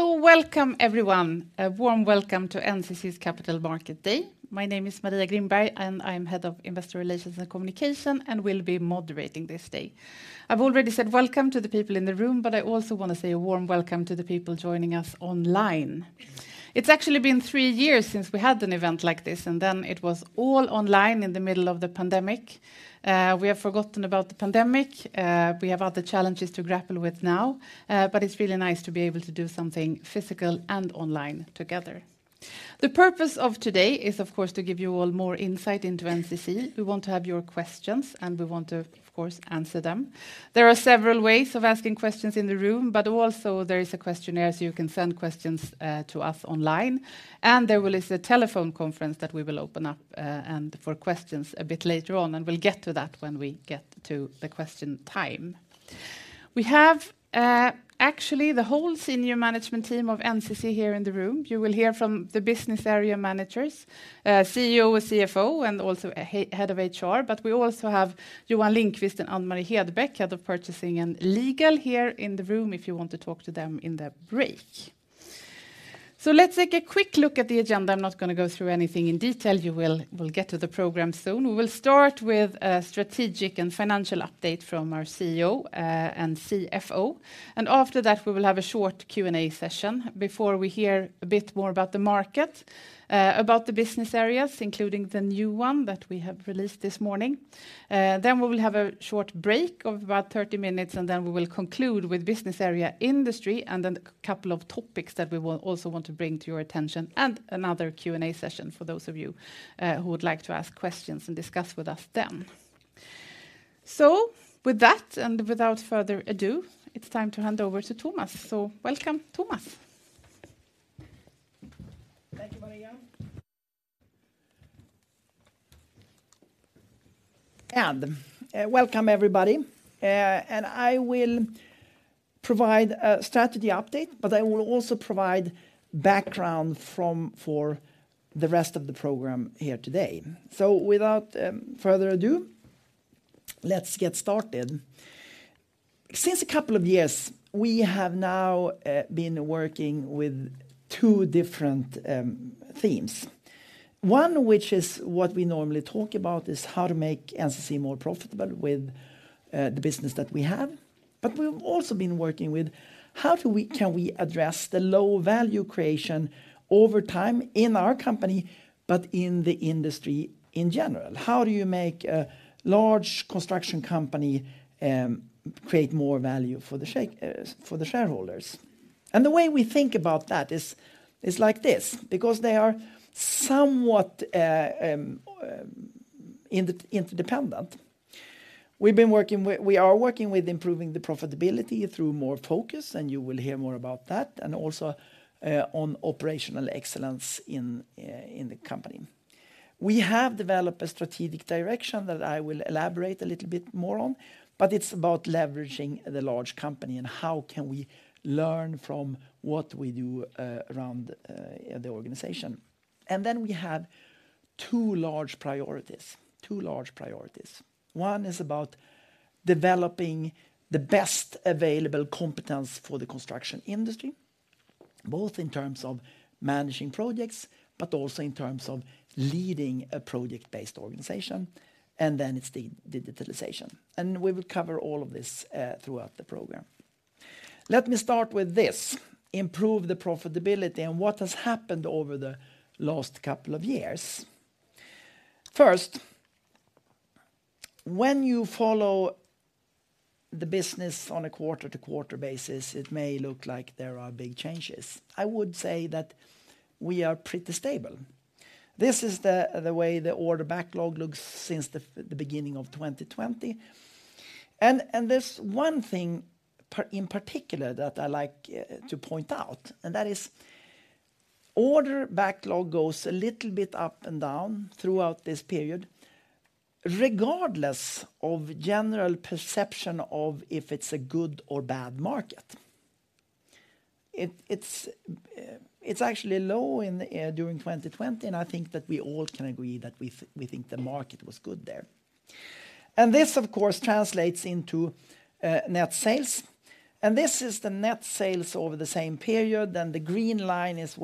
Welcome, everyone. A warm welcome to NCC's Capital Market Day. My name is Maria Grimberg, and I'm Head of Investor Relations and Communication, and will be moderating this day. I've already said welcome to the people in the room, but I also want to say a warm welcome to the people joining us online. It's actually been three years since we had an event like this, and then it was all online in the middle of the pandemic. We have forgotten about the pandemic, we have other challenges to grapple with now, but it's really nice to be able to do something physical and online together. The purpose of today is, of course, to give you all more insight into NCC. We want to have your questions, and we want to, of course, answer them. There are several ways of asking questions in the room, but also there is a questionnaire, so you can send questions to us online, and there will be a telephone conference that we will open up and for questions a bit later on, and we'll get to that when we get to the question time. We have actually the whole senior management team of NCC here in the room. You will hear from the business area managers, CEO, CFO, and also Head of HR. But we also have Johan Lindqvist and Ann-Marie Hedbeck, Head of Purchasing and Legal, here in the room, if you want to talk to them in the break. So let's take a quick look at the agenda. I'm not going to go through anything in detail. You will get to the program soon. We will start with a strategic and financial update from our CEO and CFO, and after that, we will have a short Q&A session before we hear a bit more about the market, about the business areas, including the new one that we have released this morning. Then we will have a short break of about 30 minutes, and then we will Business Area Industry, and then a couple of topics that we will also want to bring to your attention, and another Q&A session for those of you who would like to ask questions and discuss with us then. So with that, and without further ado, it's time to hand over to Tomas. So welcome, Tomas. Thank you, Maria. And welcome, everybody, and I will provide a strategy update, but I will also provide background for the rest of the program here today. So without further ado, let's get started. Since a couple of years, we have now been working with two different themes. One, which is what we normally talk about, is how to make NCC more profitable with the business that we have. But we've also been working with how can we address the low value creation over time in our company, but in the industry in general? How do you make a large construction company create more value for the shareholders? And the way we think about that is like this, because they are somewhat interdependent. We are working with improving the profitability through more focus, and you will hear more about that, and also, on operational excellence in the company. We have developed a strategic direction that I will elaborate a little bit more on, but it's about leveraging the large company and how can we learn from what we do around the organization. And then we have two large priorities, two large priorities. One is about developing the best available competence for the construction industry, both in terms of managing projects, but also in terms of leading a project-based organization, and then it's the digitalization. And we will cover all of this throughout the program. Let me start with this: improve the profitability and what has happened over the last couple of years. First, when you follow the business on a quarter-to-quarter basis, it may look like there are big changes. I would say that we are pretty stable. This is the way the order backlog looks since the beginning of 2020. And there's one thing in particular that I like to point out, and that is order backlog goes a little bit up and down throughout this period, regardless of general perception of if it's a good or bad market. It's actually low during 2020, and I think that we all can agree that we think the market was good there. This, of course, translates into net sales, and this is the net sales over the same period, and the green line is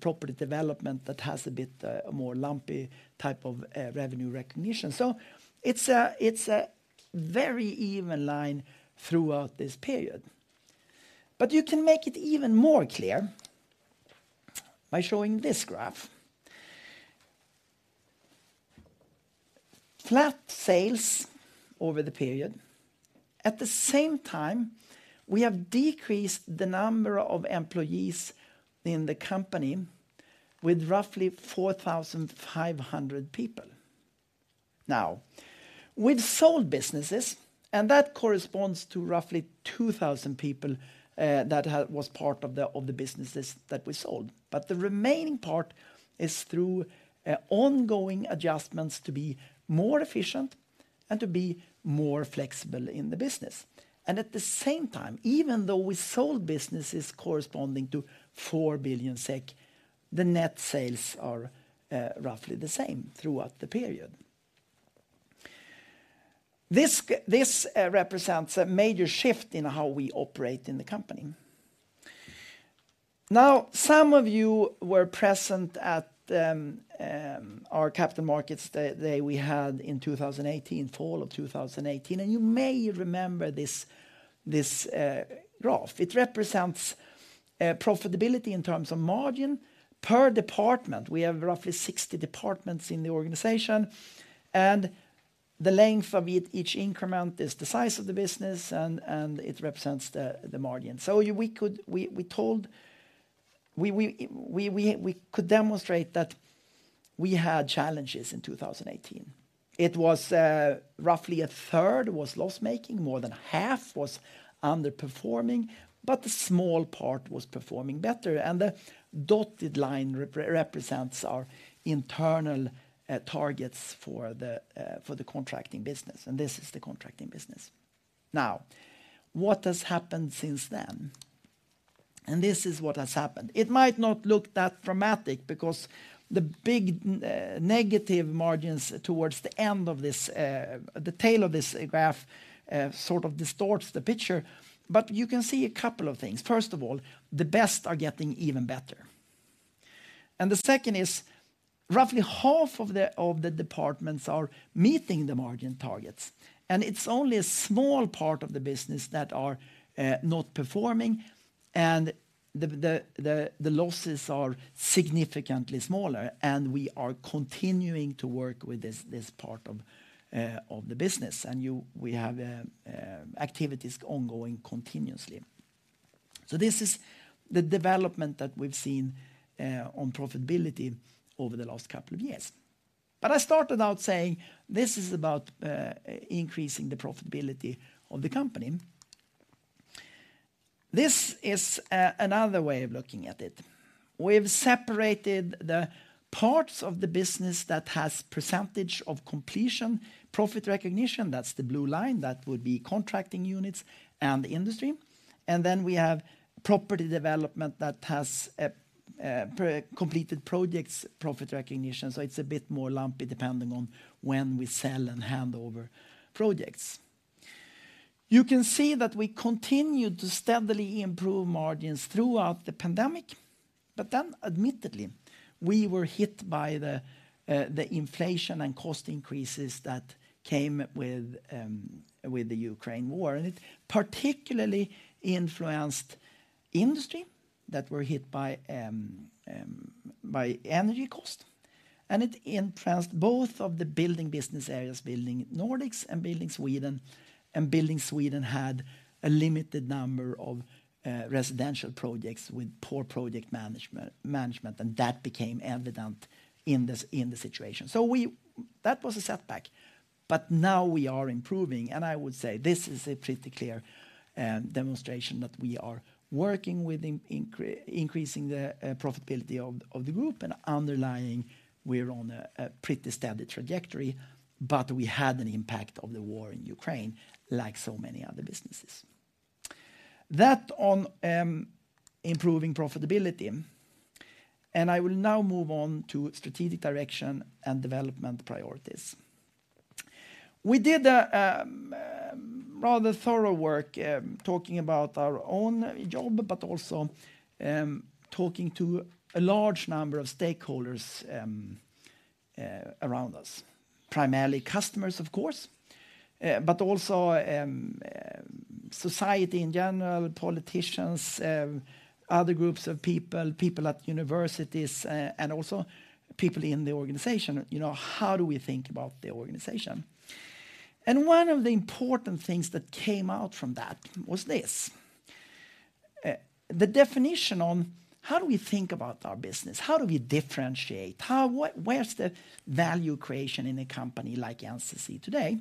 Property Development that has a bit more lumpy type of revenue recognition. So it's a very even line throughout this period. But you can make it even more clear by showing this graph. Flat sales over the period. At the same time, we have decreased the number of employees in the company with roughly 4,500 people. Now, we've sold businesses, and that corresponds to roughly 2,000 people that was part of the businesses that we sold. But the remaining part is through ongoing adjustments to be more efficient and to be more flexible in the business. At the same time, even though we sold businesses corresponding to 4 billion SEK, the net sales are roughly the same throughout the period. This represents a major shift in how we operate in the company. Now, some of you were present at our Capital Market Day we had in 2018, fall of 2018, and you may remember this graph. It represents profitability in terms of margin per department. We have roughly 60 departments in the organization, and the length of each increment is the size of the business, and it represents the margin. So we could demonstrate that we had challenges in 2018. It was roughly a third was loss-making, more than half was underperforming, but a small part was performing better, and the dotted line represents our internal targets for the contracting business, and this is the contracting business. Now, what has happened since then? This is what has happened. It might not look that dramatic because the big negative margins towards the end of the tail of this graph sort of distorts the picture, but you can see a couple of things. First of all, the best are getting even better. And the second is, roughly half of the departments are meeting the margin targets, and it's only a small part of the business that are not performing, and the losses are significantly smaller, and we are continuing to work with this part of the business, and we have activities ongoing continuously. So this is the development that we've seen on profitability over the last couple of years. But I started out saying this is about increasing the profitability of the company. This is another way of looking at it. We've separated the parts of the business that has percentage of completion, profit recognition, that's the blue line. That would be contracting units and the Industry. Property Development that has per completed projects, profit recognition, so it's a bit more lumpy, depending on when we sell and hand over projects. You can see that we continued to steadily improve margins throughout the pandemic, but then admittedly, we were hit by the inflation and cost increases that came with the Ukraine war. And it particularly influenced Industry that were hit by energy cost, and it influenced both of the building business areas, Building Nordics and Building Sweden, and Building Sweden had a limited number of residential projects with poor project management, and that became evident in this situation. So, that was a setback, but now we are improving, and I would say this is a pretty clear demonstration that we are working with increasing the profitability of the group, and underlying, we're on a pretty steady trajectory, but we had an impact of the war in Ukraine, like so many other businesses. That on improving profitability, and I will now move on to strategic direction and development priorities. We did a rather thorough work, talking about our own job, but also talking to a large number of stakeholders around us. Primarily customers, of course, but also society in general, politicians, other groups of people, people at universities, and also people in the organization. You know, how do we think about the organization? One of the important things that came out from that was this: the definition on how do we think about our business? How do we differentiate? What—Where's the value creation in a company like NCC today?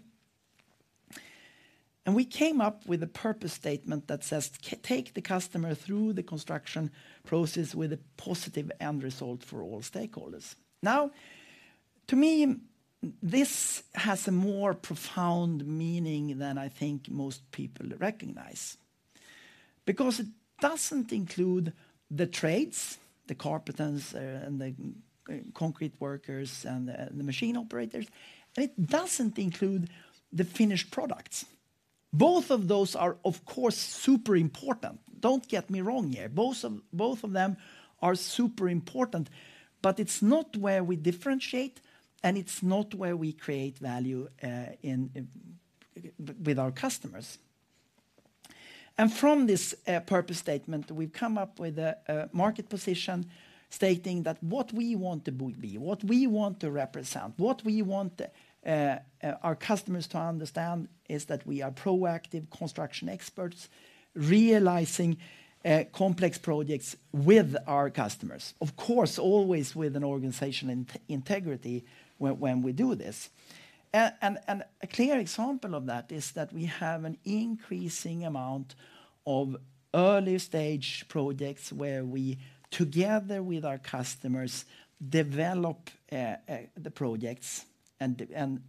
And we came up with a purpose statement that says, "Take the customer through the construction process with a positive end result for all stakeholders." Now, to me, this has a more profound meaning than I think most people recognize. Because it doesn't include the trades, the carpenters, and the concrete workers, and the machine operators, and it doesn't include the finished products. Both of those are, of course, super important. Don't get me wrong here. Both of them are super important, but it's not where we differentiate, and it's not where we create value with our customers. And from this purpose statement, we've come up with a market position stating that what we want to be, what we want to represent, what we want our customers to understand, is that we are proactive construction experts, realizing complex projects with our customers. Of course, always with an organizational integrity when we do this. And a clear example of that is that we have an increasing amount of early-stage projects, where we, together with our customers, develop the projects and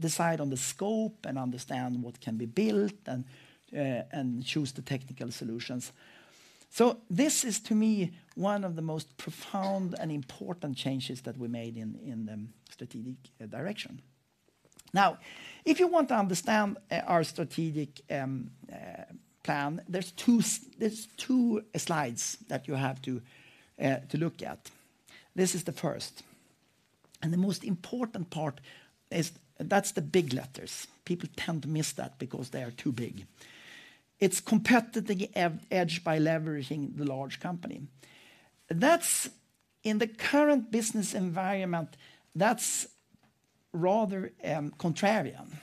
decide on the scope and understand what can be built, and choose the technical solutions. So this is, to me, one of the most profound and important changes that we made in the strategic direction. Now, if you want to understand our strategic plan, there's two slides that you have to look at. This is the first, and the most important part is... That's the big letters. People tend to miss that because they are too big. It's competitive edge by leveraging the large company. That's, in the current business environment, that's rather contrarian.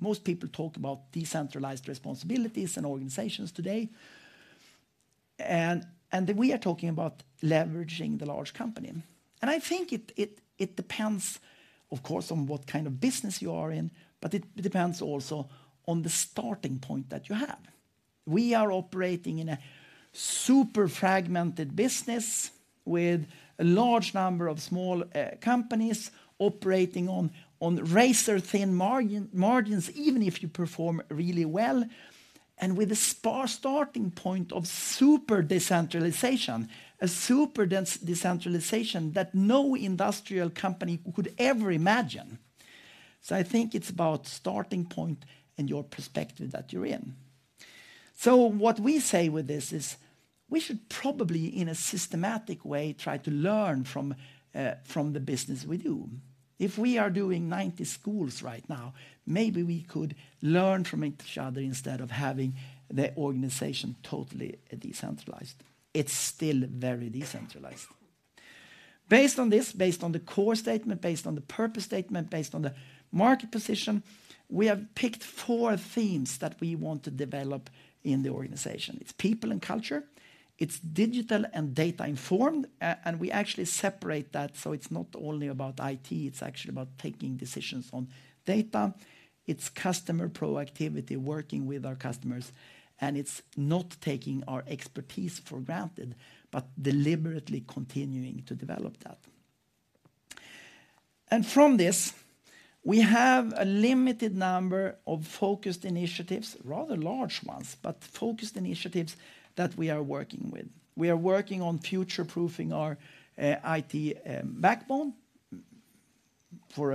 Most people talk about decentralized responsibilities and organizations today, and we are talking about leveraging the large company. And I think it depends, of course, on what kind of business you are in, but it depends also on the starting point that you have. We are operating in a super fragmented business with a large number of small companies operating on razor-thin margins, even if you perform really well, and with a from a starting point of super decentralization, a super dense decentralization that no industrial company could ever imagine. So I think it's about starting point and your perspective that you're in. So what we say with this is, we should probably, in a systematic way, try to learn from the business we do. If we are doing 90 schools right now, maybe we could learn from each other instead of having the organization totally decentralized. It's still very decentralized. Based on this, based on the core statement, based on the purpose statement, based on the market position, we have picked four themes that we want to develop in the organization. It's people and culture, it's digital and data-informed, and we actually separate that, so it's not only about IT, it's actually about taking decisions on data. It's customer proactivity, working with our customers, and it's not taking our expertise for granted, but deliberately continuing to develop that. And from this, we have a limited number of focused initiatives, rather large ones, but focused initiatives that we are working with. We are working on future-proofing our IT backbone for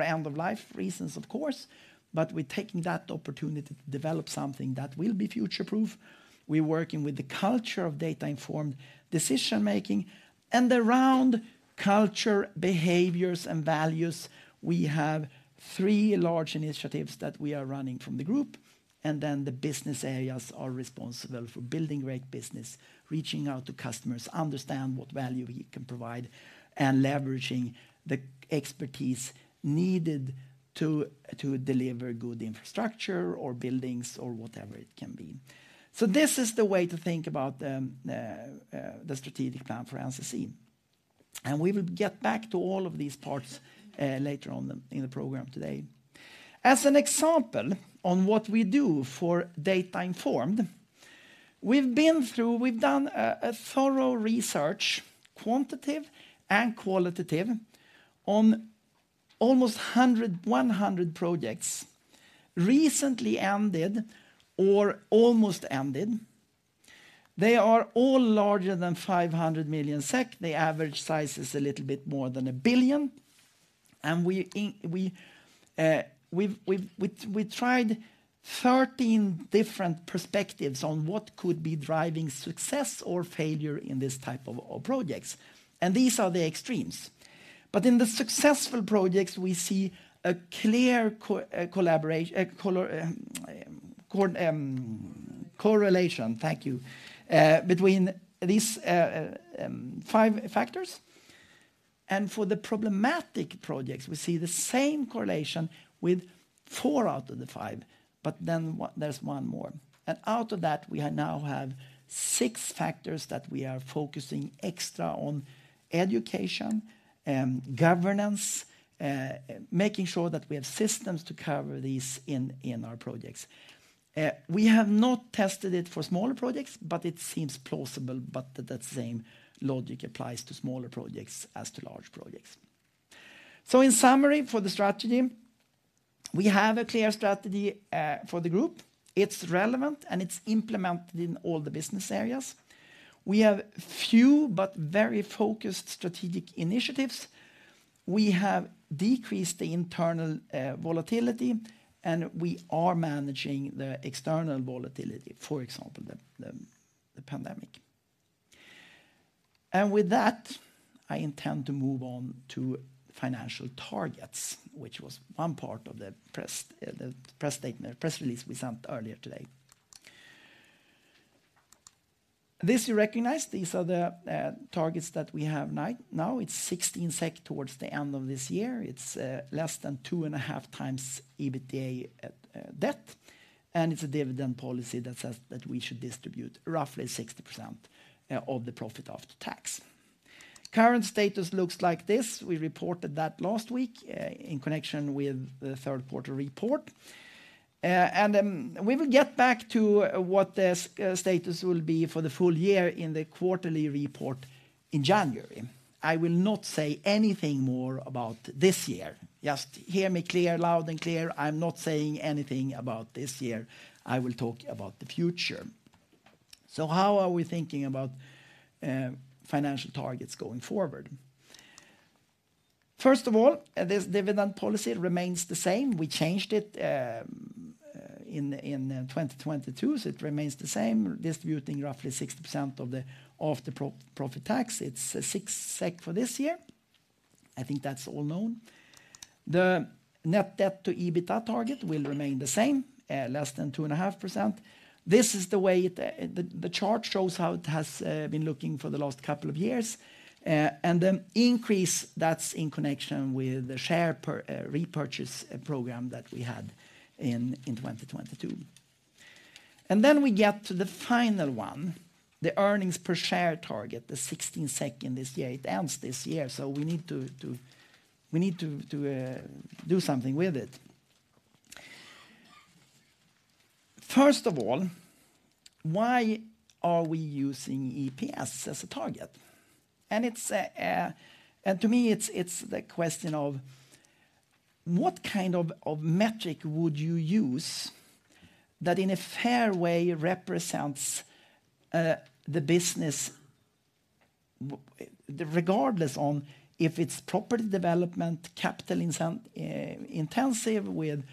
end-of-life reasons, of course, but we're taking that opportunity to develop something that will be future-proof. We're working with the culture of data-informed decision making. Around culture, behaviors, and values, we have three large initiatives that we are running from the group, and then the business areas are responsible for building great business, reaching out to customers, understand what value we can provide, and leveraging the expertise needed to deliver good Infrastructure or buildings or whatever it can be. This is the way to think about the strategic plan for NCC, and we will get back to all of these parts later on in the program today. As an example on what we do for data-informed, we've done a thorough research, quantitative and qualitative, on almost 100, 100 projects, recently ended or almost ended. They are all larger than 500 million SEK. The average size is a little bit more than 1 billion, and we in... We've tried 13 different perspectives on what could be driving success or failure in this type of projects, and these are the extremes. But in the successful projects, we see a clear correlation between these five factors. And for the problematic projects, we see the same correlation with four out of the five, but then there's one more. And out of that, we now have six factors that we are focusing extra on: education, governance, making sure that we have systems to cover these in our projects. We have not tested it for smaller projects, but it seems plausible, but that same logic applies to smaller projects as to large projects. So in summary for the strategy, we have a clear strategy for the group. It's relevant, and it's implemented in all the business areas. We have few, but very focused strategic initiatives. We have decreased the internal volatility, and we are managing the external volatility, for example, the pandemic. And with that, I intend to move on to financial targets, which was one part of the press release we sent earlier today. This you recognize. These are the targets that we have now. It's 16 SEK towards the end of this year. It's less than 2.5 times Net debt to EBITDA, and it's a dividend policy that says that we should distribute roughly 60% of the profit after tax. Current status looks like this. We reported that last week in connection with the third quarter report. We will get back to what this status will be for the full year in the quarterly report in January. I will not say anything more about this year. Just hear me clear, loud and clear, I'm not saying anything about this year. I will talk about the future. So how are we thinking about financial targets going forward? First of all, this dividend policy remains the same. We changed it in 2022, so it remains the same, distributing roughly 60% of the profit after tax. It's 16 SEK for this year. I think that's all known. The net debt to EBITDA target will remain the same, less than 2.5%. This is the way the chart shows how it has been looking for the last couple of years. And the increase, that's in connection with the share repurchase program that we had in 2022. And then we get to the final one, the earnings per share target, the 16 SEK this year. It ends this year, so we need to do something with it. First of all, why are we using EPS as a target? And to me, it's the question of what kind of metric would you use that in a fair way represents the business Property Development, capital intensive with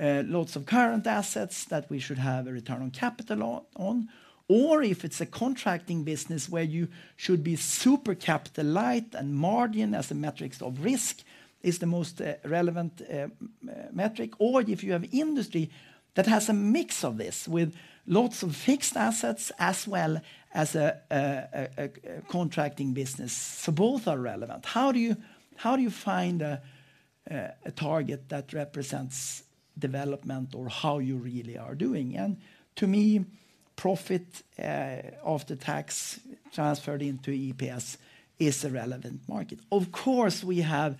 lots of current assets, that we should have a return on capital on, or if it's a contracting business where you should be super capital light and margin as a metric of risk is the most relevant metric, or if you have Industry that has a mix of this, with lots of fixed assets as well as a contracting business. So both are relevant. How do you find a target that represents development or how you really are doing? And to me, profit after tax transferred into EPS is a relevant metric. Of course, we have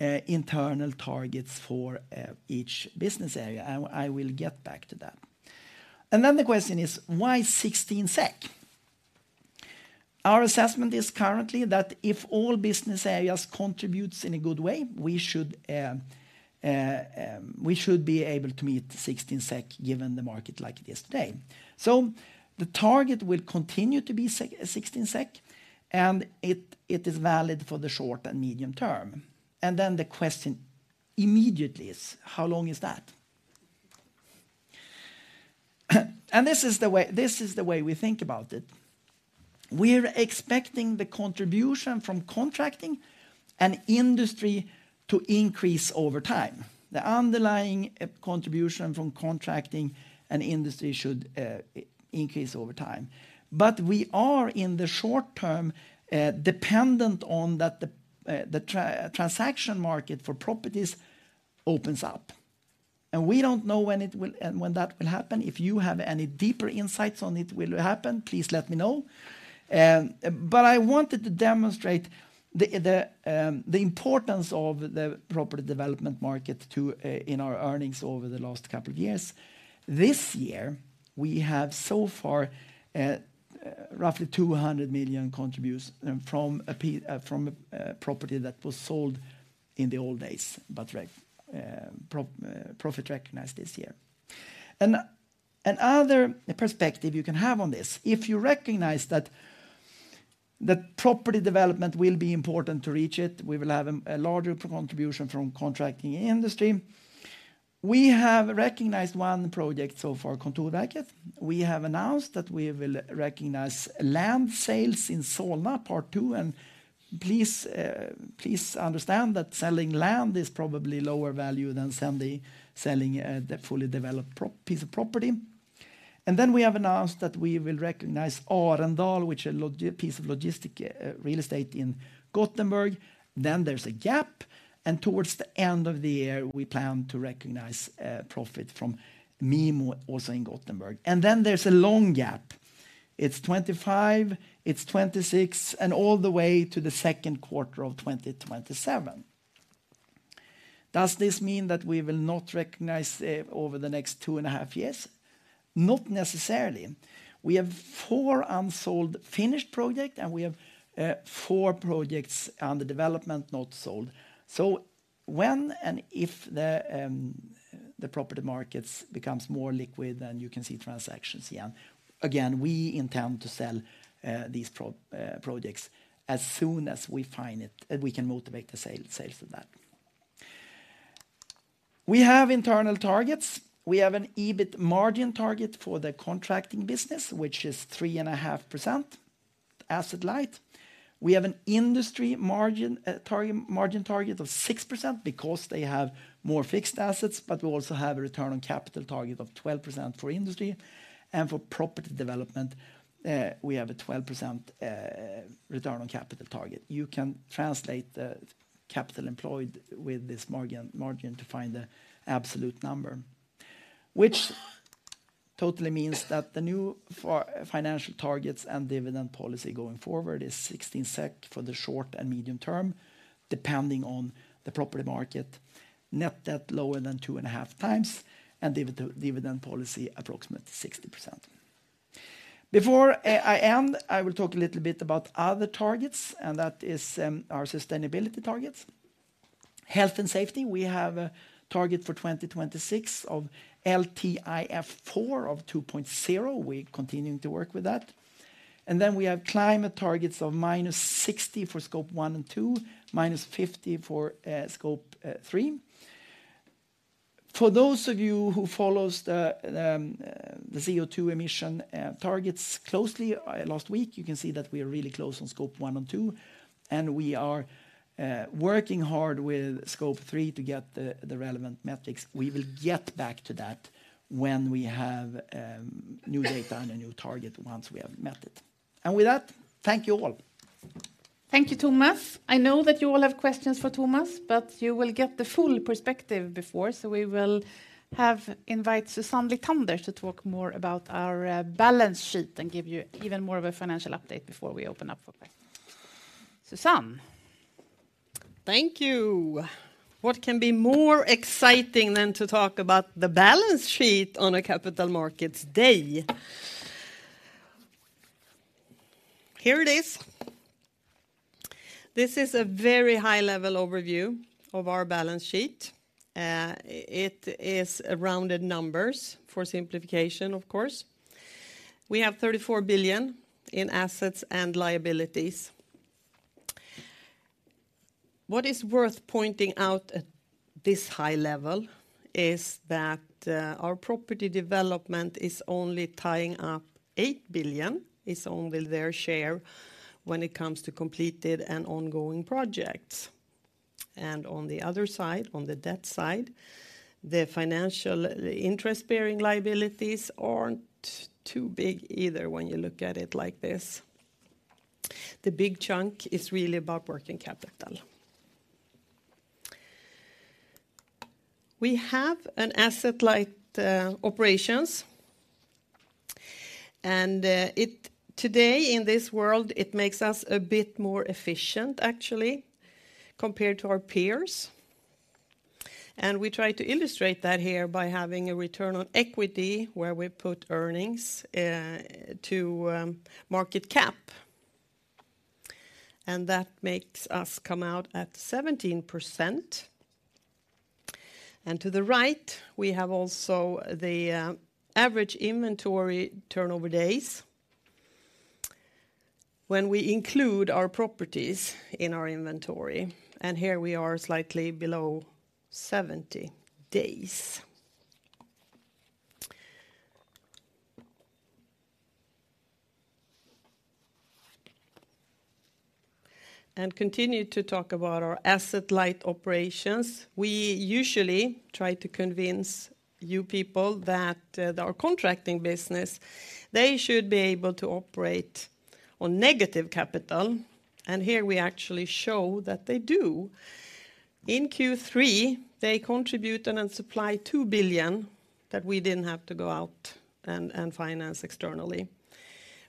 internal targets for each business area, and I will get back to that. And then the question is: Why 16 SEK? Our assessment is currently that if all business areas contributes in a good way, we should be able to meet the 16 SEK, given the market like it is today. So the target will continue to be 16 SEK, and it is valid for the short and medium term. And then the question immediately is: How long is that? And this is the way, this is the way we think about it. We're expecting the contribution from contracting and Industry to increase over time. The underlying contribution from contracting and Industry should increase over time. But we are, in the short term, dependent on that the transaction market for properties opens up, and we don't know when it will... when that will happen. If you have any deeper insights on it will happen, please let me know. But I wanted to demonstrate Property Development market to in our earnings over the last couple of years. This year, we have so far roughly 200 million contributes from a property that was sold in the old days, but profit recognized this year. And, another perspective you can have on this, if Property Development will be important to reach it, we will have a larger contribution from contracting Industry. We have recognized one project so far, Kontorsverket. We have announced that we will recognize land sales in Solna, part two, and please, please understand that selling land is probably lower value than selling a fully developed piece of property. Then we have announced that we will recognize Arendal, which is a logistics piece of real estate in Gothenburg. Then there's a gap, and towards the end of the year, we plan to recognize profit from Mimo, also in Gothenburg. And then there's a long gap. It's 25, it's 26, and all the way to the second quarter of 2027. Does this mean that we will not recognize over the next two and a half years? Not necessarily. We have four unsold finished project, and we have four projects under development, not sold. So when and if the, the property markets becomes more liquid, then you can see transactions again. Again, we intend to sell these projects as soon as we find it, and we can motivate the sale, sales of that. We have internal targets. We have an EBIT margin target for the contracting business, which is 3.5%, asset light. We have an Industry margin target, margin target of 6% because they have more fixed assets, but we also have a return on capital target of 12% Property Development, we have a 12% return on capital target. You can translate the capital employed with this margin to find the absolute number, which totally means that the new financial targets and dividend policy going forward is 16% for the short and medium term, depending on the property market, net debt lower than 2.5 times, and dividend policy, approximately 60%. Before I end, I will talk a little bit about other targets, and that is our sustainability targets. Health and safety, we have a target for 2026 of LTIF4 of 2.0. We're continuing to work with that. And then we have climate targets of -60% for Scope 1 and 2, -50% for Scope 3. For those of you who follows the CO2 emission targets closely, last week, you can see that we are really close on scope 1 and 2, and we are working hard with scope 3 to get the relevant metrics. We will get back to that when we have new data and a new target once we have met it. And with that, thank you all. Thank you, Tomas. I know that you all have questions for Tomas, but you will get the full perspective before. So we will invite Susanne Lithander to talk more about our balance sheet and give you even more of a financial update before we open up for questions. Susanne? Thank you. What can be more exciting than to talk about the balance sheet on a Capital Markets Day? Here it is. This is a very high-level overview of our balance sheet. It is rounded numbers for simplification, of course. We have 34 billion in assets and liabilities. What is worth pointing out at this high Property Development is only tying up sek 8 billion, is only their share when it comes to completed and ongoing projects. And on the other side, on the debt side, the financial, the interest-bearing liabilities aren't too big either when you look at it like this. The big chunk is really about working capital. We have an asset-light operations, and today, in this world, it makes us a bit more efficient, actually, compared to our peers. We try to illustrate that here by having a return on equity where we put earnings to market cap, and that makes us come out at 17%. To the right, we have also the average inventory turnover days when we include our properties in our inventory, and here we are slightly below 70 days. And continue to talk about our asset-light operations, we usually try to convince you people that our contracting business should be able to operate on negative capital, and here we actually show that they do. In Q3, they contributed and supplied 2 billion that we didn't have to go out and finance externally.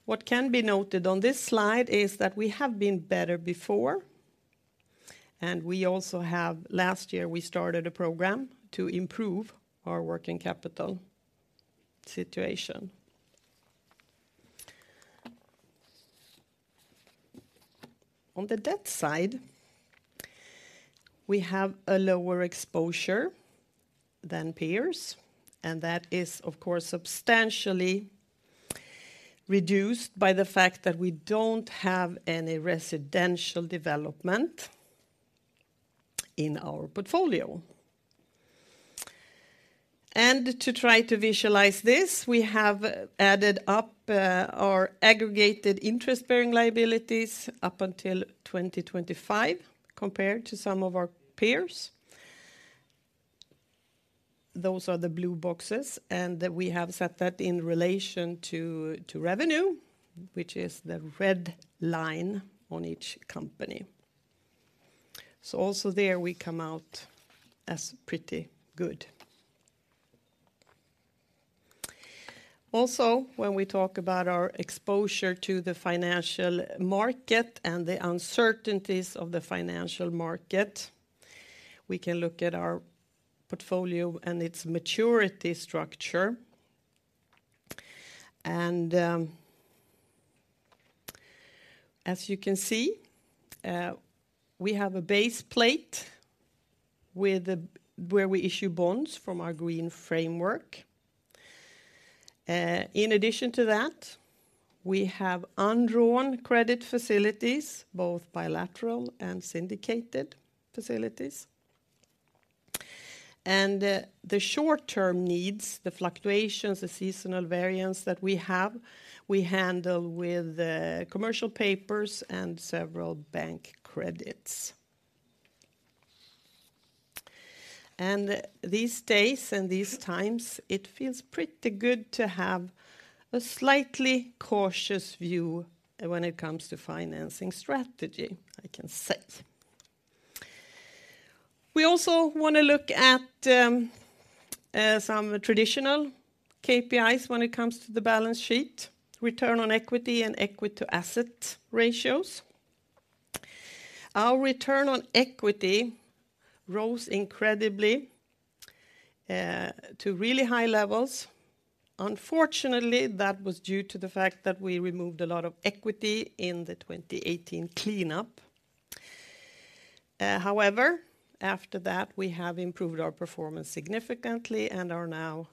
What can be noted on this slide is that we have been better before, and we also have last year, we started a program to improve our working capital situation. On the debt side, we have a lower exposure than peers, and that is, of course, substantially reduced by the fact that we don't have any residential development in our portfolio. To try to visualize this, we have added up, our aggregated interest-bearing liabilities up until 2025, compared to some of our peers. Those are the blue boxes, and we have set that in relation to, to revenue, which is the red line on each company. So also there, we come out as pretty good. Also, when we talk about our exposure to the financial market and the uncertainties of the financial market, we can look at our portfolio and its maturity structure. And, as you can see, we have a base plate with the, where we issue bonds from our Green Framework. In addition to that, we have undrawn credit facilities, both bilateral and syndicated facilities. The short-term needs, the fluctuations, the seasonal variants that we have, we handle with commercial papers and several bank credits. These days and these times, it feels pretty good to have a slightly cautious view when it comes to financing strategy, I can say. We also want to look at some traditional KPIs when it comes to the balance sheet, return on equity and equity-to-asset ratios. Our return on equity rose to really high levels. Unfortunately, that was due to the fact that we removed a lot of equity in the 2018 cleanup. However, after that, we have improved our performance significantly and are now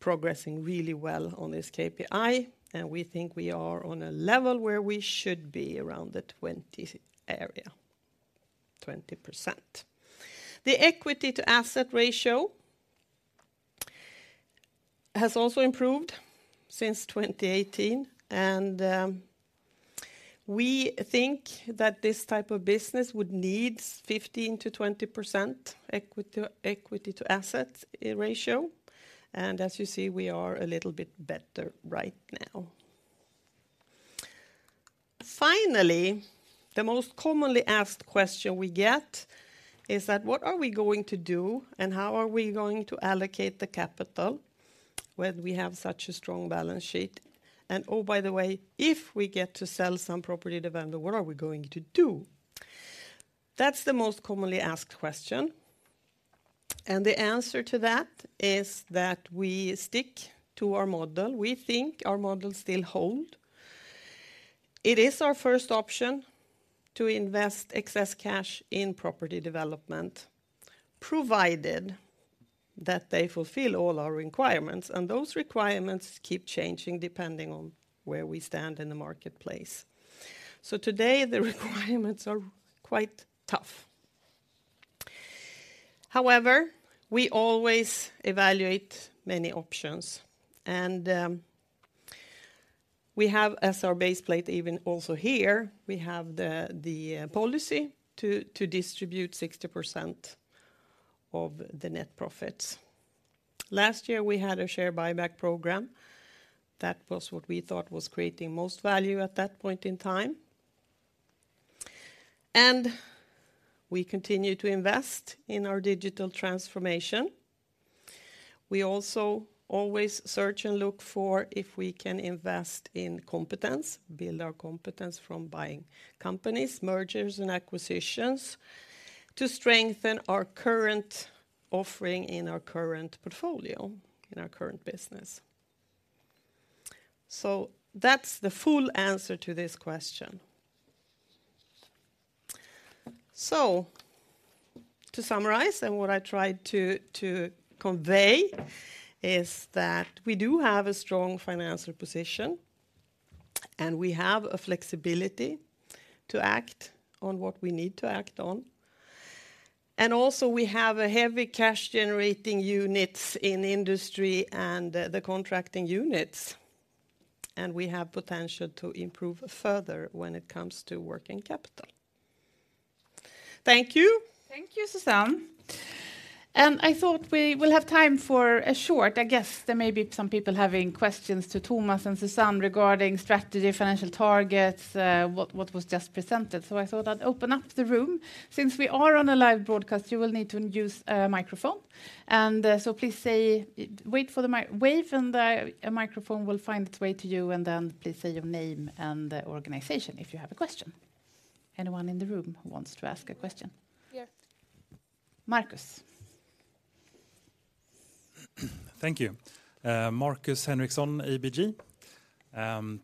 progressing really well on this KPI, and we think we are on a level where we should be, around the 20 area, 20%. The Equity to Asset Ratio has also improved since 2018, and we think that this type of business would need 15%-20% equity to asset ratio, and as you see, we are a little bit better right now. Finally, the most commonly asked question we get is that, "What are we going to do, and how are we going to allocate the capital when we have such a strong balance sheet? And oh, by the way, if we Property Development, what are we going to do?" That's the most commonly asked question, and the answer to that is that we stick to our model. We think our model still holds. It is our first option to Property Development, provided that they fulfill all our requirements, and those requirements keep changing depending on where we stand in the marketplace. So today, the requirements are quite tough. However, we always evaluate many options, and we have as our baseline, even also here, we have the policy to distribute 60% of the net profits. Last year, we had a share buyback program. That was what we thought was creating most value at that point in time. And we continue to invest in our digital transformation. We also always search and look for if we can invest in competence, build our competence from buying companies, mergers, and acquisitions, to strengthen our current offering in our current portfolio, in our current business. So that's the full answer to this question. So to summarize, and what I tried to convey, is that we do have a strong financial position, and we have a flexibility to act on what we need to act on. And also, we have a heavy cash-generating units in Industry and the contracting units, and we have potential to improve further when it comes to working capital. Thank you. Thank you, Susanne. And I thought we will have time for a short. I guess there may be some people having questions to Tomas and Susanne regarding strategy, financial targets, what was just presented, so I thought I'd open up the room. Since we are on a live broadcast, you will need to use a microphone, and so please say. Wait for the mic wave, and the microphone will find its way to you, and then please say your name and the organization if you have a question. Anyone in the room who wants to ask a question? Here. Marcus. Thank you. Marcus Henriksson, ABG.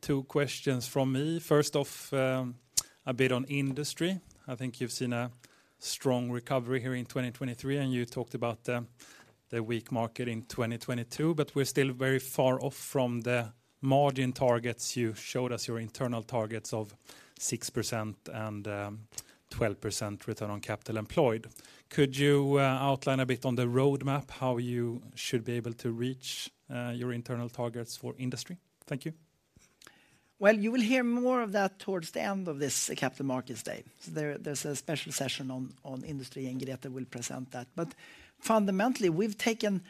Two questions from me. First off, a bit on Industry. I think you've seen a strong recovery here in 2023, and you talked about the weak market in 2022, but we're still very far off from the margin targets. You showed us your internal targets of 6% and 12% return on capital employed. Could you outline a bit on the roadmap, how you should be able to reach your internal targets for Industry? Thank you. Well, you will hear more of that towards the end of this Capital Markets Day. There, there's a special session on Industry, and Grete will present that. But fundamentally, we've taken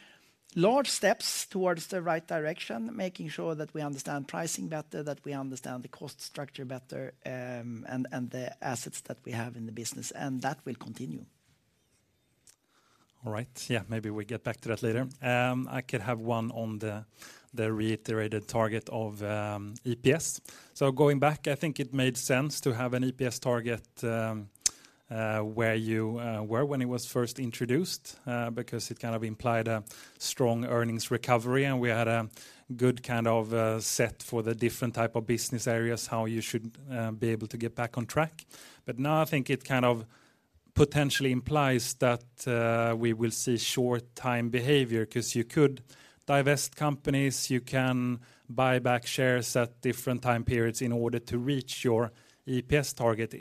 large steps towards the right direction, making sure that we understand pricing better, that we understand the cost structure better, and the assets that we have in the business, and that will continue. All right. Yeah, maybe we'll get back to that later. I could have one on the, the reiterated target of EPS. So going back, I think it made sense to have an EPS target, where you were when it was first introduced, because it kind of implied a strong earnings recovery, and we had a good kind of set for the different type of business areas, how you should be able to get back on track. But now, I think it kind of potentially implies that we will see short time behavior, 'cause you could divest companies, you can buy back shares at different time periods in order to reach your EPS target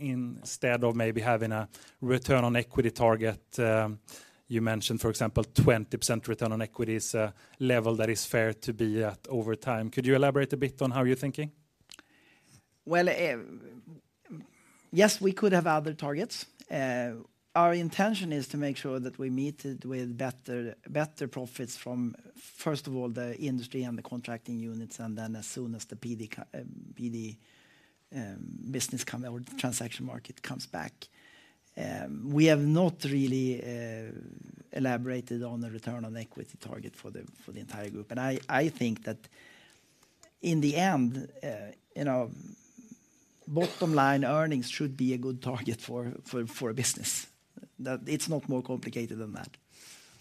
instead of maybe having a return on equity target. You mentioned, for example, 20% Return on Equity is a level that is fair to be at over time. Could you elaborate a bit on how you're thinking? Well, yes, we could have other targets. Our intention is to make sure that we meet it with better, better profits from, first of all, the Industry and the contracting units, and then as soon as the PD, PD, business come or the transaction market comes back. We have not really elaborated on the return on equity target for the, for the entire group. And I, I think that in the end, you know- ... bottom line earnings should be a good target for a business. That it's not more complicated than that.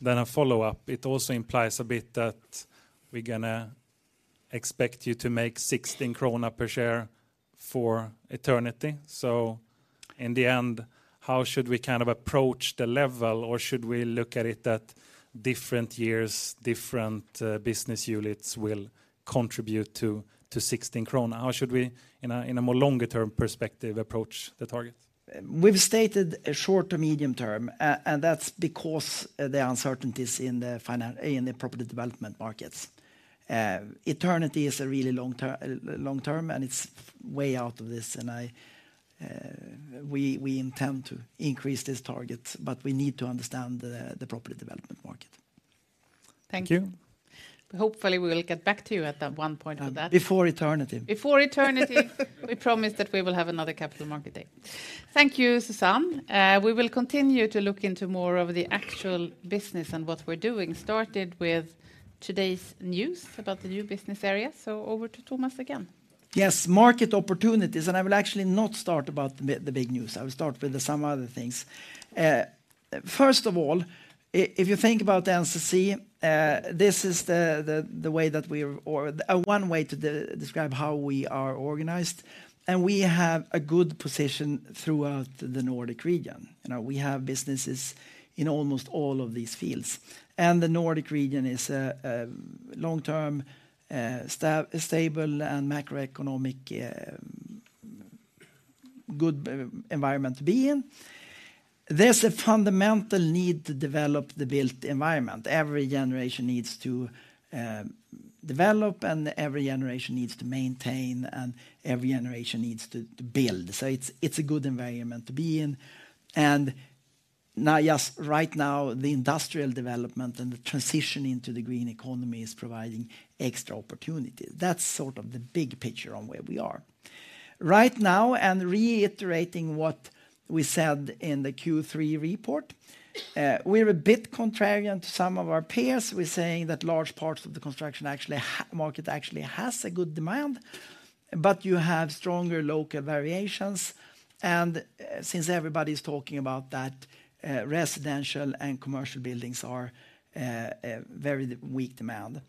Then a follow-up. It also implies a bit that we're gonna expect you to make 16 krona per share for eternity. So in the end, how should we kind of approach the level, or should we look at it that different years, different, business units will contribute to, to 16 krona? How should we, in a, in a more longer term perspective, approach the target? We've stated a short- to medium-term, and that's because Property Development markets. eternity is a really long term, and it's way out of this, and we intend to increase this target, but we need to understand Property Development market. Thank you. Hopefully, we will get back to you at that one point on that. Before eternity. Before eternity, we promise that we will have another capital market day. Thank you, Susanne. We will continue to look into more of the actual business and what we're doing, started with today's news about the new business area. So over to Tomas again. Yes, market opportunities, and I will actually not start about the b- the big news. I will start with some other things. First of all, if you think about NCC, this is the way that we are-- or one way to describe how we are organized, and we have a good position throughout the Nordic region. You know, we have businesses in almost all of these fields. And the Nordic region is a long-term stable, and macroeconomic good environment to be in. There's a fundamental need to develop the built environment. Every generation needs to develop, and every generation needs to maintain, and every generation needs to build. So it's a good environment to be in. And now, just right now, the industrial development and the transition into the green economy is providing extra opportunity. That's sort of the big picture on where we are. Right now, and reiterating what we said in the Q3 report, we're a bit contrarian to some of our peers. We're saying that large parts of the construction market actually has a good demand, but you have stronger local variations. Since everybody's talking about that, residential and commercial buildings are a very weak demand.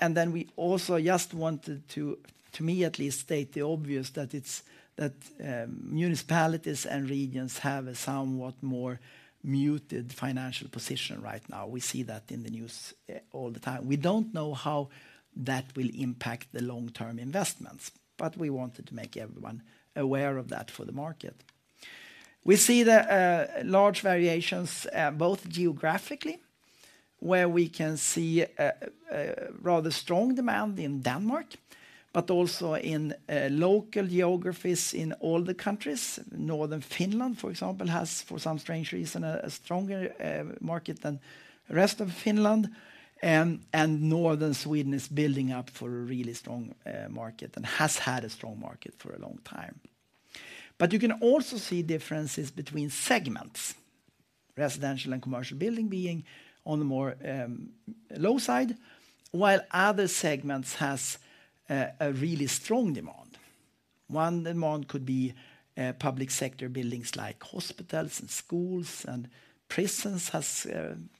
And then we also just wanted to, to me at least, state the obvious, that municipalities and regions have a somewhat more muted financial position right now. We see that in the news all the time. We don't know how that will impact the long-term investments, but we wanted to make everyone aware of that for the market. We see the large variations both geographically, where we can see a rather strong demand in Denmark, but also in local geographies in all the countries. Northern Finland, for example, has, for some strange reason, a stronger market than the rest of Finland, and Northern Sweden is building up for a really strong market and has had a strong market for a long time. But you can also see differences between segments. Residential and commercial building being on the more low side, while other segments has a really strong demand. One demand could be public sector buildings, like hospitals and schools, and prisons has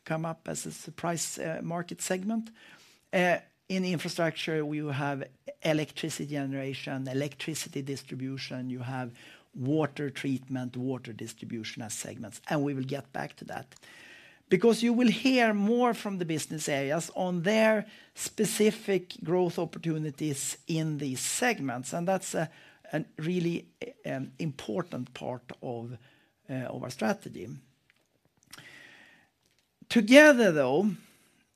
come up as a surprise market segment. In Infrastructure, we will have electricity generation, electricity distribution, you have water treatment, water distribution as segments, and we will get back to that. Because you will hear more from the business areas on their specific growth opportunities in these segments, and that's a really important part of our strategy. Together, though,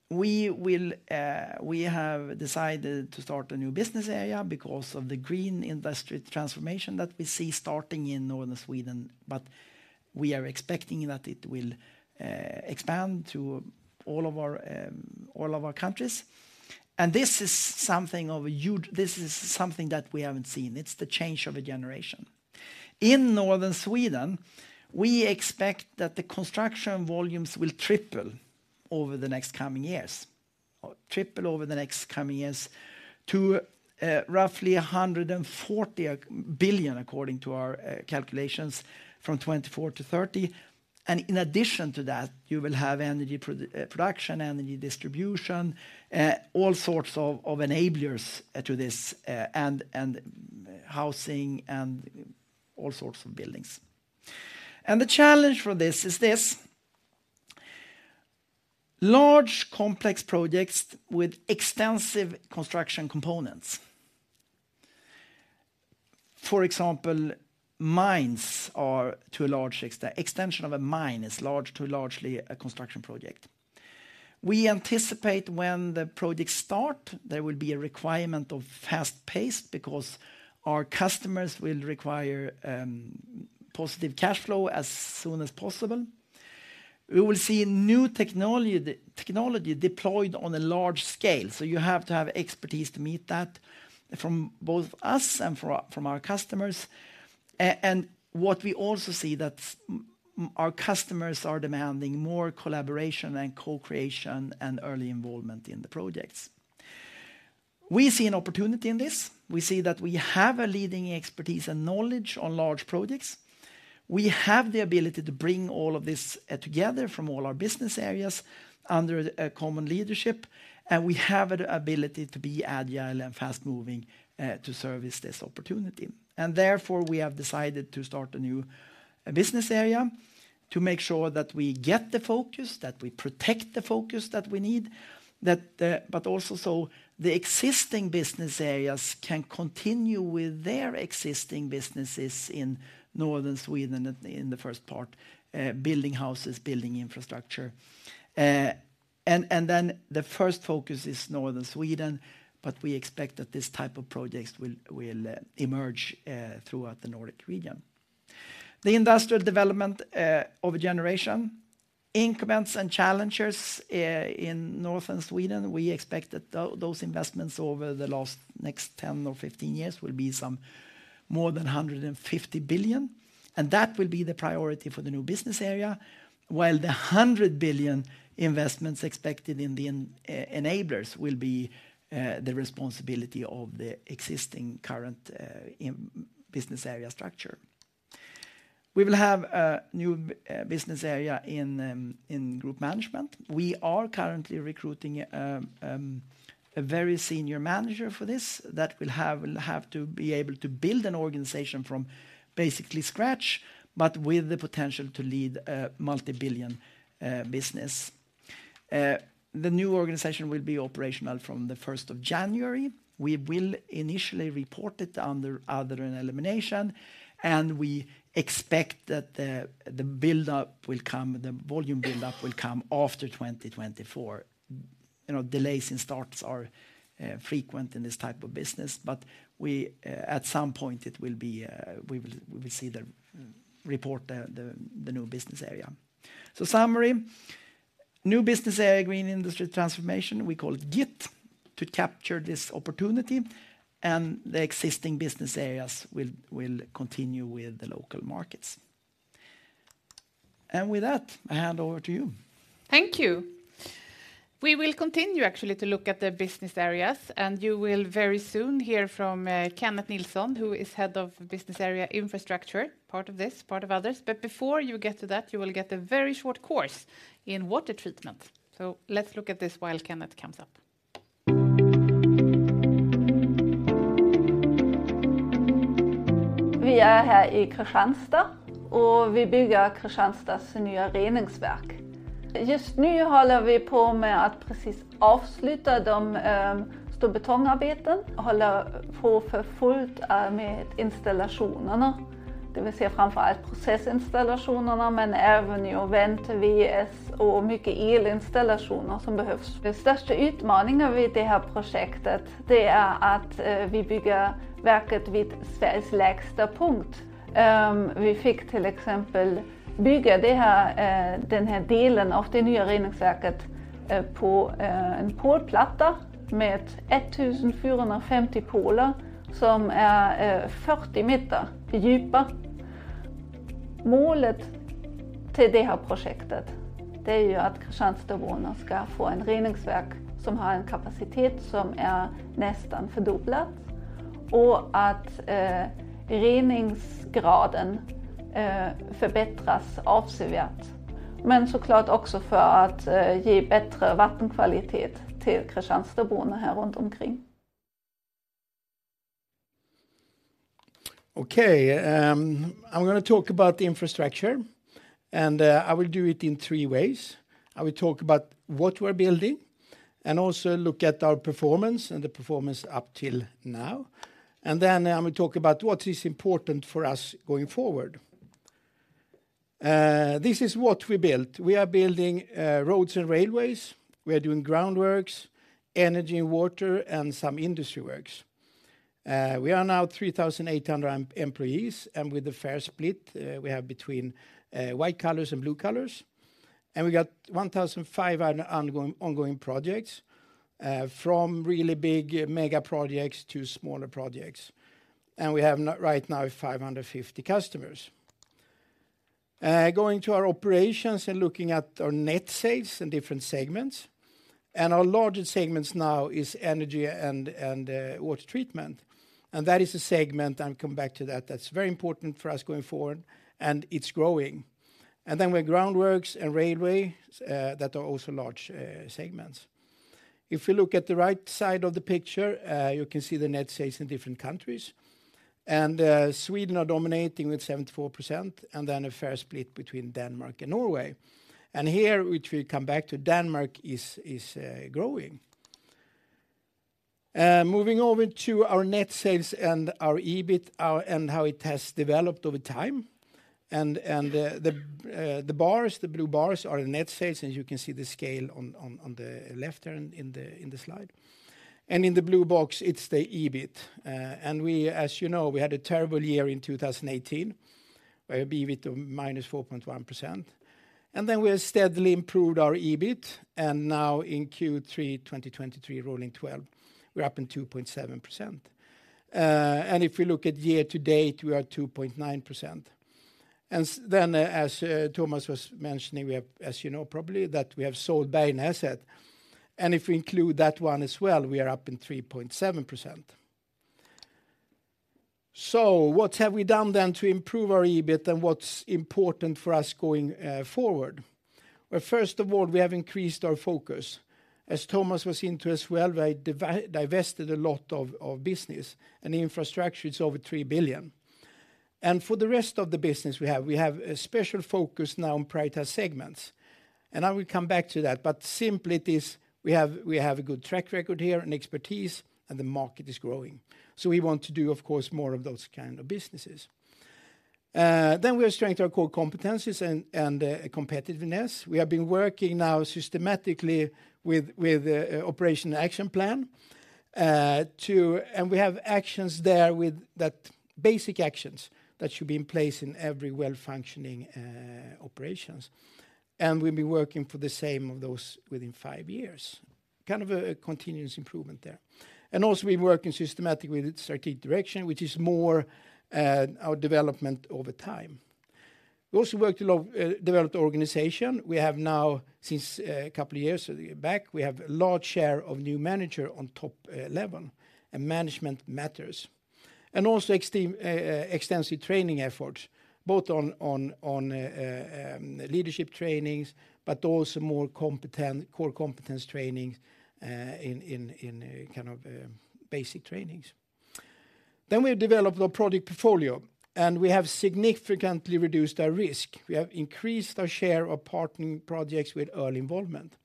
we will, we have decided to start a new business area because of the Green Industry Transformation that we see starting in Northern Sweden, but we are expecting that it will expand to all of our countries. This is something of a huge, this is something that we haven't seen. It's the change of a generation. In Northern Sweden, we expect that the construction volumes will triple over the next coming years. Triple over the next coming years to roughly 140 billion, according to our calculations, from 2024 to 2030. And in addition to that, you will have energy production, energy distribution, all sorts of enablers to this, and housing and all sorts of buildings. The challenge for this is this: large complex projects with extensive construction components. For example, mines are to a large extent extension of a mine is largely a construction project. We anticipate when the projects start, there will be a requirement of fast pace because our customers will require positive cash flow as soon as possible. We will see new technology deployed on a large scale, so you have to have expertise to meet that from both us and from our customers. What we also see that our customers are demanding more collaboration and co-creation, and early involvement in the projects. We see an opportunity in this. We see that we have a leading expertise and knowledge on large projects. We have the ability to bring all of this together from all our business areas under a common leadership, and we have the ability to be agile and fast-moving to service this opportunity. And therefore, we have decided to start a new business area to make sure that we get the focus, that we protect the focus that we need, but also so the existing business areas can continue with their existing businesses in Northern Sweden, in the first part, building houses, building Infrastructure. And then the first focus is Northern Sweden, but we expect that this type of projects will emerge throughout the Nordic region. The industrial development of a generation, increments, and challenges in Northern Sweden, we expect that those investments over the last next 10 or 15 years will be some more than 150 billion, and that will be the priority for the new business area. While the 100 billion investments expected in the enablers will be the responsibility of the existing current business area structure. We will have a new business area in group management. We are currently recruiting a very senior manager for this that will have, will have to be able to build an organization from basically scratch, but with the potential to lead a multibillion business. The new organization will be operational from the first of January. We will initially report it under other and elimination, and we expect that the build-up will come, the volume build-up will come after 2024. You know, delays and starts are frequent in this type of business, but at some point, it will be, we will see the report, the new business area. So summary, new business area, Green Industry Transformation, we call it GIT, to capture this opportunity, and the existing business areas will continue with the local markets. And with that, I hand over to you. Thank you. We will continue, actually, to look at the business areas, and you will very soon hear from Kenneth Nilsson, who is Head of Business Area Infrastructure, part of this, part of others. But before you get to that, you will get a very short course in water treatment. Let's look at this while Kenneth comes up. We are here in Kristianstad, and we are building Kristianstad's new water treatment plant. Right now, we are in the process of completing the large concrete works and are continuing full steam ahead with the installations. That is, primarily the process installations, but also new vent, VS, and a lot of electrical installations that are needed. The biggest challenge with this project is that we are building the plant at Sweden's lowest point. For example, we had to build this part of the new water treatment plant on a pile foundation with 1,450 piles that are 40 meters deep. The goal of this project is for the Kristianstad residents to have a water treatment plant that has a capacity that is almost doubled, and that the degree of treatment is significantly improved. Of course, also to provide better water quality for the Kristianstad residents here around. Okay, I'm going to talk about the Infrastructure, and I will do it in three ways. I will talk about what we're building, and also look at our performance and the performance up till now. And then I'm going to talk about what is important for us going forward. This is what we built. We are building roads and railways. We are doing groundworks, energy and water, and some Industry works. We are now 3,800 employees, and with a fair split, we have between white collars and blue collars. And we got 1,500 ongoing projects, from really big mega projects to smaller projects. And we have right now, 550 customers. Going to our operations and looking at our net sales in different segments, and our largest segments now is energy and water treatment, and that is a segment, I'll come back to that, that's very important for us going forward, and it's growing. Then we have groundworks and railway that are also large segments. If you look at the right side of the picture, you can see the net sales in different countries, and Sweden are dominating with 74%, and then a fair split between Denmark and Norway. Here, which we'll come back to, Denmark is growing. Moving over to our net sales and our EBIT and how it has developed over time. The bars, the blue bars, are the net sales, and you can see the scale on the left here in the slide. In the blue box, it's the EBIT. We, as you know, we had a terrible year in 2018. We have EBIT of -4.1%, and then we have steadily improved our EBIT. And now in Q3 2023, rolling 12, we're up in 2.7%. And if you look at year to date, we are 2.9%. And then, as Tomas was mentioning, we have, as you know, probably, that we have sold Bergnäset, and if we include that one as well, we are up in 3.7%. So what have we done then to improve our EBIT, and what's important for us going forward? Well, first of all, we have increased our focus. As Tomas was into as well, they divested a lot of Building and Infrastructure. It's over 3 billion. For the rest of the business we have a special focus now on prioritized segments, and I will come back to that. But simply, it is we have a good track record here and expertise, and the market is growing. So we want to do, of course, more of those kind of businesses. Then we are strengthening our core competencies and competitiveness. We have been working now systematically with operational action plan. And we have actions there with that basic actions that should be in place in every well-functioning operations. And we've been working for the same of those within five years. Kind of a continuous improvement there. And also, we're working systematically with strategic direction, which is more our development over time. We also worked a lot developed organization. We have now, since a couple of years back, we have a large share of new manager on top level and management matters. And also extensive training efforts, both on leadership trainings, but also more competent core competence trainings in kind of basic trainings. Then we developed our product portfolio, and we have significantly reduced our risk. We have increased our share of partnering projects with early involvement.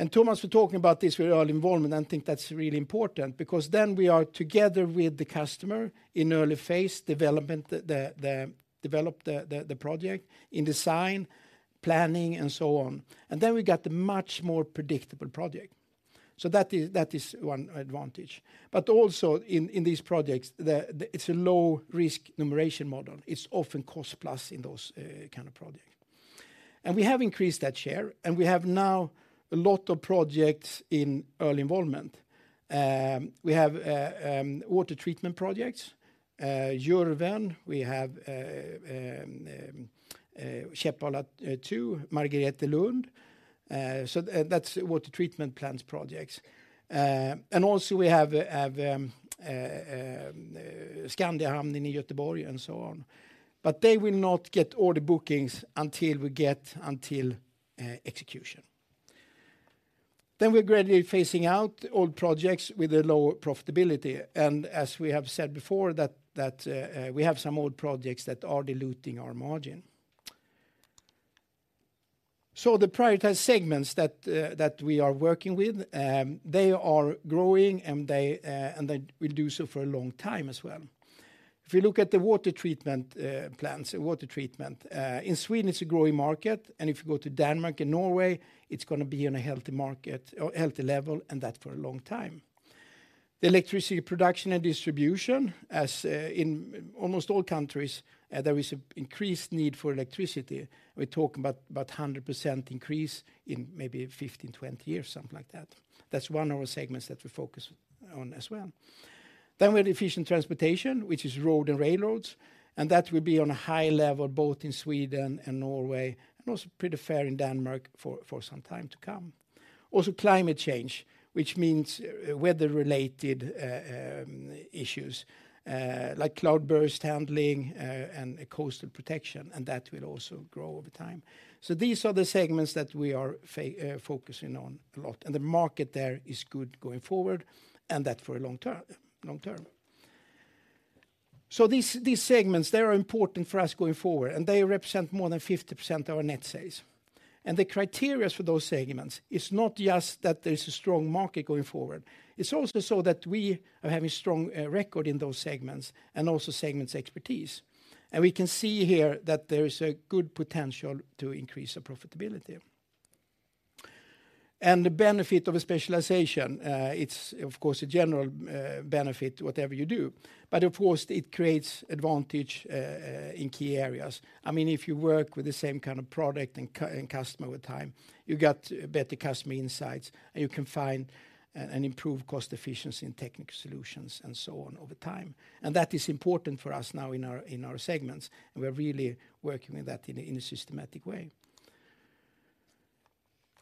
And Tomas, we're talking about this with early involvement, and I think that's really important because then we are together with the customer in early phase development, the project, in design, planning, and so on. And then we got a much more predictable project. So that is one advantage. But also in these projects, the it's a low-risk remuneration model. It's often cost-plus in those kind of projects. And we have increased that share, and we have now a lot of projects in early involvement. We have water treatment projects, Görväln, we have Käppala 2, Margretelund. So that's water treatment plants projects. And also we have Skandiahamnen, Gothenburg, and so on. But they will not get all the bookings until we get until execution. Then we're gradually phasing out old projects with a lower profitability, and as we have said before, that, that we have some old projects that are diluting our margin. So the prioritized segments that, that we are working with, they are growing, and they and they will do so for a long time as well. If you look at the water treatment plants, water treatment in Sweden, it's a growing market, and if you go to Denmark and Norway, it's going to be in a healthy market or healthy level, and that for a long time. The electricity production and distribution, as in almost all countries, there is an increased need for electricity. We're talking about, about 100% increase in maybe 15, 20 years, something like that. That's one of our segments that we focus on as well. Then we have efficient transportation, which is road and railroads, and that will be on a high level, both in Sweden and Norway, and also pretty fair in Denmark for some time to come. Also, climate change, which means weather-related issues like cloud burst handling and coastal protection, and that will also grow over time. So these are the segments that we are focusing on a lot, and the market there is good going forward, and that for a long term, long term. So these, these segments, they are important for us going forward, and they represent more than 50% of our net sales. And the criteria for those segments is not just that there is a strong market going forward, it's also so that we are having strong record in those segments and also segments expertise. And we can see here that there is a good potential to increase the profitability. And the benefit of a specialization, it's of course, a general benefit, whatever you do, but of course, it creates advantage in key areas. I mean, if you work with the same kind of product and customer over time, you get better customer insights, and you can find and improve cost efficiency in technical solutions and so on over time. And that is important for us now in our segments, and we're really working with that in a systematic way.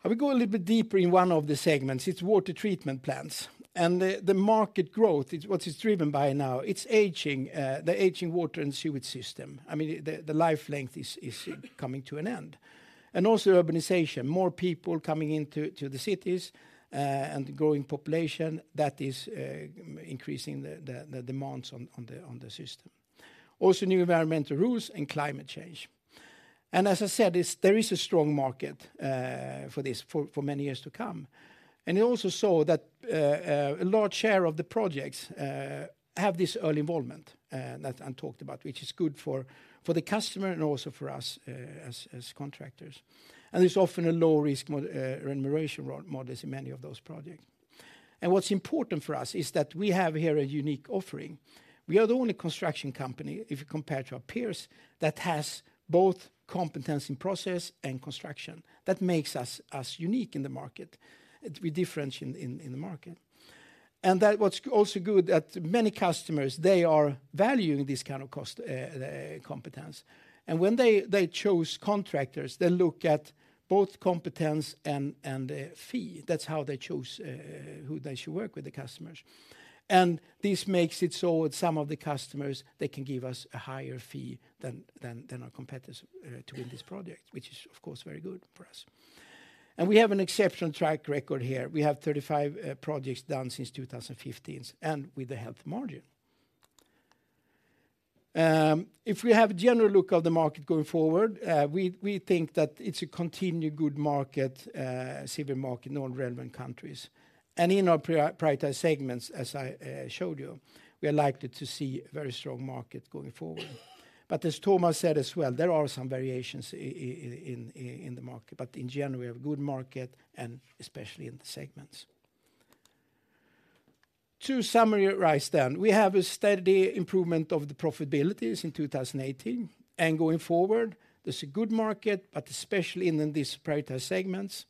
I will go a little bit deeper in one of the segments. It's water treatment plants, and the market growth is what is driven by now. It's the aging water and sewage system. I mean, the life length is coming to an end. And also urbanization. More people coming into the cities, and growing population, that is increasing the demands on the system. Also, new environmental rules and climate change. As I said, there is a strong market for this for many years to come. And you also saw that a large share of the projects have this early involvement that I talked about, which is good for the customer and also for us as contractors. And there's often a low-risk remuneration models in many of those projects. And what's important for us is that we have here a unique offering. We are the only construction company, if you compare to our peers, that has both competence in process and construction. That makes us unique in the market. It we differentiate in the market. And that's what's also good, that many customers, they are valuing this kind of cost competence. When they choose contractors, they look at both competence and fee. That's how they choose who they should work with, the customers. And this makes it so with some of the customers, they can give us a higher fee than our competitors to win this project, which is, of course, very good for us. And we have an exceptional track record here. We have 35 projects done since 2015, and with a healthy margin. If we have a general look at the market going forward, we think that it's a continued good market, civil market in all relevant countries. And in our prioritized segments, as I showed you, we are likely to see a very strong market going forward. But as Tomas said as well, there are some variations in the market. But in general, we have a good market, and especially in the segments. To summarize, then, we have a steady improvement of the profitabilities in 2018, and going forward, there's a good market, but especially in these prioritized segments.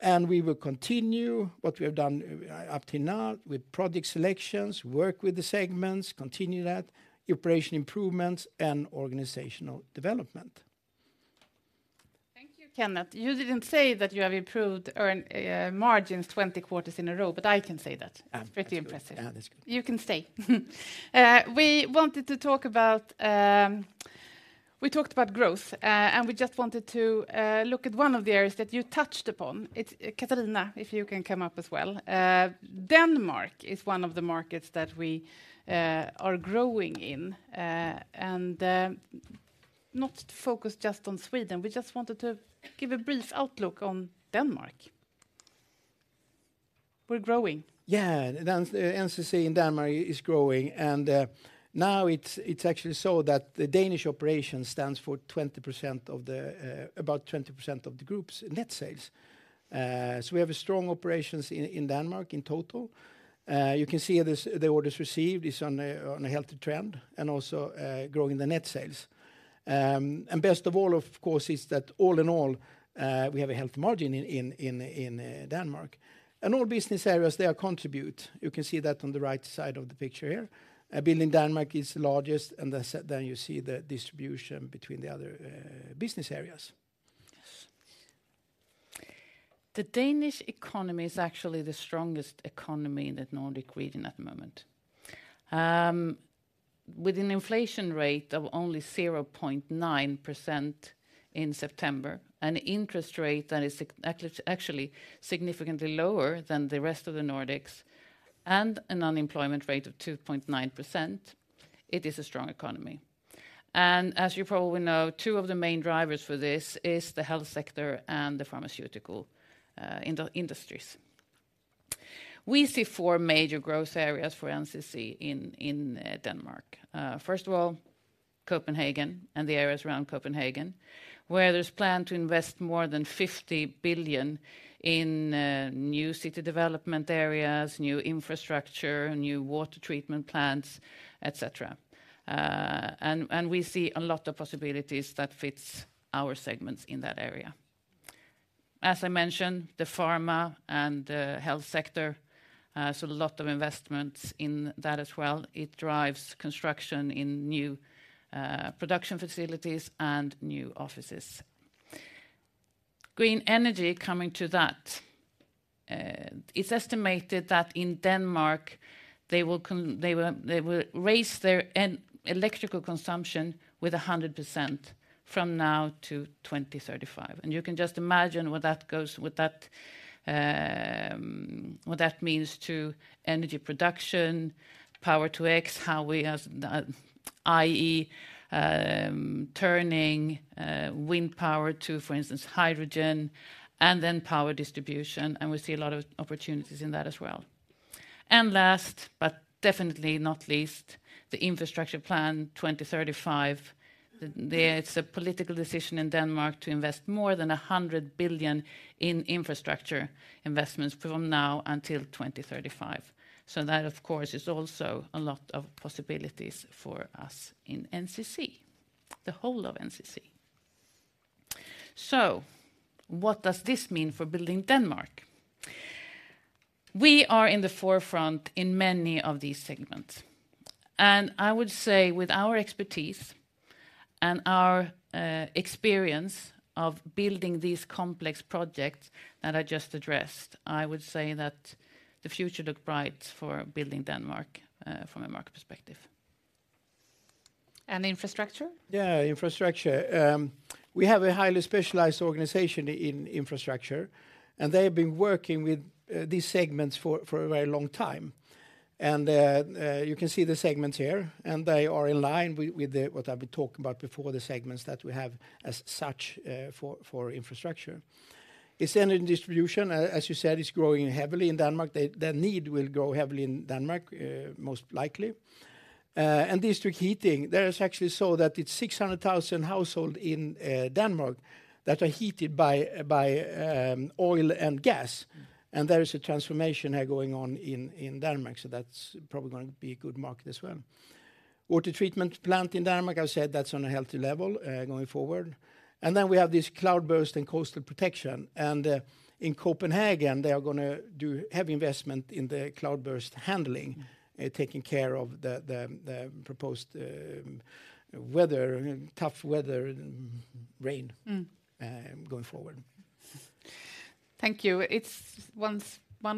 And we will continue what we have done up to now with project selections, work with the segments, continue that, operation improvements, and organizational development. Thank you, Kenneth. You didn't say that you have improved earnings margins 20 quarters in a row, but I can say that. Yeah. Pretty impressive. Yeah, that's good. You can stay. We wanted to talk about. We talked about growth, and we just wanted to look at one of the areas that you touched upon. Catarina, if you can come up as well. Denmark is one of the markets that we are growing in, and not to focus just on Sweden, we just wanted to give a brief outlook on Denmark. We're growing. Yeah, NCC in Denmark is growing, and, now it's, it's actually so that the Danish operation stands for 20% of the, about 20% of the group's net sales. So we have a strong operations in, in Denmark in total. You can see this, the orders received is on a, on a healthy trend and also, growing the net sales. And best of all, of course, is that all in all, we have a healthy margin in, in, in, in, Denmark. And all business areas, they contribute. You can see that on the right side of the picture here. Building Denmark is the largest, and then then you see the distribution between the other, business areas. Yes. The Danish economy is actually the strongest economy in the Nordic region at the moment. With an inflation rate of only 0.9% in September, an interest rate that is actually significantly lower than the rest of the Nordics, and an unemployment rate of 2.9%, it is a strong economy. And as you probably know, two of the main drivers for this is the health sector and the pharmaceutical industries. We see four major growth areas for NCC in Denmark. First of all, Copenhagen and the areas around Copenhagen, where there's plan to invest more than 50 billion in new city development areas, new Infrastructure, new water treatment plants, et cetera. And we see a lot of possibilities that fits our segments in that area. As I mentioned, the pharma and the health sector, so a lot of investments in that as well. It drives construction in new production facilities and new offices. Green energy, coming to that, it's estimated that in Denmark, they will raise their electrical consumption with 100% from now to 2035. And you can just imagine where that goes with that, what that means to energy production, Power-to-X, how we see turning wind power to, for instance, hydrogen, and then power distribution, and we see a lot of opportunities in that as well. And last, but definitely not least, the Infrastructure Plan 2035. It's a political decision in Denmark to invest more than 100 billion in Infrastructure investments from now until 2035. So that, of course, is also a lot of possibilities for us in NCC, the whole of NCC. So what does this mean for Building Denmark? We are in the forefront in many of these segments, and I would say with our expertise and our experience of building these complex projects that I just addressed, I would say that the future look bright for Building Denmark, from a market perspective. And Infrastructure? Yeah, Infrastructure. We have a highly specialized organization in Infrastructure, and they have been working with these segments for a very long time. You can see the segments here, and they are in line with what I've been talking about before, the segments that we have as such for Infrastructure. It's energy distribution, as you said, is growing heavily in Denmark. The need will grow heavily in Denmark, most likely. And district heating, there is actually so that it's 600,000 households in Denmark that are heated by oil and gas, and there is a transformation here going on in Denmark, so that's probably going to be a good market as well. Water treatment plant in Denmark, I said that's on a healthy level going forward. Then we have this cloudburst and coastal protection. In Copenhagen, they are going to do heavy investment in the cloudburst handling, taking care of the prognosed weather, tough weather, and rain- Going forward. Thank you. One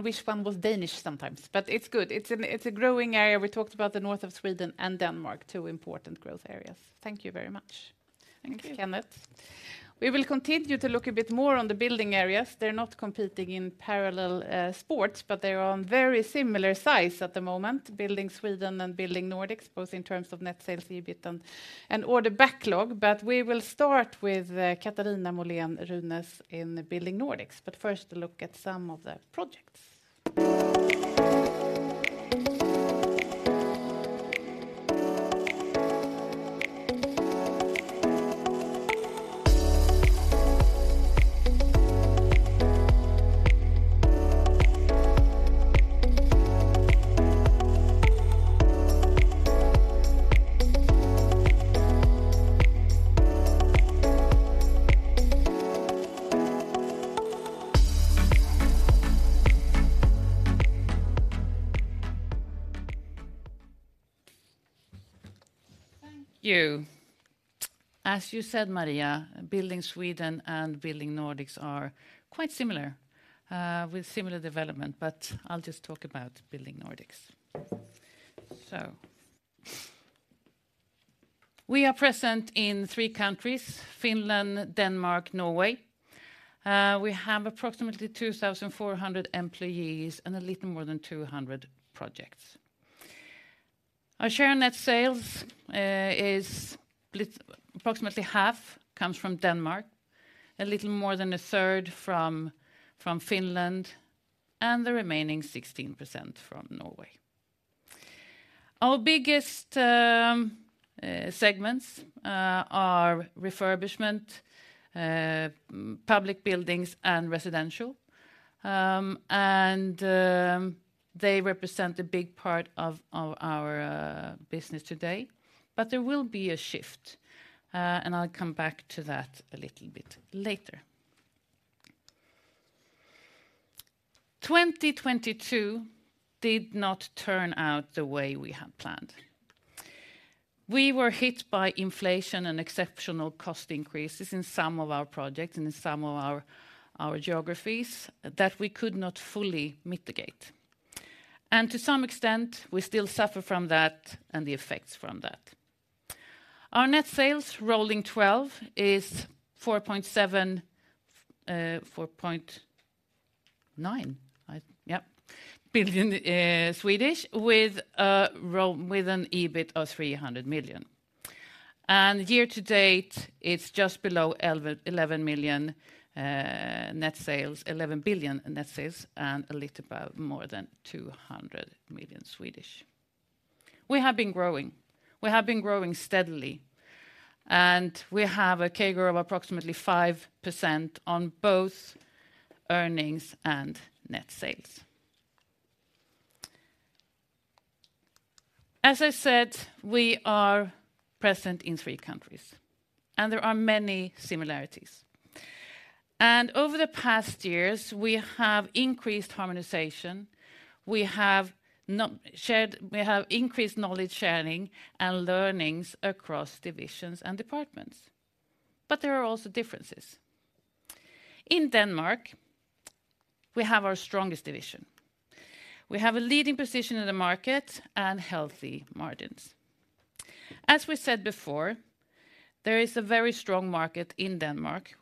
wishes one was Danish sometimes, but it's good. It's a growing area. We talked about the north of Sweden and Denmark, two important growth areas. Thank you very much. Thank you. Thank you, Kenneth. We will continue to look a bit more on the building areas. They're not competing in parallel sports, but they are on very similar size at the moment, Building Sweden and Building Nordics, both in terms of net sales, EBIT, and, and order backlog. We will start with Catarina Molén in Building Nordics. First, a look at some of the projects. Thank you. As you said, Maria, Building Sweden and Building Nordics are quite similar, with similar development, but I'll just talk about Building Nordics. So we are present in three countries: Finland, Denmark, Norway. We have approximately 2,400 employees and a little more than 200 projects. Our share net sales is approximately half comes from Denmark, a little more than a third from Finland, and the remaining 16% from Norway. Our biggest segments are refurbishment, public buildings, and residential. They represent a big part of our business today, but there will be a shift, and I'll come back to that a little bit later. 2022 did not turn out the way we had planned. We were hit by inflation and exceptional cost increases in some of our projects and in some of our, our geographies that we could not fully mitigate. And to some extent, we still suffer from that and the effects from that. Our net sales, rolling 12, is 4.7, four point nine, I... Yep, billion Swedish, with with an EBIT of 300 million. And year to date, it's just below eleven- eleven million, net sales, 11 billion net sales, and a little about more than 200 million Swedish. We have been growing. We have been growing steadily, and we have a CAGR of approximately 5% on both earnings and net sales. As I said, we are present in three countries, and there are many similarities. Over the past years, we have increased harmonization, we have increased knowledge sharing and learnings across divisions and departments, but there are also differences. In Denmark, we have our strongest division. We have a leading position in the market and healthy margins. As we said before, there is a very strong market in Denmark,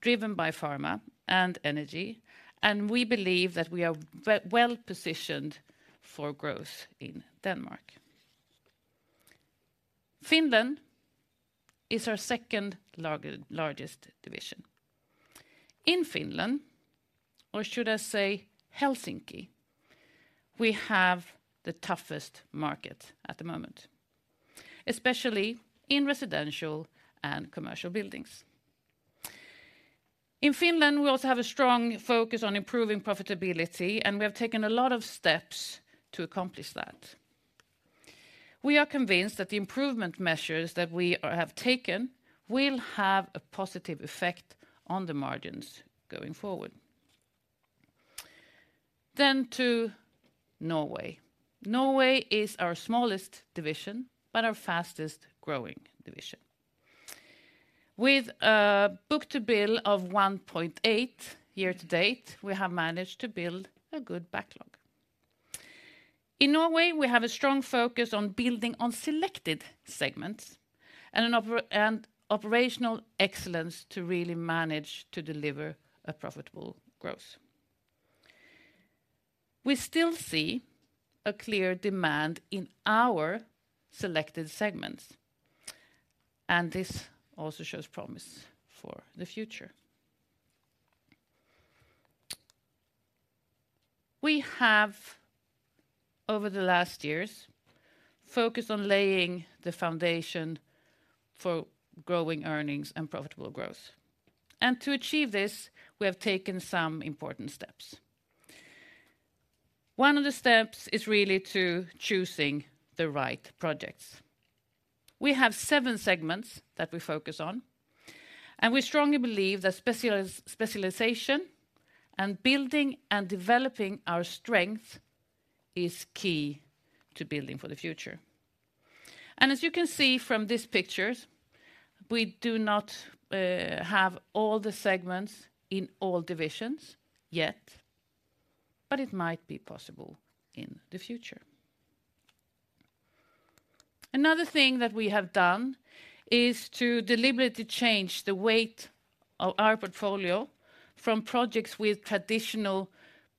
driven by pharma and energy, and we believe that we are well positioned for growth in Denmark. Finland is our second largest division. In Finland, or should I say Helsinki, we have the toughest market at the moment, especially in residential and commercial buildings. In Finland, we also have a strong focus on improving profitability, and we have taken a lot of steps to accomplish that. We are convinced that the improvement measures that we have taken will have a positive effect on the margins going forward. Then to Norway. Norway is our smallest division, but our fastest growing division. With a book-to-bill of 1.8 year to date, we have managed to build a good backlog. In Norway, we have a strong focus on building on selected segments and operational excellence to really manage to deliver a profitable growth. We still see a clear demand in our selected segments, and this also shows promise for the future. We have, over the last years, focused on laying the foundation for growing earnings and profitable growth. And to achieve this, we have taken some important steps. One of the steps is really to choosing the right projects. We have seven segments that we focus on, and we strongly believe that specialization and building and developing our strength is key to building for the future. As you can see from these pictures, we do not have all the segments in all divisions yet, but it might be possible in the future. Another thing that we have done is to deliberately change the weight of our portfolio from projects with traditional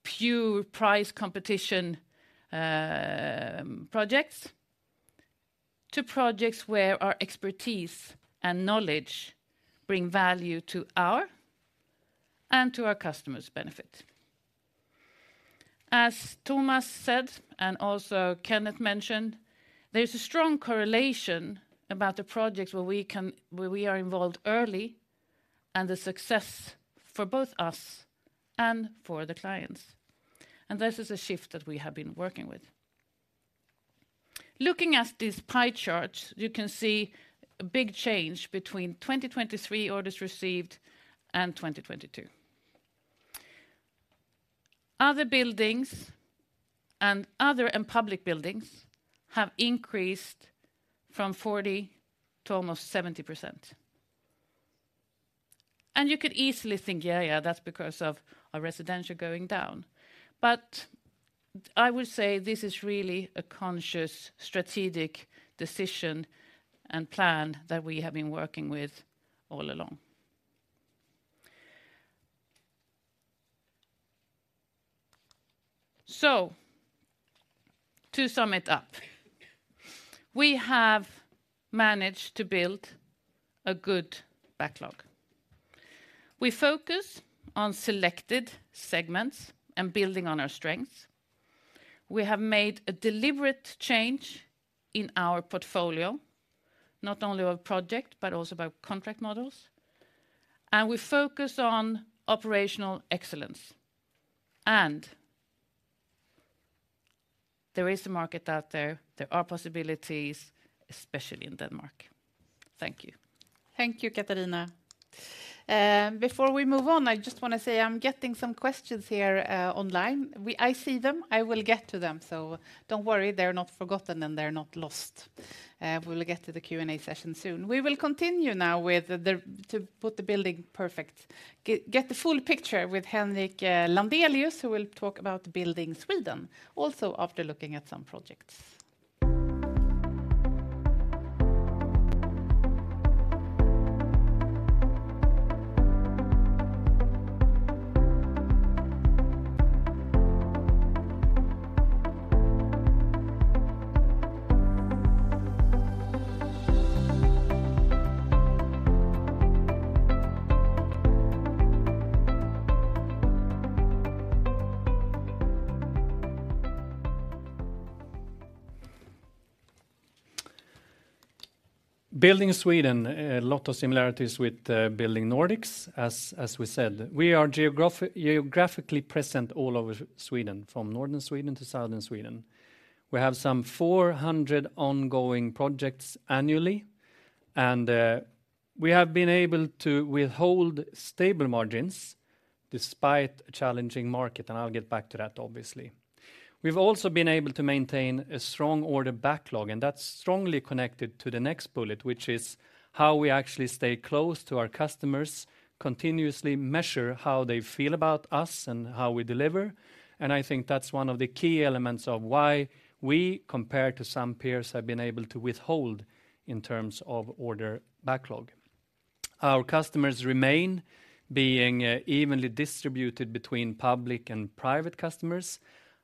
pure price competition projects, to projects where our expertise and knowledge bring value to our and to our customers' benefit. As Tomas said, and also Kenneth mentioned, there's a strong correlation about the projects where we are involved early, and the success for both us and for the clients. This is a shift that we have been working with. Looking at this pie chart, you can see a big change between 2023 orders received and 2022. Other buildings and other, and public buildings have increased from 40 to almost 70%. You could easily think, "Yeah, yeah, that's because of our residential going down." But I would say this is really a conscious, strategic decision and plan that we have been working with all along. So to sum it up, we have managed to build a good backlog. We focus on selected segments and building on our strengths. We have made a deliberate change in our portfolio, not only of project, but also by contract models. And we focus on operational excellence. And there is a market out there. There are possibilities, especially in Denmark. Thank you. Thank you, Catarina. Before we move on, I just wanna say I'm getting some questions here, online. I see them. I will get to them, so don't worry, they're not forgotten, and they're not lost. We'll get to the Q&A session soon. We will continue now with the—to put the building perspective. Get the full picture with Henrik Landelius, who will talk about Building Sweden, also after looking at some projects. Building Sweden, a lot of similarities with Building Nordics, as, as we said. We are geographically present all over Sweden, from northern Sweden to southern Sweden. We have some 400 ongoing projects annually, and we have been able to hold stable margins despite a challenging market, and I'll get back to that, obviously. We've also been able to maintain a strong order backlog, and that's strongly connected to the next bullet, which is how we actually stay close to our customers, continuously measure how they feel about us and how we deliver. And I think that's one of the key elements of why we, compared to some peers, have been able to hold in terms of order backlog. Our customers remain being evenly distributed between public and private customers.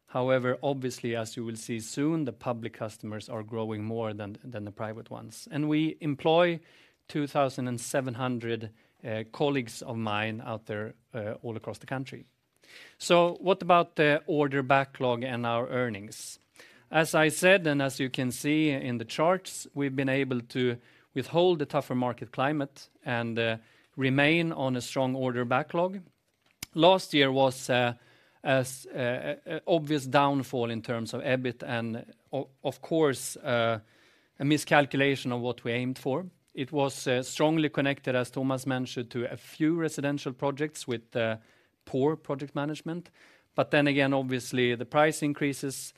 However, obviously, as you will see soon, the public customers are growing more than the private ones. And we employ 2,700 colleagues of mine out there all across the country. So what about the order backlog and our earnings? As I said, and as you can see in the charts, we've been able to withhold the tougher market climate and remain on a strong order backlog. Last year was as a obvious downfall in terms of EBIT and of course a miscalculation of what we aimed for. It was strongly connected, as Tomas mentioned, to a few residential projects with poor project management. But then again, obviously, the price increases,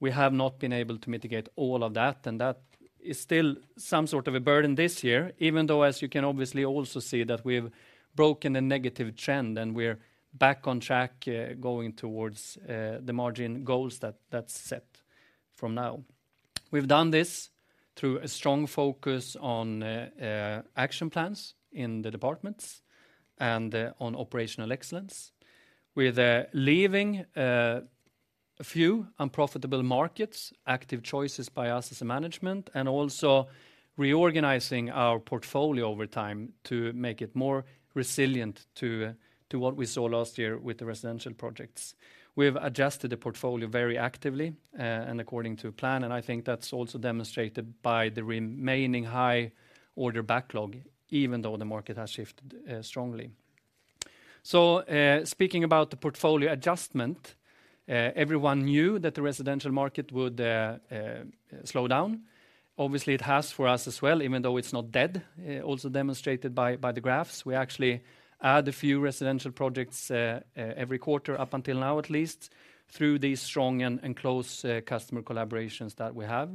we have not been able to mitigate all of that, and that is still some sort of a burden this year, even though, as you can obviously also see, that we've broken a negative trend, and we're back on track, going towards the margin goals that that's set from now. We've done this through a strong focus on action plans in the departments and on operational excellence. We're leaving a few unprofitable markets, active choices by us as a management, and also reorganizing our portfolio over time to make it more resilient to what we saw last year with the residential projects. We have adjusted the portfolio very actively and according to plan, and I think that's also demonstrated by the remaining high order backlog, even though the market has shifted strongly. So, speaking about the portfolio adjustment, everyone knew that the residential market would slow down. Obviously, it has for us as well, even though it's not dead, also demonstrated by the graphs. We actually add a few residential projects every quarter, up until now, at least, through these strong and close customer collaborations that we have.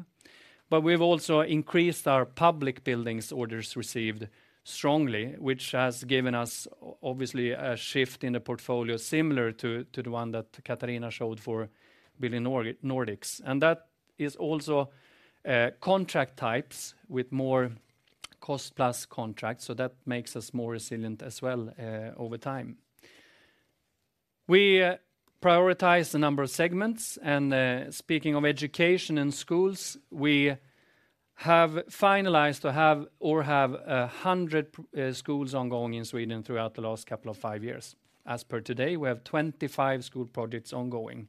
But we've also increased our public buildings orders received strongly, which has given us obviously a shift in the portfolio similar to the one that Catarina showed for Building Nordics. And that is also contract types with more cost-plus contracts, so that makes us more resilient as well over time. We prioritize a number of segments, and speaking of education and schools, we have finalized to have or have 100 schools ongoing in Sweden throughout the last couple of 5 years. As per today, we have 25 school projects ongoing.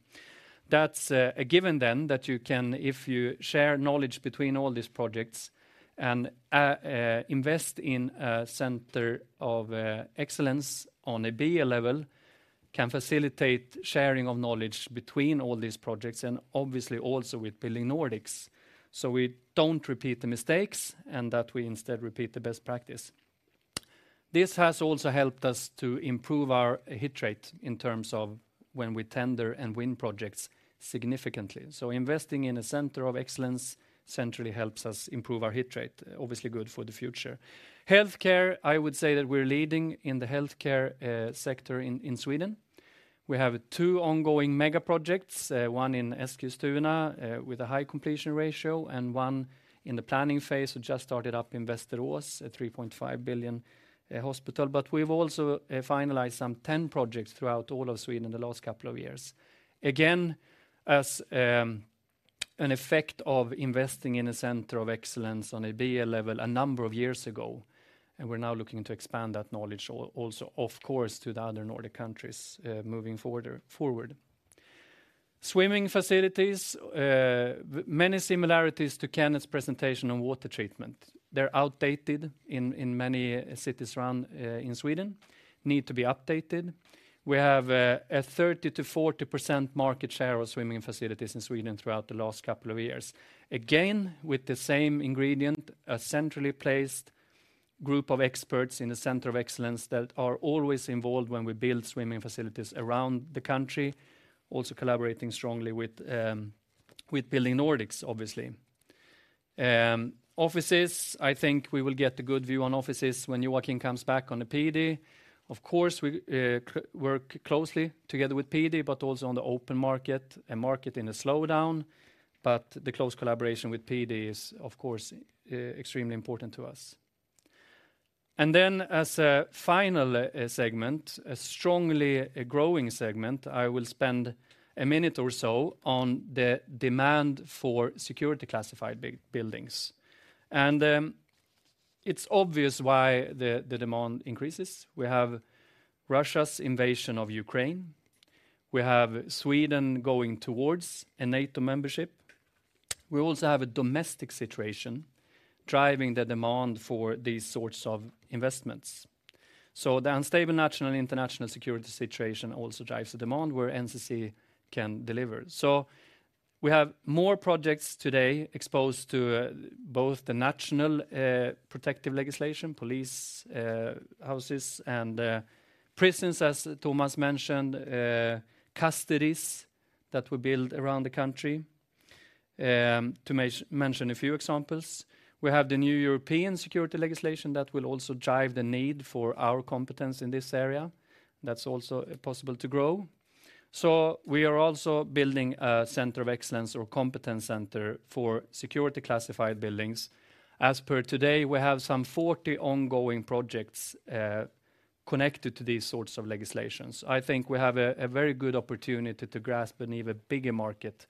That's a given then that you can, if you share knowledge between all these projects and invest in a center of excellence on a BL level, can facilitate sharing of knowledge between all these projects and obviously also with Building Nordics. So we don't repeat the mistakes, and that we instead repeat the best practice. This has also helped us to improve our hit rate in terms of when we tender and win projects significantly. So investing in a center of excellence centrally helps us improve our hit rate, obviously good for the future. Healthcare, I would say that we're leading in the healthcare sector in Sweden. We have 2 ongoing mega projects, one in Eskilstuna with a high completion ratio and one in the planning phase, we just started up in Västerås, a 3.5 billion hospital. But we've also finalized some 10 projects throughout all of Sweden in the last couple of years. Again, as an effect of investing in a center of excellence on a BL level a number of years ago, and we're now looking to expand that knowledge also, of course, to the other Nordic countries moving forward. Swimming facilities, many similarities to Kenneth's presentation on water treatment. They're outdated in many cities around in Sweden, need to be updated. We have a 30%-40% market share of swimming facilities in Sweden throughout the last couple of years. Again, with the same ingredient, a centrally placed group of experts in the center of excellence that are always involved when we build swimming facilities around the country, also collaborating strongly with Building Nordics, obviously. Offices, I think we will get a good view on offices when Joachim comes back on the PD. Of course, we work closely together with PD, but also on the open market, a market in a slowdown, but the close collaboration with PD is, of course, extremely important to us. And then as a final segment, a strongly growing segment, I will spend a minute or so on the demand for security classified buildings. And it's obvious why the demand increases. We have Russia's invasion of Ukraine, we have Sweden going towards a NATO membership. We also have a domestic situation driving the demand for these sorts of investments. So the unstable national and international security situation also drives the demand where NCC can deliver. So we have more projects today exposed to both the national protective legislation, police houses, and prisons, as Tomas mentioned, custodies that we build around the country, to mention a few examples. We have the new European security legislation that will also drive the need for our competence in this area. That's also possible to grow. So we are also building a center of excellence or competence center for security classified buildings. As per today, we have some 40 ongoing projects connected to these sorts of legislations. I think we have a very good opportunity to grasp an even bigger market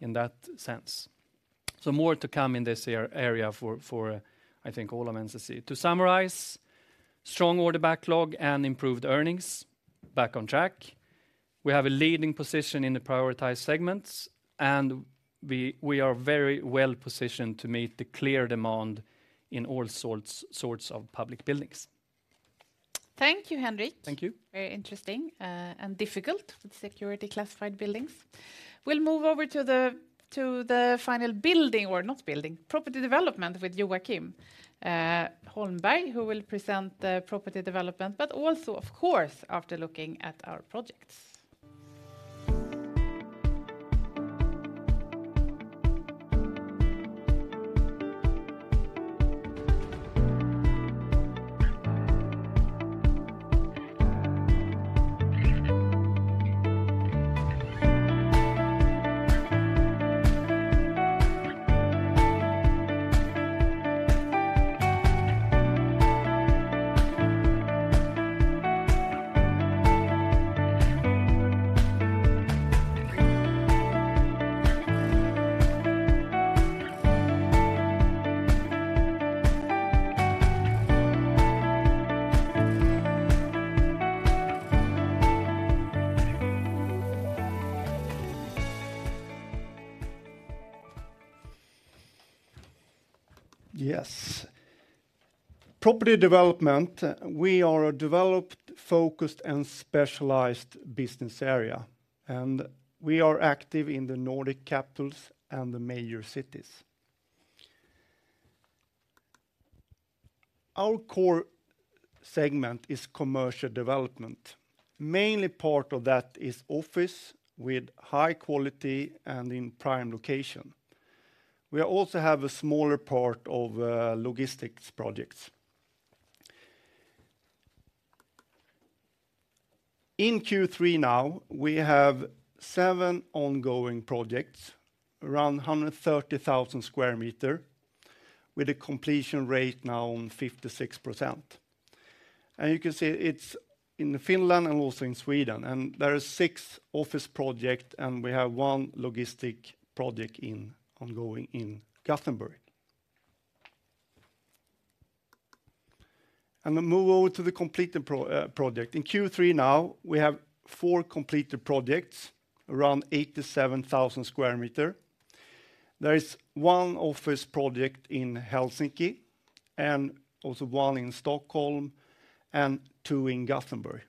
in that sense. So more to come in this area for, I think, all of NCC. To summarize, strong order backlog and improved earnings back on track. We have a leading position in the prioritized segments, and we are very well positioned to meet the clear demand in all sorts of public buildings. Thank you, Henrik. Thank you. Very interesting, and difficult with security classified buildings. We'll move over to the, to the final Property Development, but also, of course, after looking at our projects. Property Development, we are a developed, focused, and specialized business area, and we are active in the Nordic capitals and the major cities. Our core segment is commercial development. Mainly part of that is office with high quality and in prime location. We also have a smaller part of logistics projects. In Q3 now, we have 7 ongoing projects, around 130,000 square meters, with a completion rate now on 56%. And you can see it's in Finland and also in Sweden, and there are six office projects, and we have one logistics project ongoing in Gothenburg. And then move over to the completed project. In Q3 now, we have 4 completed projects, around 87,000 square meters. There is one office project in Helsinki, and also one in Stockholm, and two in Gothenburg.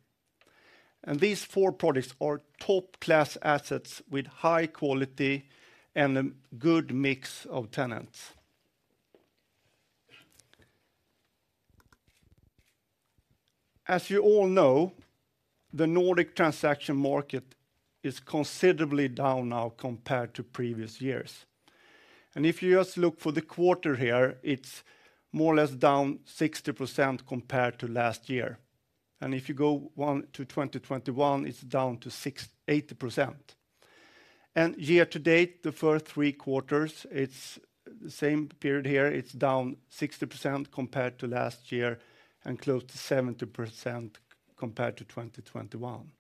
These four projects are top-class assets with high quality and a good mix of tenants. As you all know, the Nordic transaction market is considerably down now compared to previous years. If you just look for the quarter here, it's more or less down 60% compared to last year. If you go on to 2021, it's down to 60-80%. Year to date, the first three quarters, it's the same period here, it's down 60% compared to last year, and close to 70% compared to 2021.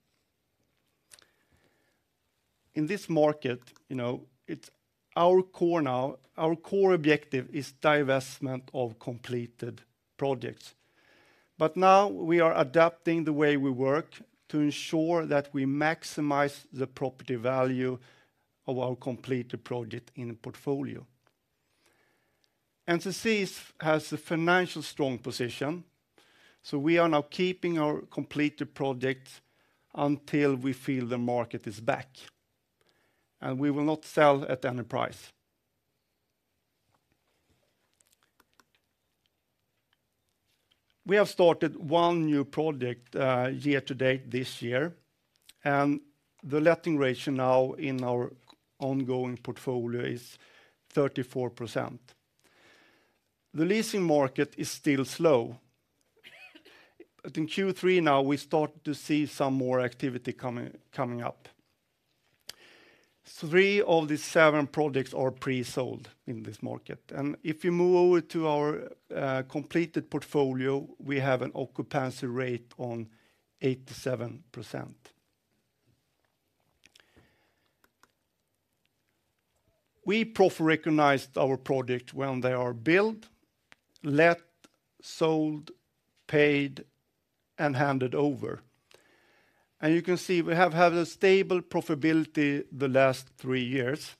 In this market, you know, it's our core now, our core objective is divestment of completed projects. But now we are adapting the way we work to ensure that we maximize the property value of our completed project in the portfolio. NCC has a financially strong position, so we are now keeping our completed projects until we feel the market is back, and we will not sell at any price. We have started one new project year to date this year, and the letting ratio now in our ongoing portfolio is 34%. The leasing market is still slow, but in Q3 now, we start to see some more activity coming up. Three of the seven projects are pre-sold in this market, and if you move over to our completed portfolio, we have an occupancy rate of 87%. We profit-recognized our projects when they are built, let, sold, paid, and handed over. You can see, we have had a stable profitability the last three years,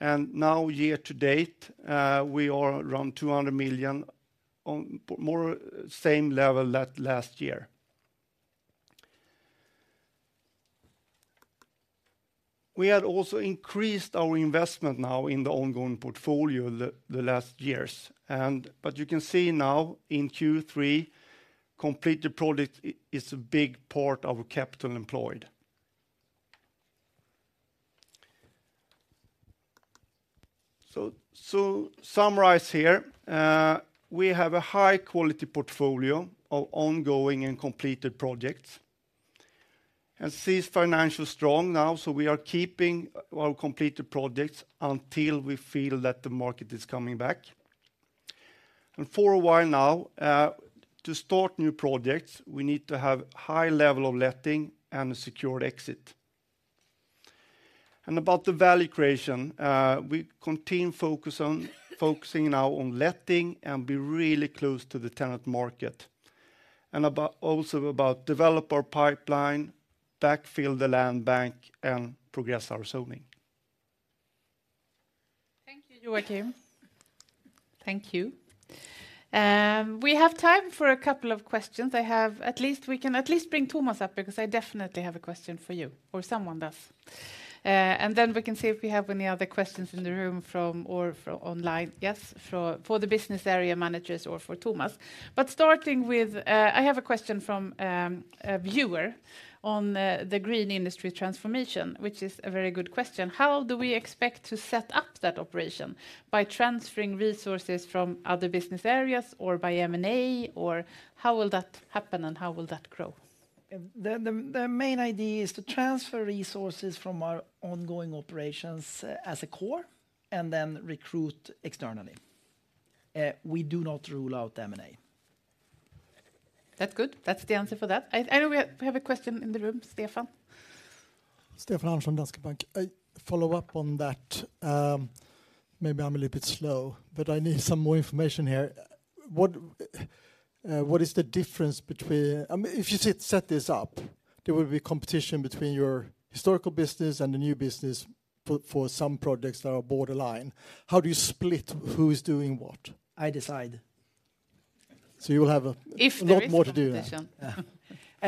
and now year to date, we are around 200 million, on more or less the same level as last year. We had also increased our investment now in the ongoing portfolio the last years, but you can see now in Q3, completed projects is a big part of capital employed. So summarize here, we have a high-quality portfolio of ongoing and completed projects. NCC is financially strong now, so we are keeping our completed projects until we feel that the market is coming back. For a while now, to start new projects, we need to have high level of letting and a secured exit. About the value creation, we continue focusing now on letting and be really close to the tenant market. Also about developing our pipeline, backfill the land bank, and progress our zoning. Thank you, Joachim. Thank you. We have time for a couple of questions. I have at least... We can at least bring Tomas up, because I definitely have a question for you, or someone does. And then we can see if we have any other questions in the room from or from online. Yes, for, for the business area managers or for Tomas. But starting with, I have a question from, a viewer on, the Green Industry Transformation, which is a very good question: How do we expect to set up that operation? By transferring resources from other business areas or by M&A, or how will that happen, and how will that grow? The main idea is to transfer resources from our ongoing operations as a core and then recruit externally. We do not rule out M&A. That's good. That's the answer for that. I know we have, we have a question in the room. Stefan? Stefan Andersson from Danske Bank. I follow up on that. Maybe I'm a little bit slow, but I need some more information here. What is the difference between, if you set this up, there will be competition between your historical business and the new business for some projects that are borderline. How do you split who is doing what? I decide. So you will have a- If there is competition.... lot more to do.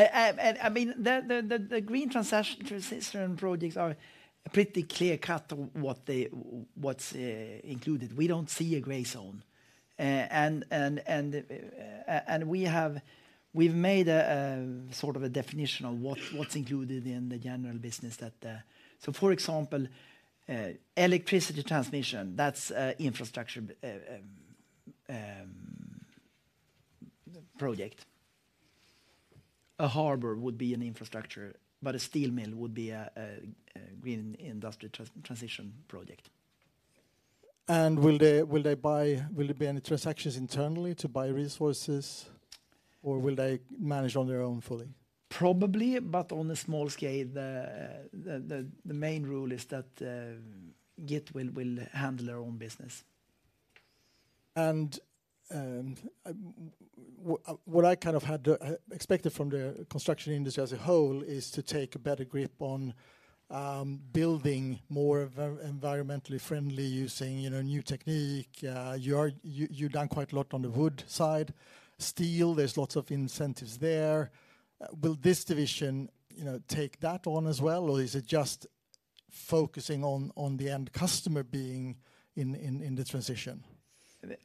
Yeah. I mean, the green transition projects are pretty clear-cut on what's included. We don't see a gray zone. And we've made a sort of a definition of what's included in the general business that. So for example, electricity transmission, that's Infrastructure project. A harbor would be an Infrastructure, but a steel mill would be a green industry transition project. Will there be any transactions internally to buy resources, or will they manage on their own fully? Probably, but on a small scale. The main rule is that GIT will handle their own business. And, what I kind of had expected from the construction industry as a whole is to take a better grip on building more environmentally friendly, using, you know, new technique. You, you've done quite a lot on the wood side. Steel, there's lots of incentives there. Will this division, you know, take that on as well, or is it just focusing on the end customer being in the transition?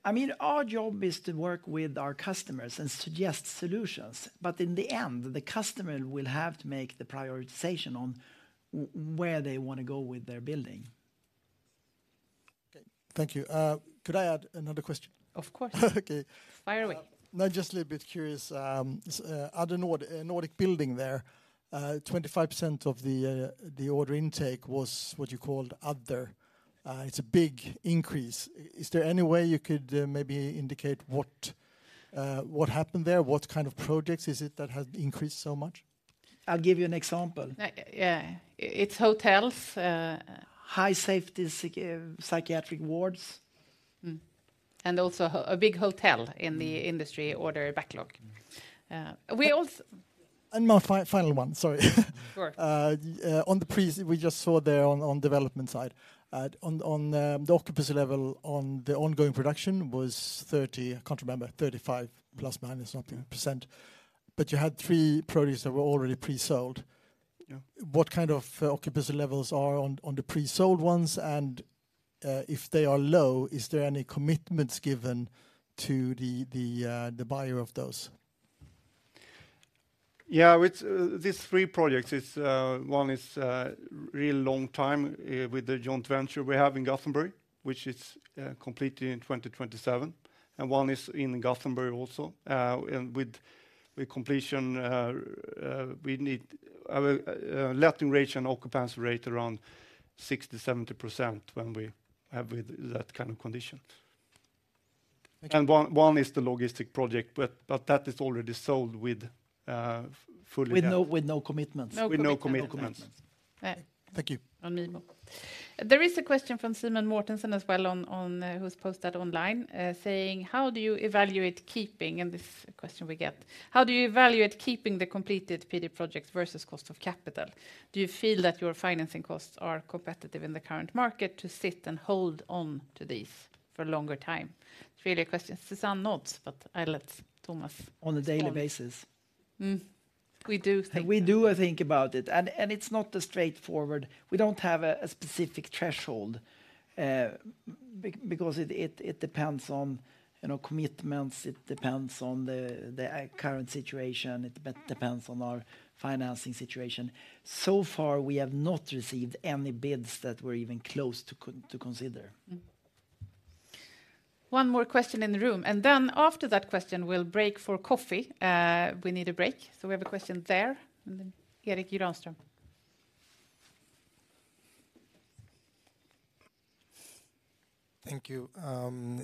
I mean, our job is to work with our customers and suggest solutions, but in the end, the customer will have to make the prioritization on where they want to go with their building. Okay. Thank you. Could I add another question? Of course. Okay. Fire away. Now, just a little bit curious, other Nordic building there, 25% of the order intake was what you called other. It's a big increase. Is there any way you could maybe indicate what what happened there? What kind of projects is it that has increased so much? I'll give you an example. Yeah. It's hotels. High safety psychiatric wards. And also a big hotel in the industry order backlog. We also- My final one. Sorry. Sure. We just saw there on the development side, on the occupancy level on the ongoing production was 30, I can't remember, 35 plus, minus nothing %. But you had three projects that were already pre-sold. Yeah. What kind of occupancy levels are on, on the pre-sold ones? And, if they are low, is there any commitments given to the, the buyer of those? Yeah, with these three projects, it's one is really long time with the joint venture we have in Gothenburg, which is completing in 2027, and one is in Gothenburg also. And with completion, we need letting rate and occupancy rate around 60%-70% when we have with that kind of condition. Thank you. One is the logistics project, but that is already sold with fully- With no commitments. No commitments. With no commitments. Thank you. On me. There is a question from Simen Mortensen as well, on, on, who's posted online, saying: How do you evaluate keeping-- And this is a question we get. How do you evaluate keeping the completed PD projects versus cost of capital? Do you feel that your financing costs are competitive in the current market to sit and hold on to these for a longer time? Three good questions. Susanne nods, but I let Thomas- On a daily basis. We do think- We do think about it, and it's not a straightforward... We don't have a specific threshold, because it depends on, you know, commitments, it depends on the current situation, it depends on our financing situation. So far, we have not received any bids that were even close to consider. One more question in the room, and then after that question, we'll break for coffee. We need a break. So we have a question there, and then Erik Granström. Thank you.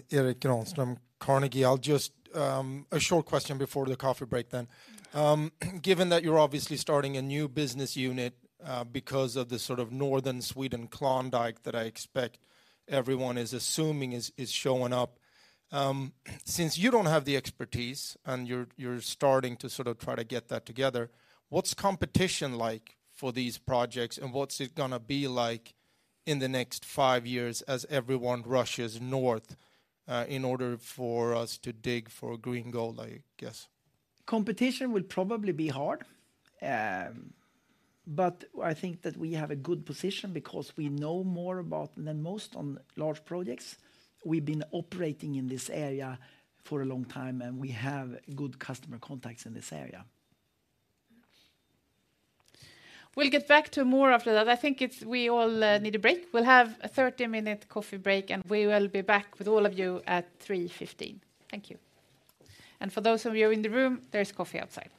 Erik Granström, Carnegie. I'll just, a short question before the coffee break then. Given that you're obviously starting a new business unit, because of the sort of Northern Sweden Klondike that I expect everyone is assuming is, is showing up. Since you don't have the expertise and you're, you're starting to sort of try to get that together, what's competition like for these projects, and what's it gonna be like in the next five years as everyone rushes north, in order for us to dig for green gold, I guess? Competition will probably be hard, but I think that we have a good position because we know more about than most on large projects. We've been operating in this area for a long time, and we have good customer contacts in this area. We'll get back to more after that. I think we all need a break. We'll have a 30-minute coffee break, and we will be back with all of you at 3:15 P.M. Thank you. And for those of you in the room, there's coffee outside.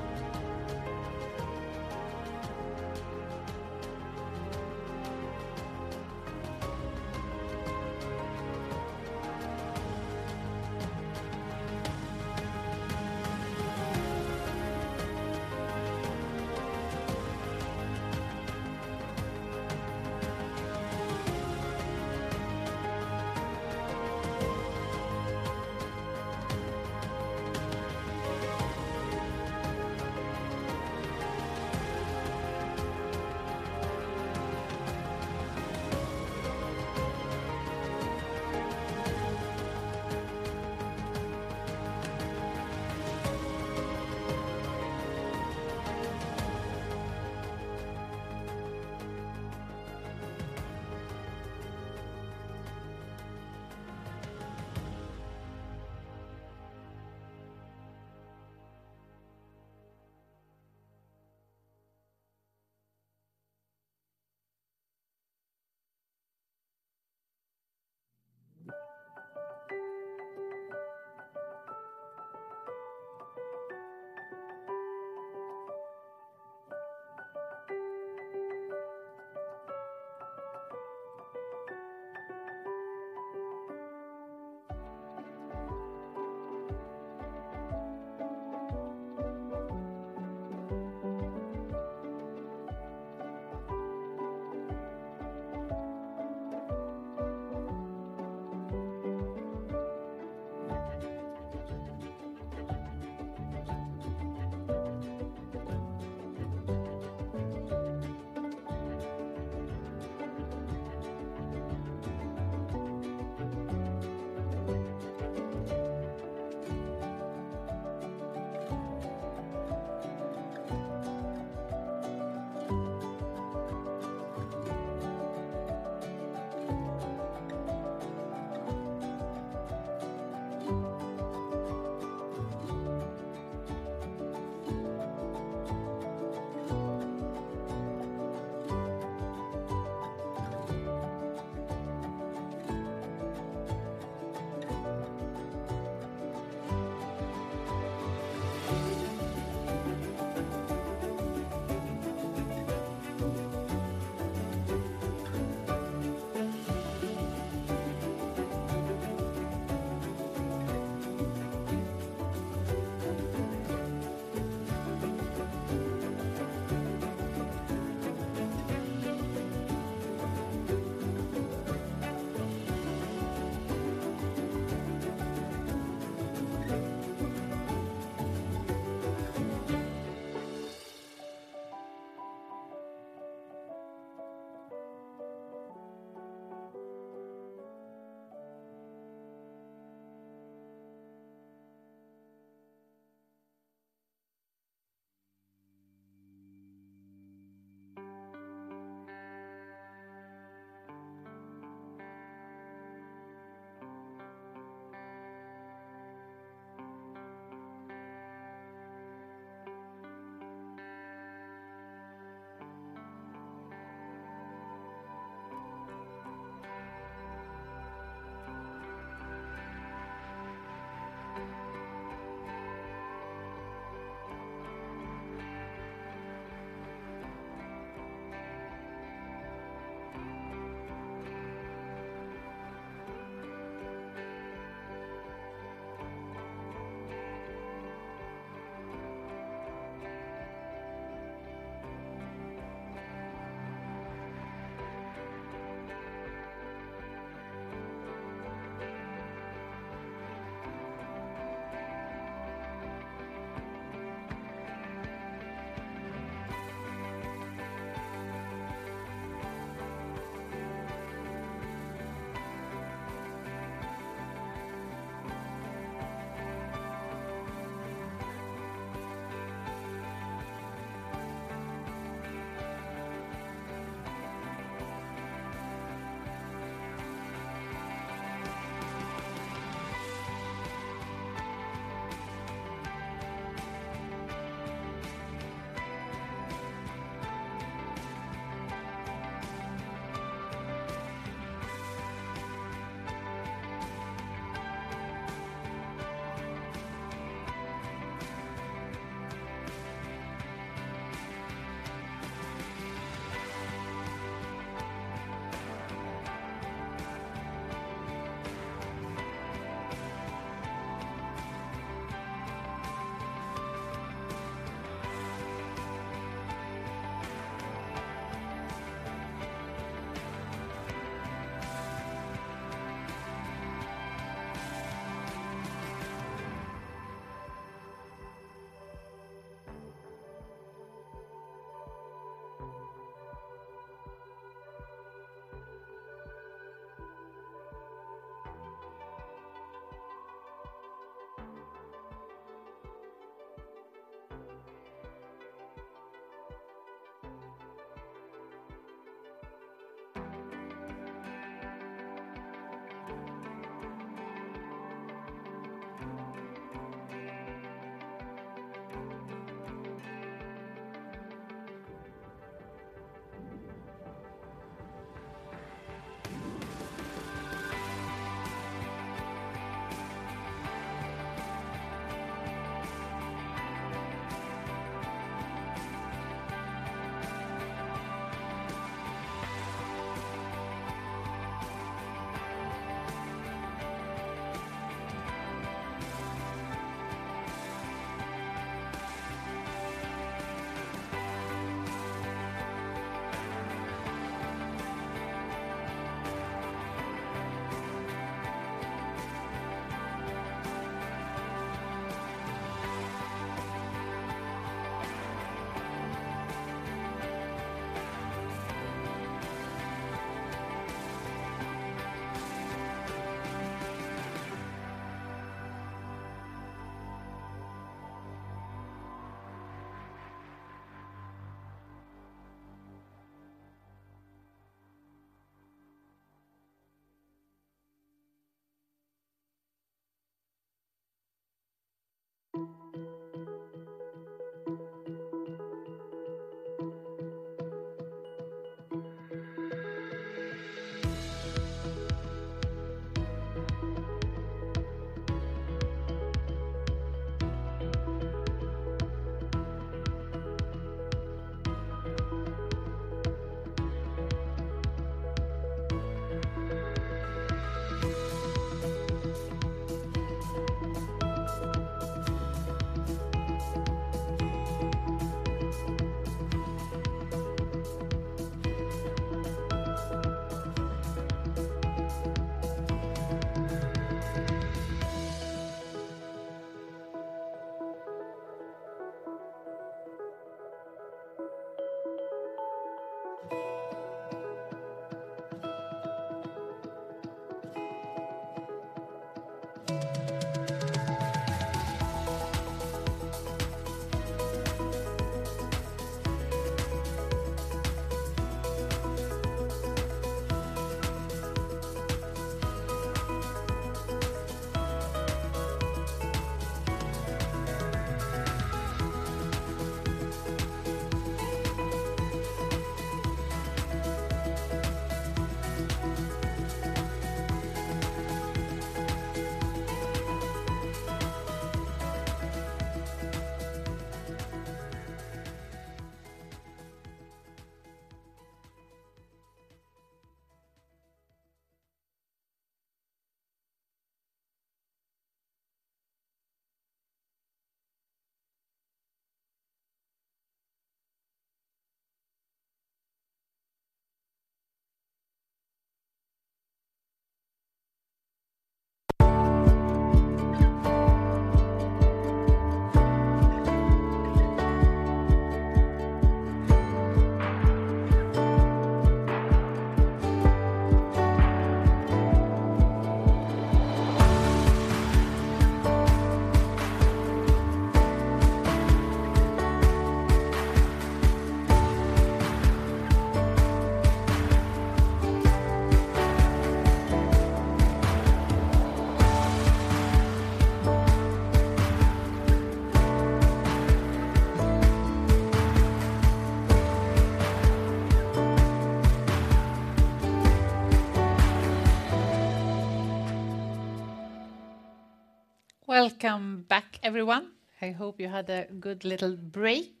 Welcome back, everyone. I hope you had a good little break.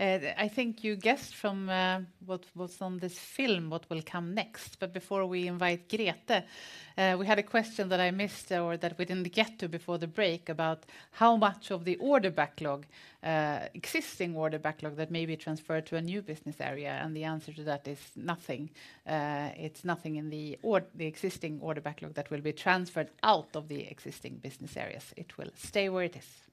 I think you guessed from, what was on this film, what will come next. But before we invite Grete, we had a question that I missed or that we didn't get to before the break about how much of the order backlog, existing order backlog that may be transferred to a new business area, and the answer to that is nothing. It's nothing in the the existing order backlog that will be transferred out of the existing business areas. It will stay where it is.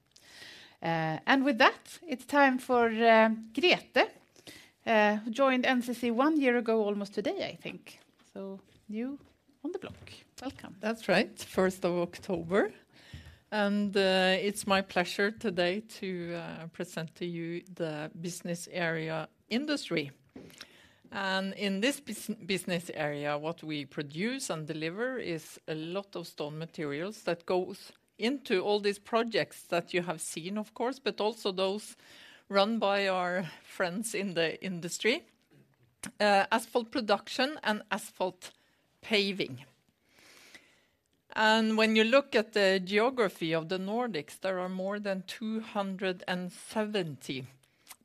And with that, it's time for, Grete, who joined NCC one year ago, almost today, I think. So new on the block. Welcome. That's right, first of October, and, it's my pleasure today to present the Business Area Industry. and in this business area, what we produce and deliver is a lot of stone materials that goes into all these projects that you have seen, of course, but also those run by our friends in the Industry, asphalt production and asphalt paving. And when you look at the geography of the Nordics, there are more than 270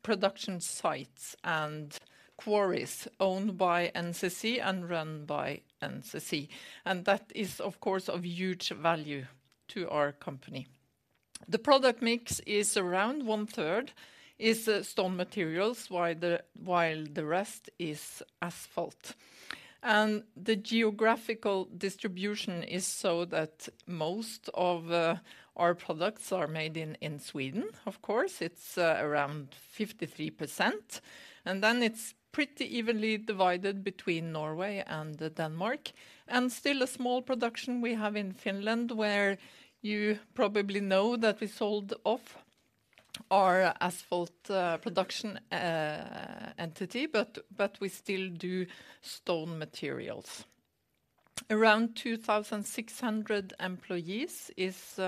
production sites and quarries owned by NCC and run by NCC, and that is, of course, of huge value to our company. The product mix is around one-third, is, stone materials, while the rest is asphalt. And the geographical distribution is so that most of our products are made in Sweden, of course. It's around 53%.... And then it's pretty evenly divided between Norway and Denmark, and still a small production we have in Finland, where you probably know that we sold off our asphalt production entity, but we still do stone materials. Around 2,600 employees is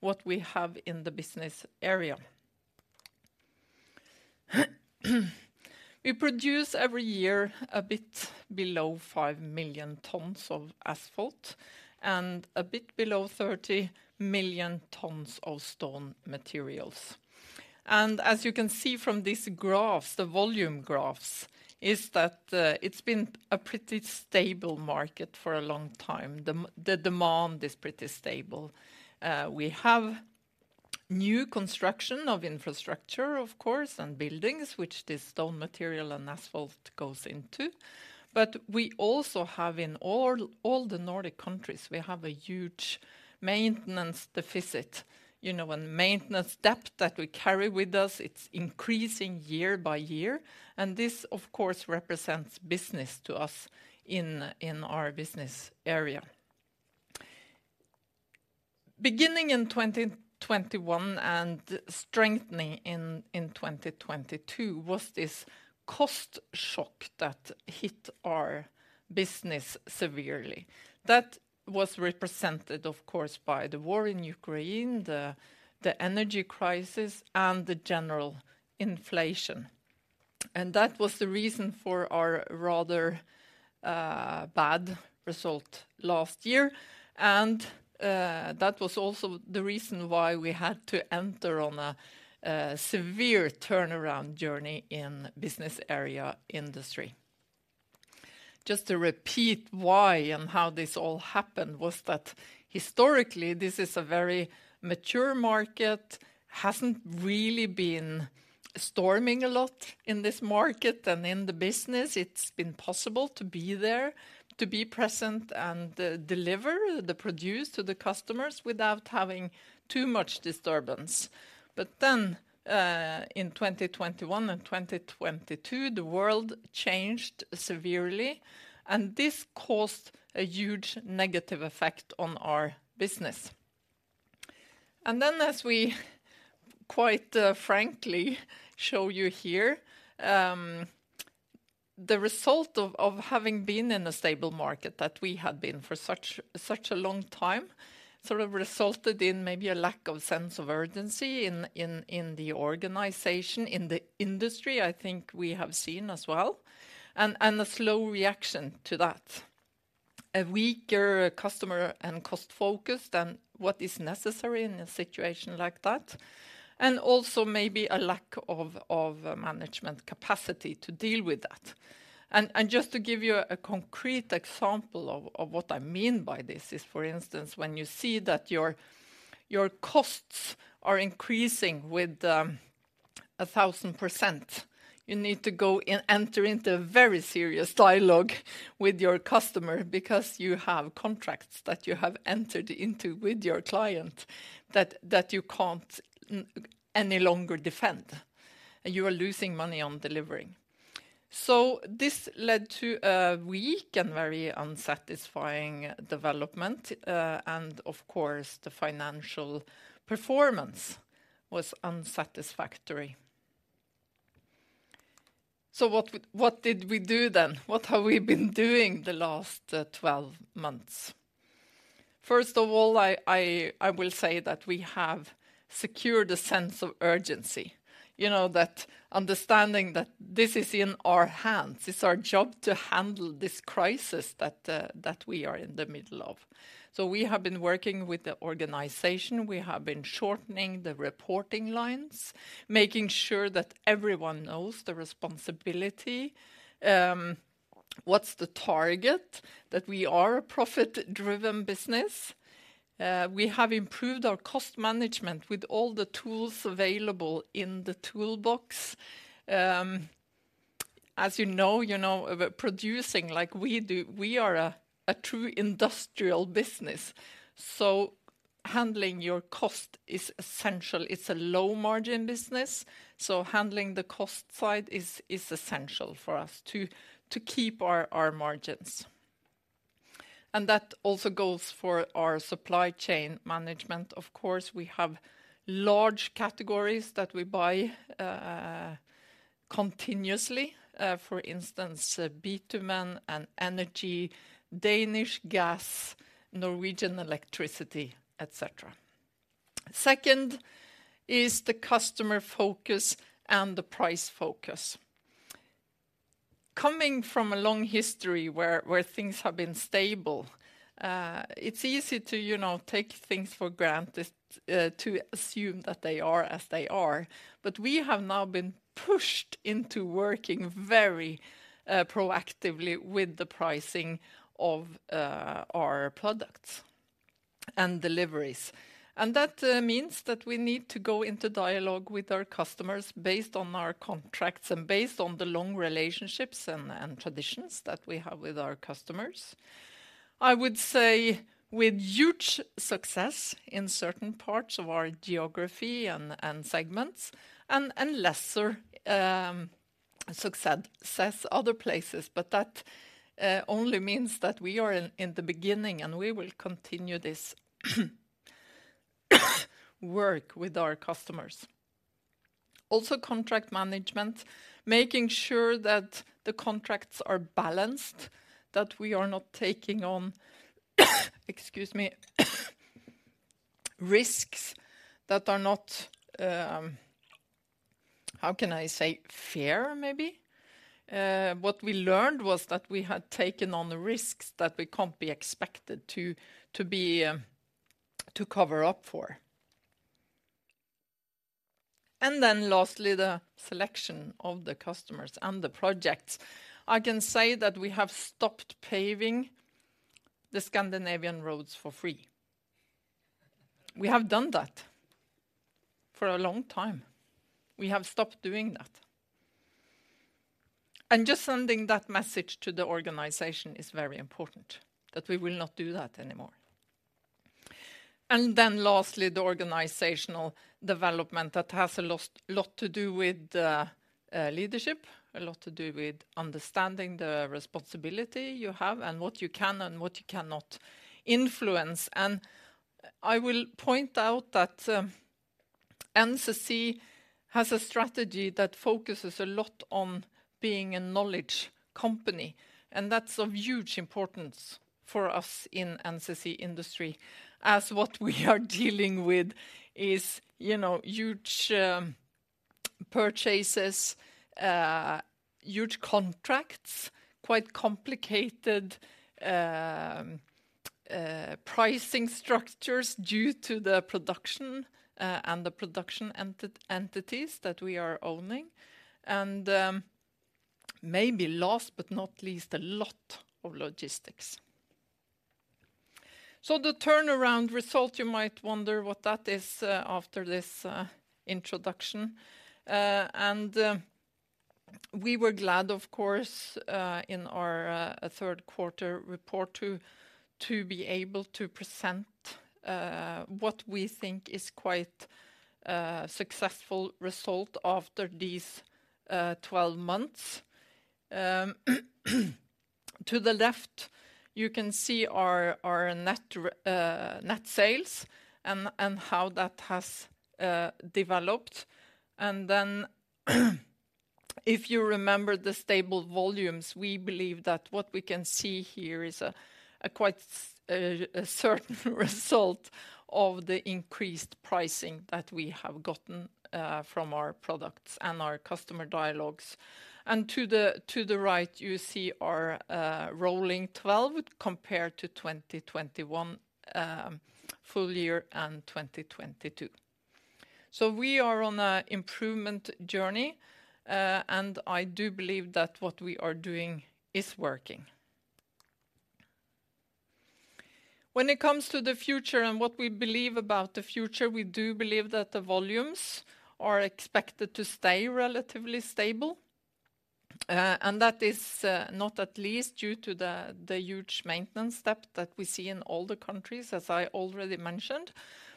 what we have in the business area. We produce every year a bit below 5 million tons of asphalt and a bit below 30 million tons of stone materials. And as you can see from these graphs, the volume graphs, is that it's been a pretty stable market for a long time. The demand is pretty stable. We have new construction of infrastructure, of course, and buildings, which this stone material and asphalt goes into. But we also have in all the Nordic countries, we have a huge maintenance deficit. You know, and maintenance depth that we carry with us, it's increasing year by year, and this, of course, represents business to us in, in our business area. Beginning in 2021 and strengthening in, in 2022 was this cost shock that hit our business severely. That was represented, of course, by the war in Ukraine, the, the energy crisis, and the general inflation. And that was the reason for our rather bad result last year. And that was also the reason why we had to enter on a, a severe turnaround Business Area Industry. just to repeat why and how this all happened was that historically, this is a very mature market, hasn't really been storming a lot in this market and in the business. It's been possible to be there, to be present and, deliver the produce to the customers without having too much disturbance. But then, in 2021 and 2022, the world changed severely, and this caused a huge negative effect on our business. And then, as we quite, frankly show you here, the result of, having been in a stable market that we had been for such a long time, sort of resulted in maybe a lack of sense of urgency in, the organization, in the Industry, I think we have seen as well, and a slow reaction to that. A weaker customer and cost focus than what is necessary in a situation like that, and also maybe a lack of, management capacity to deal with that. Just to give you a concrete example of what I mean by this is, for instance, when you see that your costs are increasing with 1,000%, you need to go and enter into a very serious dialogue with your customer because you have contracts that you have entered into with your client that you can't any longer defend, and you are losing money on delivering. So this led to a weak and very unsatisfying development, and of course, the financial performance was unsatisfactory. So what did we do then? What have we been doing the last 12 months? First of all, I will say that we have secured a sense of urgency. You know, that understanding that this is in our hands. It's our job to handle this crisis that we are in the middle of. So we have been working with the organization. We have been shortening the reporting lines, making sure that everyone knows the responsibility, what's the target, that we are a profit-driven business. We have improved our cost management with all the tools available in the toolbox. As you know, you know, producing like we do, we are a true industrial business, so handling your cost is essential. It's a low-margin business, so handling the cost side is essential for us to keep our margins. And that also goes for our supply chain management. Of course, we have large categories that we buy continuously, for instance, bitumen and energy, Danish gas, Norwegian electricity, et cetera. Second is the customer focus and the price focus. Coming from a long history where things have been stable, it's easy to, you know, take things for granted, to assume that they are as they are. But we have now been pushed into working very proactively with the pricing of our products and deliveries. And that means that we need to go into dialogue with our customers based on our contracts and based on the long relationships and traditions that we have with our customers. I would say with huge success in certain parts of our geography and segments, and lesser success other places. But that only means that we are in the beginning, and we will continue this work with our customers. Also, contract management, making sure that the contracts are balanced, that we are not taking on, excuse me, risks that are not, how can I say? Fair, maybe. What we learned was that we had taken on the risks that we can't be expected to, to be, to cover up for. And then lastly, the selection of the customers and the projects. I can say that we have stopped paving the Scandinavian roads for free. We have done that for a long time. We have stopped doing that. And just sending that message to the organization is very important, that we will not do that anymore. And then lastly, the organizational development that has a lot, lot to do with, leadership, a lot to do with understanding the responsibility you have, and what you can and what you cannot influence. I will point out that NCC has a strategy that focuses a lot on being a knowledge company, and that's of huge importance for us in NCC Industry, as what we are dealing with is, you know, huge purchases, huge contracts, quite complicated pricing structures due to the production and the production entities that we are owning. Maybe last but not least, a lot of logistics. So the turnaround result, you might wonder what that is, after this introduction. We were glad, of course, in our third quarter report to be able to present what we think is quite successful result after these 12 months. To the left, you can see our net sales and how that has developed. And then, if you remember the stable volumes, we believe that what we can see here is a quite certain result of the increased pricing that we have gotten from our products and our customer dialogues. And to the right, you see our rolling 12 compared to 2021 full year and 2022. So we are on a improvement journey, and I do believe that what we are doing is working. When it comes to the future and what we believe about the future, we do believe that the volumes are expected to stay relatively stable. And that is not at least due to the huge maintenance step that we see in all the countries, as I already mentioned,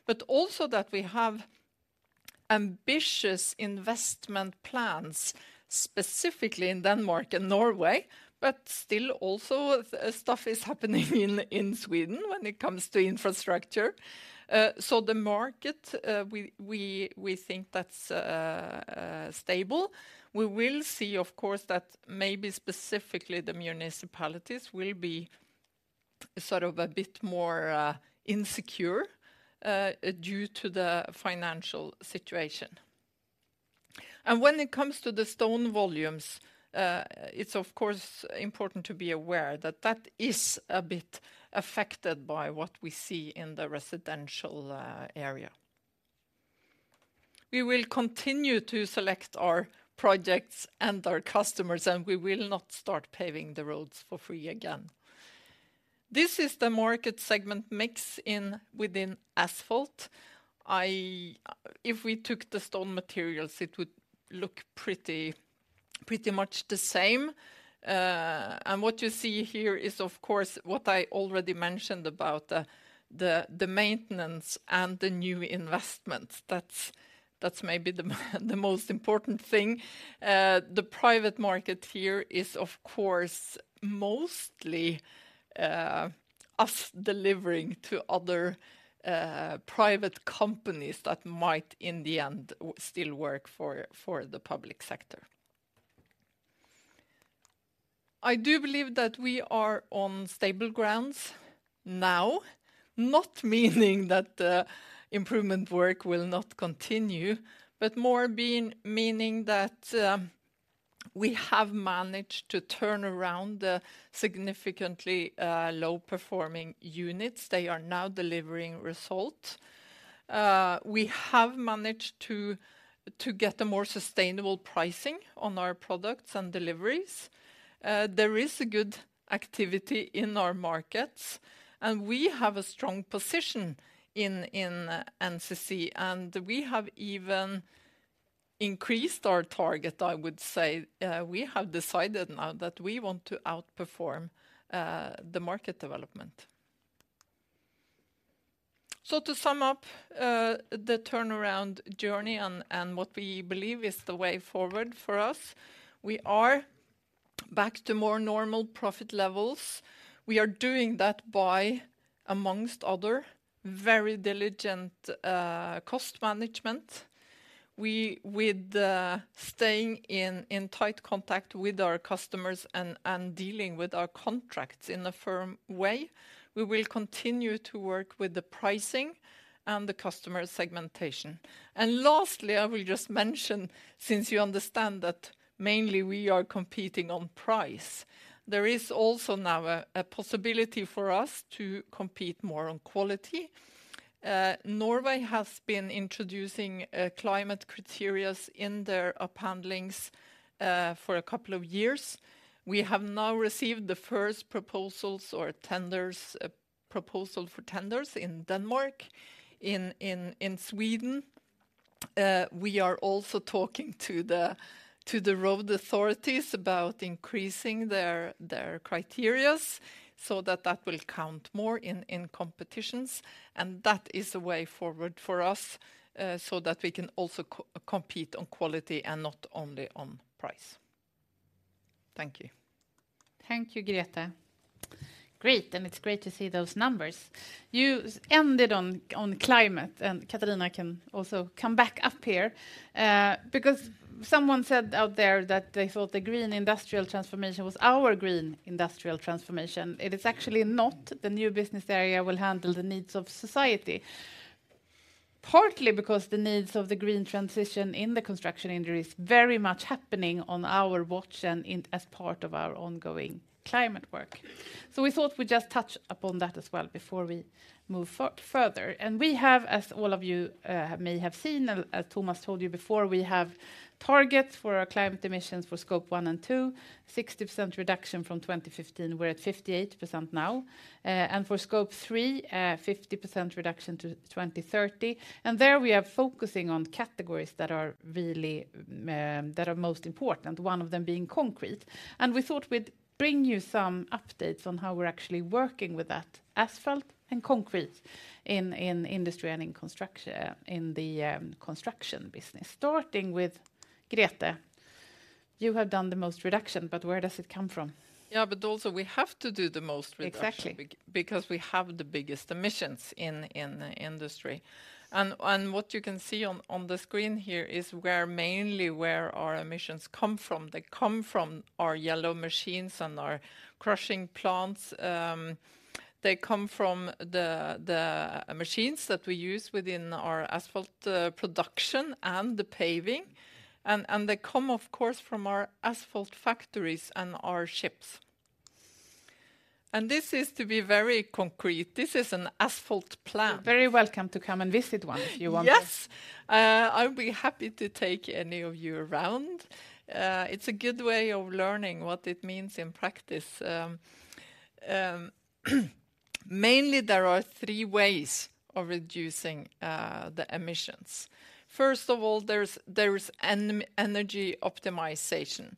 but also that we have ambitious investment plans, specifically in Denmark and Norway, but still also, stuff is happening in Sweden when it comes to Infrastructure. So the market, we think that's stable. We will see, of course, that maybe specifically the municipalities will be sort of a bit more insecure due to the financial situation. And when it comes to the stone volumes, it's of course important to be aware that that is a bit affected by what we see in the residential area. We will continue to select our projects and our customers, and we will not start paving the roads for free again. This is the market segment mix within asphalt. If we took the stone materials, it would look pretty, pretty much the same. What you see here is, of course, what I already mentioned about the maintenance and the new investments. That's maybe the most important thing. The private market here is, of course, mostly us delivering to other private companies that might, in the end, still work for the public sector. I do believe that we are on stable grounds now, not meaning that improvement work will not continue, but more meaning that we have managed to turn around the significantly low-performing units. They are now delivering result. We have managed to get a more sustainable pricing on our products and deliveries. There is a good activity in our markets, and we have a strong position in NCC, and we have increased our target, I would say, we have decided now that we want to outperform the market development. So to sum up, the turnaround journey and what we believe is the way forward for us, we are back to more normal profit levels. We are doing that by, among other, very diligent cost management. With staying in tight contact with our customers and dealing with our contracts in a firm way, we will continue to work with the pricing and the customer segmentation. And lastly, I will just mention, since you understand that mainly we are competing on price, there is also now a possibility for us to compete more on quality. Norway has been introducing climate criteria in their procurements for a couple of years. We have now received the first proposals for tenders in Denmark. In Sweden, we are also talking to the road authorities about increasing their criteria so that that will count more in competitions, and that is the way forward for us, so that we can also compete on quality and not only on price. Thank you. Thank you, Grete. Great, and it's great to see those numbers. You ended on climate, and Catarina can also come back up here, because someone said out there that they thought the green industrial transformation was our green industrial transformation. It is actually not. The new business area will handle the needs of society, partly because the needs of the green transition in the construction industry is very much happening on our watch and in as part of our ongoing climate work. So we thought we'd just touch upon that as well before we move further. And we have, as all of you may have seen, as Tomas told you before, we have targets for our climate emissions for Scope 1 and 2, 60% reduction from 2015. We're at 58% now. And for Scope 3, 50% reduction to 2030, and there we are focusing on categories that are really most important, one of them being concrete. And we thought we'd bring you some updates on how we're actually working with that asphalt and concrete in Industry and in the construction business. Starting with Grete, you have done the most reduction, but where does it come from? Yeah, but also we have to do the most reduction- Exactly... because we have the biggest emissions in the Industry. What you can see on the screen here is mainly where our emissions come from. They come from our yellow machines and our crushing plants. They come from the machines that we use within our asphalt production and the paving, and they come, of course, from our asphalt factories and our ships. This is to be very concrete. This is an asphalt plant. You're very welcome to come and visit one if you want. Yes. I'll be happy to take any of you around. It's a good way of learning what it means in practice. Mainly, there are three ways of reducing the emissions. First of all, there's energy optimization.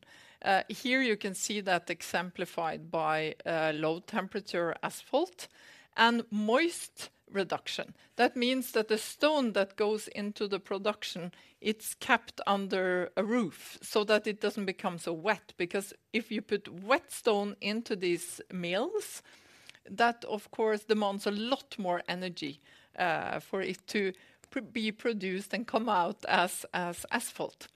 Here you can see that exemplified by low-temperature asphalt and moisture reduction. That means that the stone that goes into the production, it's kept under a roof so that it doesn't become so wet, because if you put wet stone into these mills, that, of course, demands a lot more energy for it to be produced and come out as asphalt.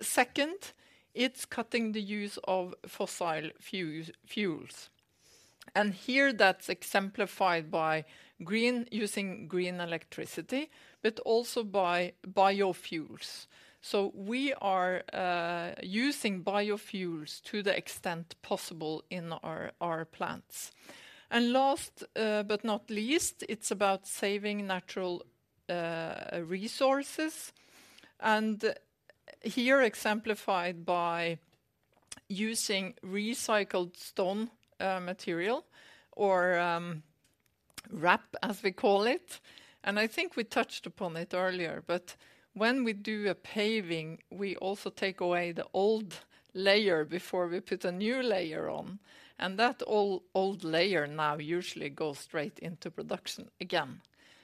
Second, it's cutting the use of fossil fuels, and here that's exemplified by using green electricity, but also by biofuels. So we are using biofuels to the extent possible in our plants. And last, but not least, it's about saving natural resources, and here exemplified by using recycled stone material or RAP, as we call it. And I think we touched upon it earlier, but when we do a paving, we also take away the old layer before we put a new layer on, and that old layer now usually goes straight into production again.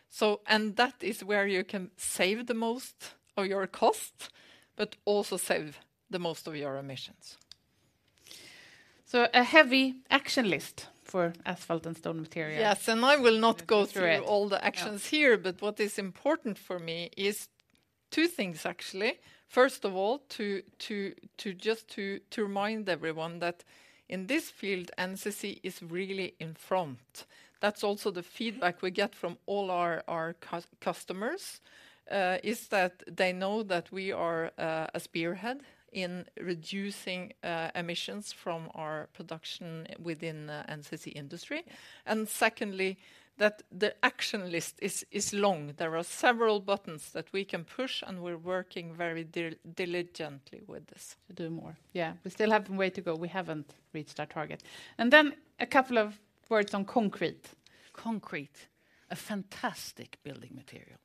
So and that is where you can save the most of your cost, but also save the most of your emissions. A heavy action list for asphalt and stone material. Yes, and I will not go- Correct... through all the actions here, but what is important for me is two things, actually. First of all, to just remind everyone that in this field, NCC is really in front. That's also the feedback we get from all our customers is that they know that we are a spearhead in reducing emissions from our production within the NCC Industry. And secondly, that the action list is long. There are several buttons that we can push, and we're working very diligently with this. To do more. Yeah, we still have a way to go. We haven't reached our target. Then a couple of words on concrete. Concrete. A fantastic building material.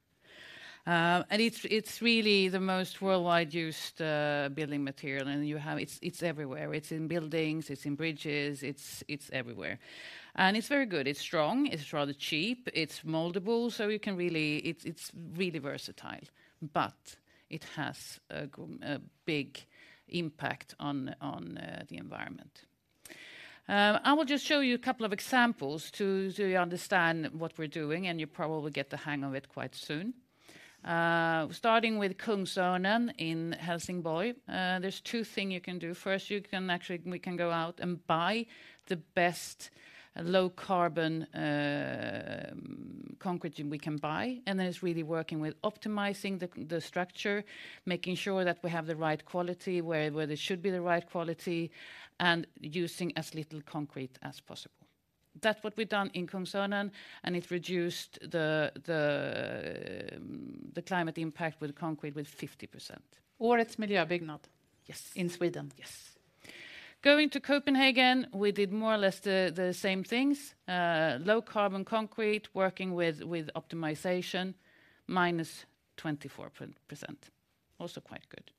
And it's really the most worldwide used building material, and you have—it's everywhere. It's in buildings, it's in bridges, it's everywhere, and it's very good. It's strong, it's rather cheap, it's moldable, so you can really—it's really versatile. But it has a big impact on the environment. I will just show you a couple of examples so you understand what we're doing, and you probably get the hang of it quite soon. Starting with Kungsörnen in Helsingborg, there's two thing you can do. First, you can actually—we can go out and buy the best low-carbon concrete we can buy, and then it's really working with optimizing the structure, making sure that we have the right quality, where there should be the right quality, and using as little concrete as possible. That's what we've done in Kungsörnen, and it reduced the climate impact with concrete with 50%. Årets Miljöbyggnad. Yes, in Sweden. Yes. Going to Copenhagen, we did more or less the same things, low-carbon concrete, working with optimization, minus 24%. Also quite good.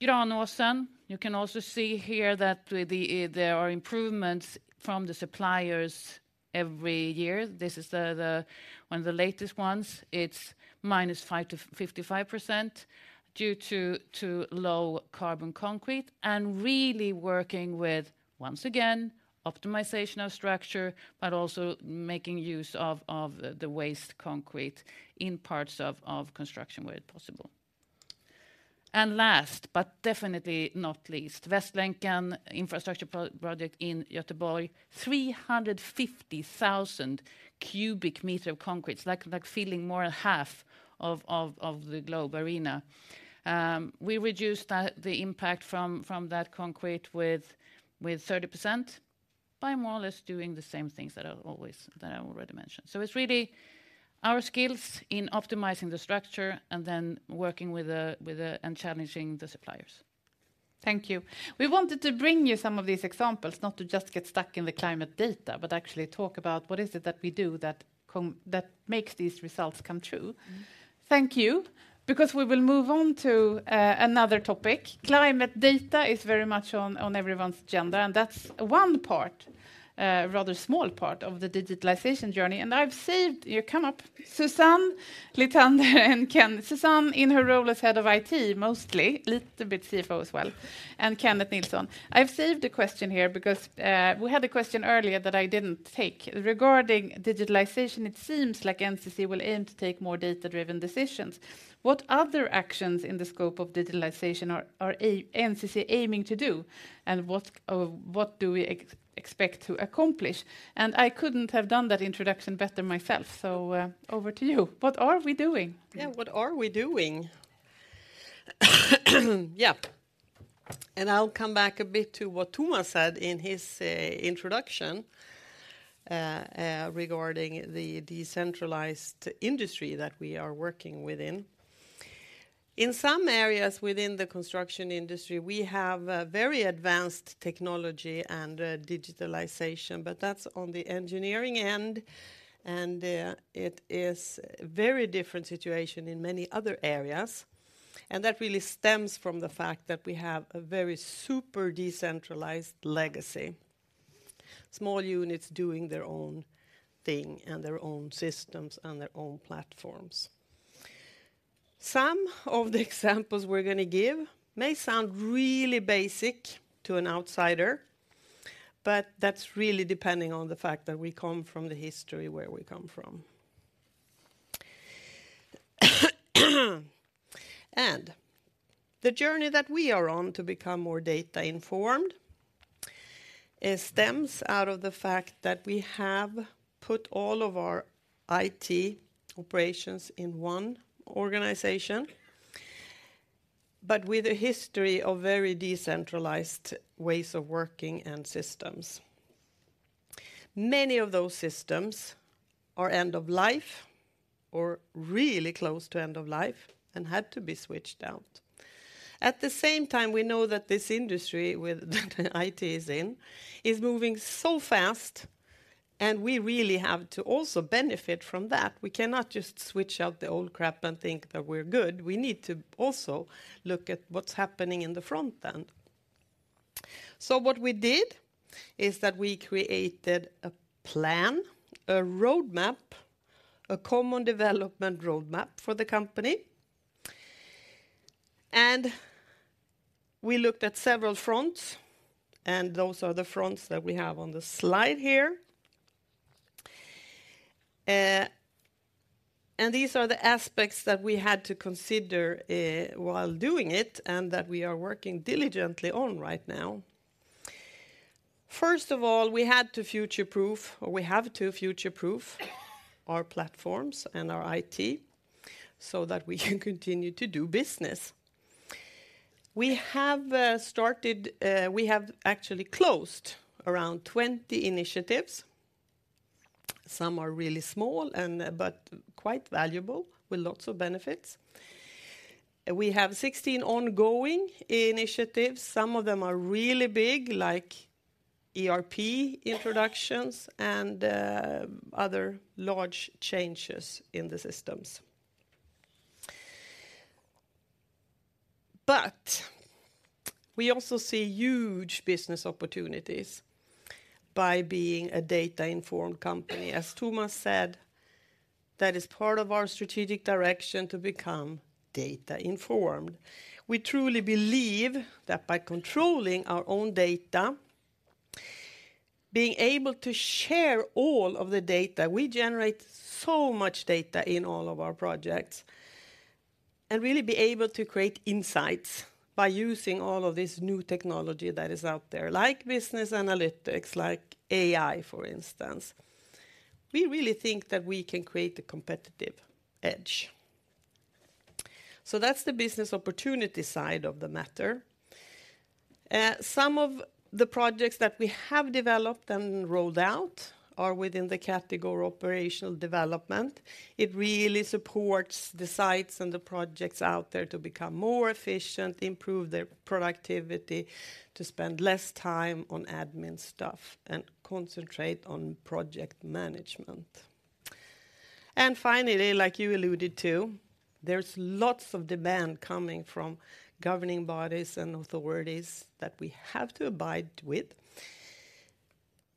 Granåsen, you can also see here that there are improvements from the suppliers every year. This is the one of the latest ones. It's minus 55% due to low-carbon concrete, and really working with, once again, optimization of structure, but also making use of the waste concrete in parts of construction where possible. And last, but definitely not least, Västlänken Infrastructure project in Göteborg, 350,000 cubic meters of concrete. It's like filling more than half of the Globe Arena. We reduced the impact from that concrete with 30% by more or less doing the same things that I already mentioned. So it's really our skills in optimizing the structure and then working with the and challenging the suppliers. Thank you. We wanted to bring you some of these examples, not to just get stuck in the climate data, but actually talk about what is it that we do that that makes these results come true. Thank you. Because we will move on to another topic. Climate data is very much on everyone's agenda, and that's one part, rather small part of the digitalization journey. And I've saved you. Come up, Susanne Lithander and Ken. Susanne, in her role as head of IT, mostly, little bit CFO as well, and Kenneth Nilsson. I've saved a question here because we had a question earlier that I didn't take. Regarding digitalization, it seems like NCC will aim to take more data-driven decisions. What other actions in the scope of digitalization are NCC aiming to do, and what do we expect to accomplish? I couldn't have done that introduction better myself, so, over to you. What are we doing? Yeah, what are we doing? Yeah, and I'll come back a bit to what Tomas said in his introduction regarding the decentralized industry that we are working within. In some areas within the construction industry, we have a very advanced technology and digitalization, but that's on the engineering end, and it is a very different situation in many other areas. That really stems from the fact that we have a very super decentralized legacy. Small units doing their own thing, and their own systems, and their own platforms. Some of the examples we're gonna give may sound really basic to an outsider, but that's really depending on the fact that we come from the history where we come from. The journey that we are on to become more data-informed, it stems out of the fact that we have put all of our IT operations in one organization, but with a history of very decentralized ways of working and systems. Many of those systems are end of life or really close to end of life and had to be switched out. At the same time, we know that this industry, with the IT is in, is moving so fast, and we really have to also benefit from that. We cannot just switch out the old crap and think that we're good. We need to also look at what's happening in the front end. So what we did is that we created a plan, a roadmap, a common development roadmap for the company, and we looked at several fronts, and those are the fronts that we have on the slide here. And these are the aspects that we had to consider while doing it, and that we are working diligently on right now. First of all, we had to future-proof, or we have to future-proof our platforms and our IT, so that we can continue to do business. We have actually closed around 20 initiatives. Some are really small, but quite valuable, with lots of benefits. And we have 16 ongoing initiatives. Some of them are really big, like ERP introductions and other large changes in the systems. But we also see huge business opportunities by being a data-informed company. As Tomas said, that is part of our strategic direction to become data-informed. We truly believe that by controlling our own data, being able to share all of the data, we generate so much data in all of our projects, and really be able to create insights by using all of this new technology that is out there, like business analytics, like AI, for instance. We really think that we can create a competitive edge. So that's the business opportunity side of the matter. Some of the projects that we have developed and rolled out are within the category operational development. It really supports the sites and the projects out there to become more efficient, improve their productivity, to spend less time on admin stuff, and concentrate on project management. And finally, like you alluded to, there's lots of demand coming from governing bodies and authorities that we have to abide with,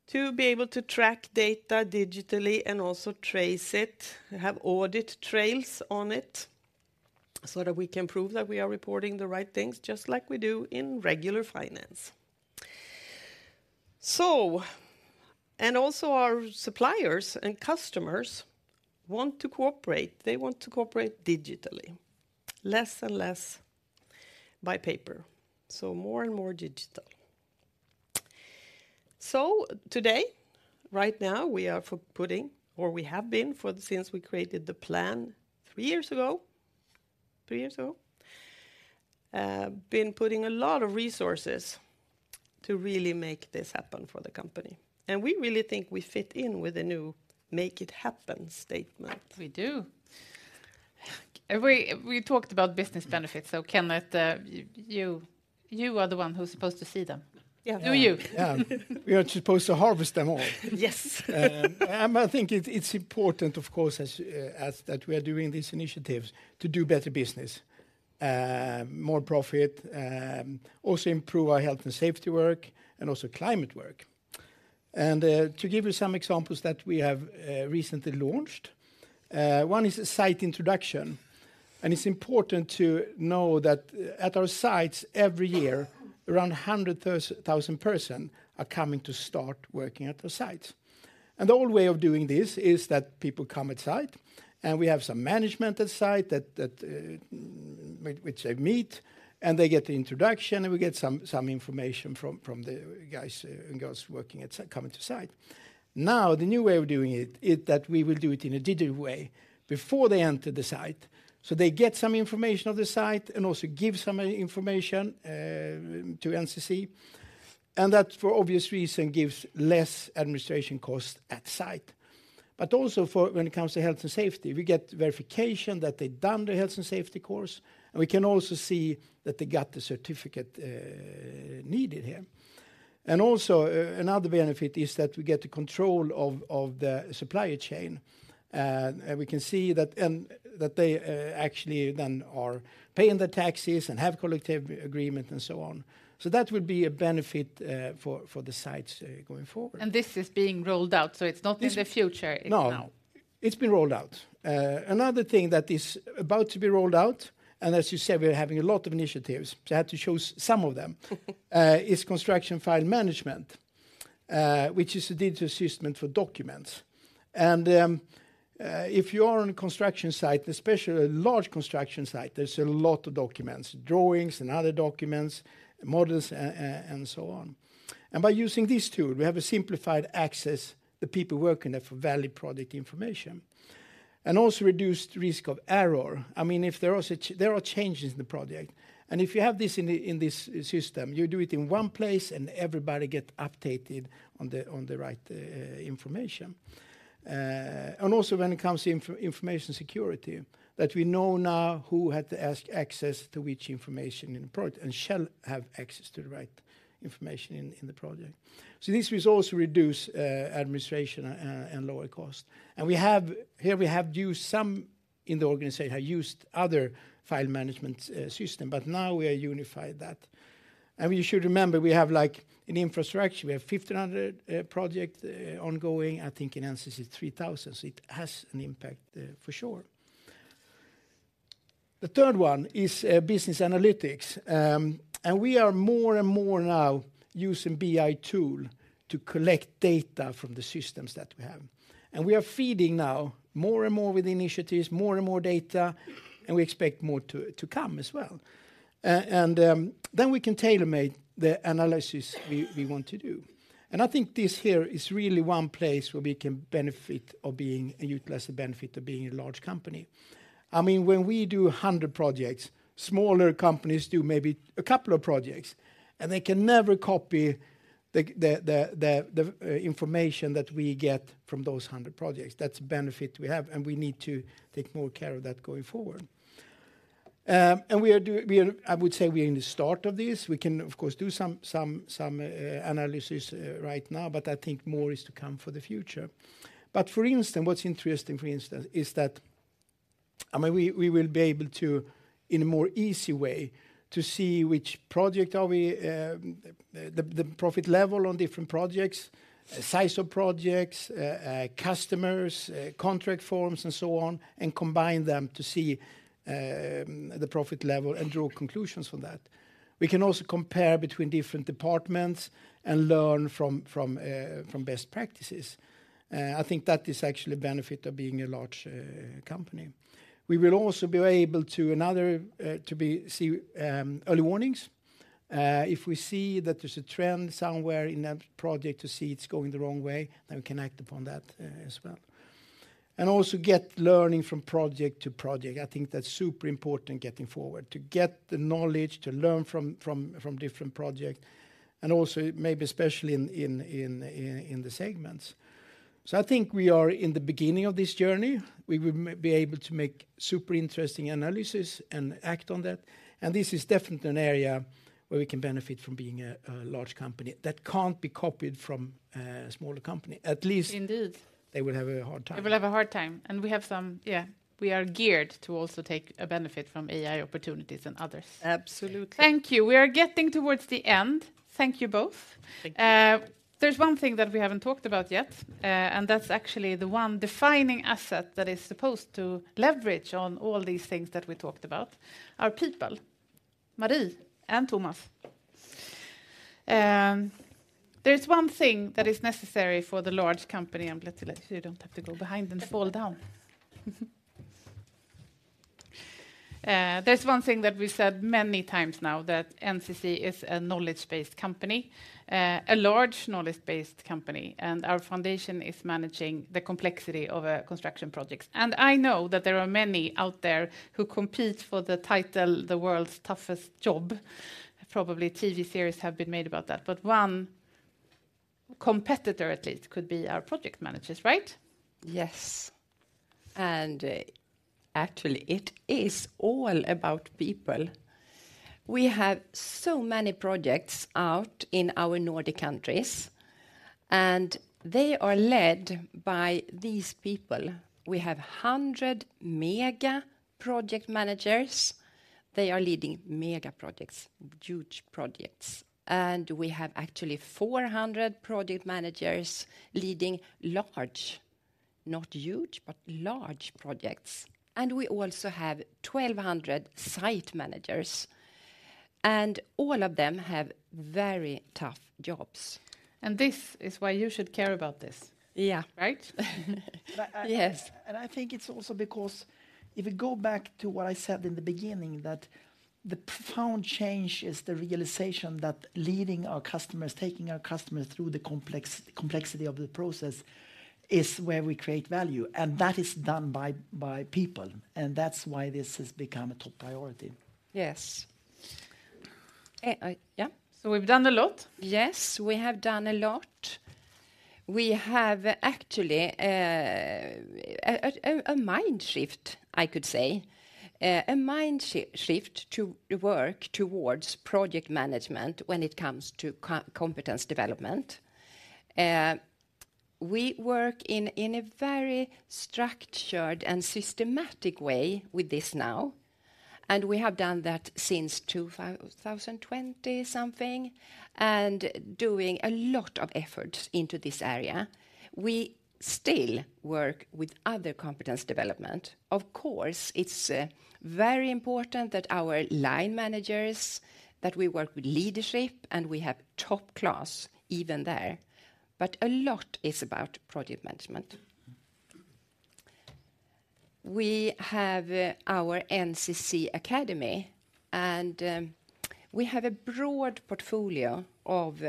to be able to track data digitally and also trace it, have audit trails on it, so that we can prove that we are reporting the right things, just like we do in regular finance. So, and also our suppliers and customers want to cooperate. They want to cooperate digitally, less and less by paper, so more and more digital. So today, right now, we are for putting, or we have been for—since we created the plan three years ago, three years ago, been putting a lot of resources to really make this happen for the company. We really think we fit in with the new Make It Happen statement. We do. We talked about business benefits, so Kenneth, you are the one who's supposed to see them. Yeah. Do you? Yeah. We are supposed to harvest them all. Yes. And I think it, it's important, of course, as, as that we are doing these initiatives to do better business, more profit, also improve our health and safety work, and also climate work. And, to give you some examples that we have, recently launched, one is a site introduction. And it's important to know that at our sites, every year, around 100,000 persons are coming to start working at the sites. And the old way of doing this is that people come at site, and we have some management at site that which they meet, and they get the introduction, and we get some information from the guys and girls working at site, coming to site. Now, the new way of doing it is that we will do it in a digital way before they enter the site. So they get some information of the site and also give some information to NCC, and that, for obvious reason, gives less administration costs at site. But also for when it comes to health and safety, we get verification that they've done the health and safety course, and we can also see that they got the certificate needed here. And also, another benefit is that we get the control of the supply chain, and we can see that they actually then are paying the taxes and have collective agreement and so on. So that would be a benefit for the sites going forward. This is being rolled out, so it's not in the future- No... it's now. It's been rolled out. Another thing that is about to be rolled out, and as you said, we're having a lot of initiatives, so I had to show some of them is construction file management, which is a digital system for documents. And if you are on a construction site, especially a large construction site, there's a lot of documents, drawings and other documents, models, and so on. And by using this tool, we have a simplified access, the people working there, for valid product information, and also reduced risk of error. I mean, if there are such there are changes in the project, and if you have this in the, in this system, you do it in one place, and everybody get updated on the, on the right, information. And also when it comes to information security, that we know now who had access to which information in the project, and shall have access to the right information in the project. So this will also reduce administration and lower cost. And we have used some in the organization, have used other file management system, but now we are unifying that. And you should remember, we have like an Infrastructure. We have 1,500 project ongoing. I think in NCC, 3,000. So it has an impact for sure. The third one is business analytics. And we are more and more now using BI tool to collect data from the systems that we have. We are feeding now more and more with initiatives, more and more data, and we expect more to come as well. Then we can tailor-make the analysis we want to do. I think this here is really one place where we can benefit of being—utilize the benefit of being a large company. I mean, when we do 100 projects, smaller companies do maybe a couple of projects, and they can never copy the information that we get from those 100 projects. That's the benefit we have, and we need to take more care of that going forward. I would say we are in the start of this. We can, of course, do some analysis right now, but I think more is to come for the future. But for instance, what's interesting, for instance, is that, I mean, we will be able to, in a more easy way, to see which project are we the profit level on different projects, size of projects, customers, contract forms, and so on, and combine them to see the profit level and draw conclusions from that. We can also compare between different departments and learn from best practices. I think that is actually a benefit of being a large company. We will also be able to see early warnings. If we see that there's a trend somewhere in that project, to see it's going the wrong way, then we can act upon that, as well. And also get learning from project to project. I think that's super important getting forward, to get the knowledge, to learn from different project, and also, maybe especially in the segments. So I think we are in the beginning of this journey. We will be able to make super interesting analysis and act on that, and this is definitely an area where we can benefit from being a large company that can't be copied from a smaller company. At least- Indeed. They will have a hard time. They will have a hard time, and we have some... Yeah, we are geared to also take a benefit from AI opportunities and others. Absolutely. Thank you. We are getting towards the end. Thank you both. Thank you. There's one thing that we haven't talked about yet, and that's actually the one defining asset that is supposed to leverage on all these things that we talked about, our people. Marie and Tomas. There's one thing that is necessary for the large company, and let's, let's, you don't have to go behind and fall down. There's one thing that we've said many times now, that NCC is a knowledge-based company, a large knowledge-based company, and our foundation is managing the complexity of construction projects. And I know that there are many out there who compete for the title, "The World's Toughest Job." Probably TV series have been made about that, but one competitor, at least, could be our project managers, right? Yes, and actually, it is all about people. We have so many projects out in our Nordic countries, and they are led by these people. We have 100 mega project managers. They are leading mega projects, huge projects, and we have actually 400 project managers leading large, not huge, but large projects. And we also have 1,200 site managers, and all of them have very tough jobs. This is why you should care about this. Yeah. Right? Yes. I think it's also because if you go back to what I said in the beginning, that the profound change is the realization that leading our customers, taking our customers through the complexity of the process, is where we create value, and that is done by people, and that's why this has become a top priority. Yes. Yeah. We've done a lot? Yes, we have done a lot. We have actually a mind shift, I could say, a mind shift to work towards project management when it comes to competence development. We work in a very structured and systematic way with this now, and we have done that since 2020 something, and doing a lot of effort into this area. We still work with other competence development. Of course, it's very important that our line managers, that we work with leadership, and we have top class even there, but a lot is about project management. We have our NCC Academy, and we have a broad portfolio of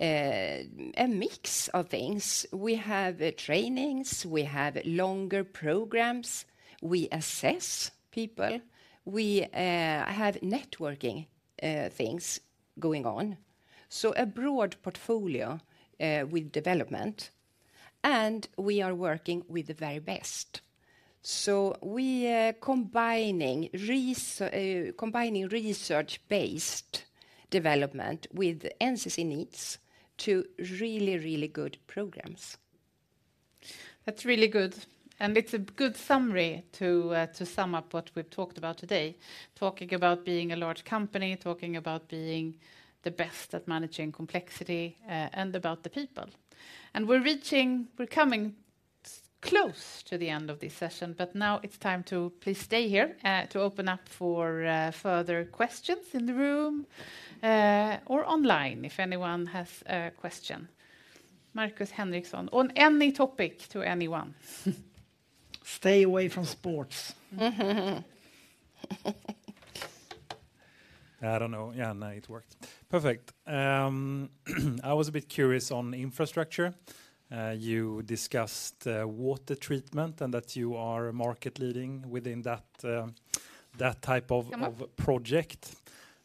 a mix of things. We have trainings, we have longer programs, we assess people- Yeah... we have networking things going on. So a broad portfolio with development, and we are working with the very best. So we are combining research-based development with NCC needs to really, really good programs. That's really good, and it's a good summary to sum up what we've talked about today. Talking about being a large company, talking about being the best at managing complexity, and about the people. And we're coming close to the end of this session, but now it's time to please stay here to open up for further questions in the room or online, if anyone has a question. Markus Henriksson, on any topic to anyone. Stay away from sports. I don't know. Yeah, no, it worked. Perfect. I was a bit curious on Infrastructure. You discussed water treatment and that you are market leading within that type of project.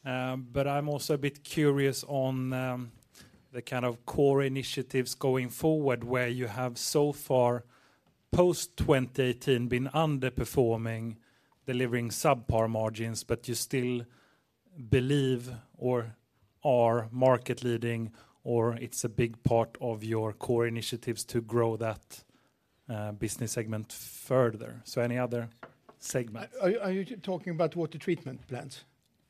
But I'm also a bit curious on the kind of core initiatives going forward, where you have so far, post 2018, been underperforming, delivering subpar margins, but you still believe or are market leading, or it's a big part of your core initiatives to grow that business segment further. So any other segments? Are you talking about water treatment plants?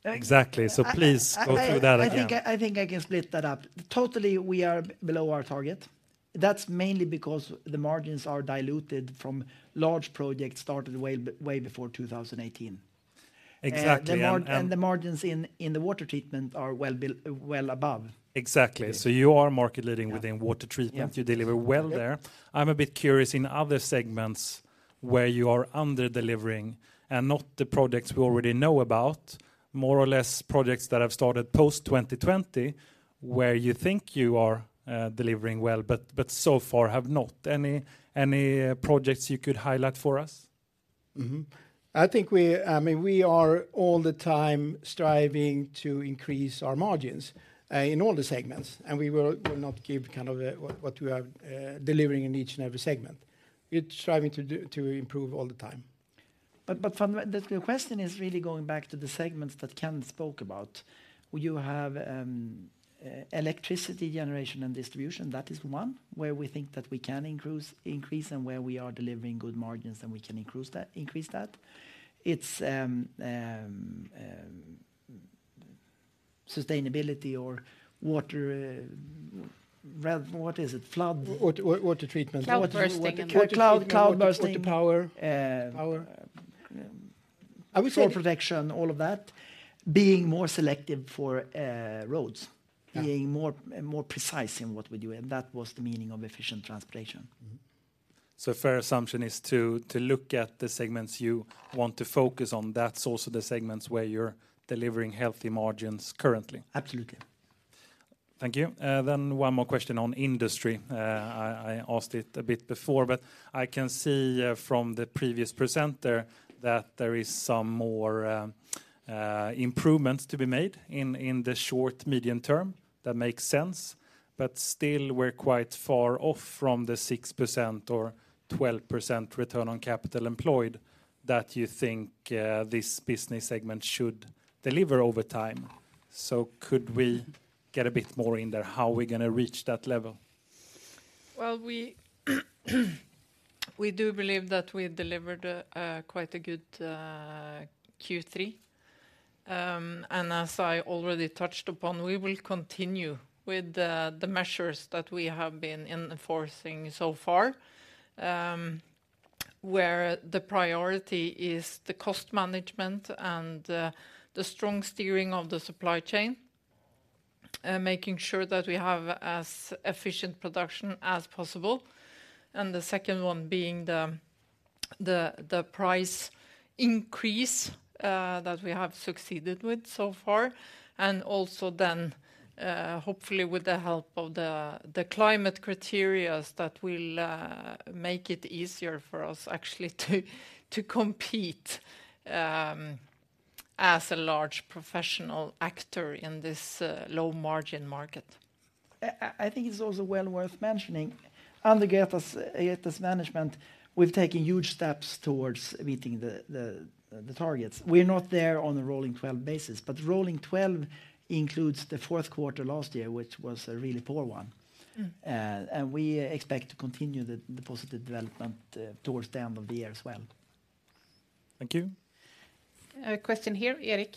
Exactly. So please go through that again. I think I can split that up. Totally, we are below our target. That's mainly because the margins are diluted from large projects started way before 2018. Exactly, and The margins in the water treatment are well built, well above. Exactly. So you are market leading- Yeah within water treatment. Yeah. You deliver well there. I'm a bit curious, in other segments where you are under-delivering, and not the projects we already know about, more or less projects that have started post 2020, where you think you are delivering well, but so far have not. Any projects you could highlight for us? I think we—I mean, we are all the time striving to increase our margins in all the segments, and we will not give kind of what we are delivering in each and every segment. We're striving to improve all the time. But from the... The question is really going back to the segments that Ken spoke about. You have electricity generation and distribution. That is one, where we think that we can increase, and where we are delivering good margins, and we can increase that. It's sustainability or water, well, what is it? Flood- Water, water, water treatment. Cloud bursting. Cloud, cloud burst. Water to power. Uh, power. Soil protection, all of that. Being more selective for, roads. Yeah. Being more precise in what we do, and that was the meaning of efficient transportation. So fair assumption is to look at the segments you want to focus on. That's also the segments where you're delivering healthy margins currently? Absolutely. Thank you. Then one more question on Industry. I asked it a bit before, but I can see from the previous presenter that there is some more improvements to be made in the short, medium term. That makes sense. But still, we're quite far off from the 6% or 12% return on capital employed that you think this business segment should deliver over time. So could we get a bit more in there, how are we gonna reach that level? Well, we do believe that we delivered a quite good Q3. And as I already touched upon, we will continue with the measures that we have been enforcing so far, where the priority is the cost management and the strong steering of the supply chain, making sure that we have as efficient production as possible. And the second one being the price increase that we have succeeded with so far, and also then hopefully with the help of the climate criteria, that will make it easier for us actually to compete as a large professional actor in this low-margin market. I think it's also well worth mentioning, under Grete's management, we've taken huge steps towards meeting the targets. We're not there on a rolling 12 basis, but rolling 12 includes the fourth quarter last year, which was a really poor one. We expect to continue the positive development towards the end of the year as well. Thank you. Question here, Erik.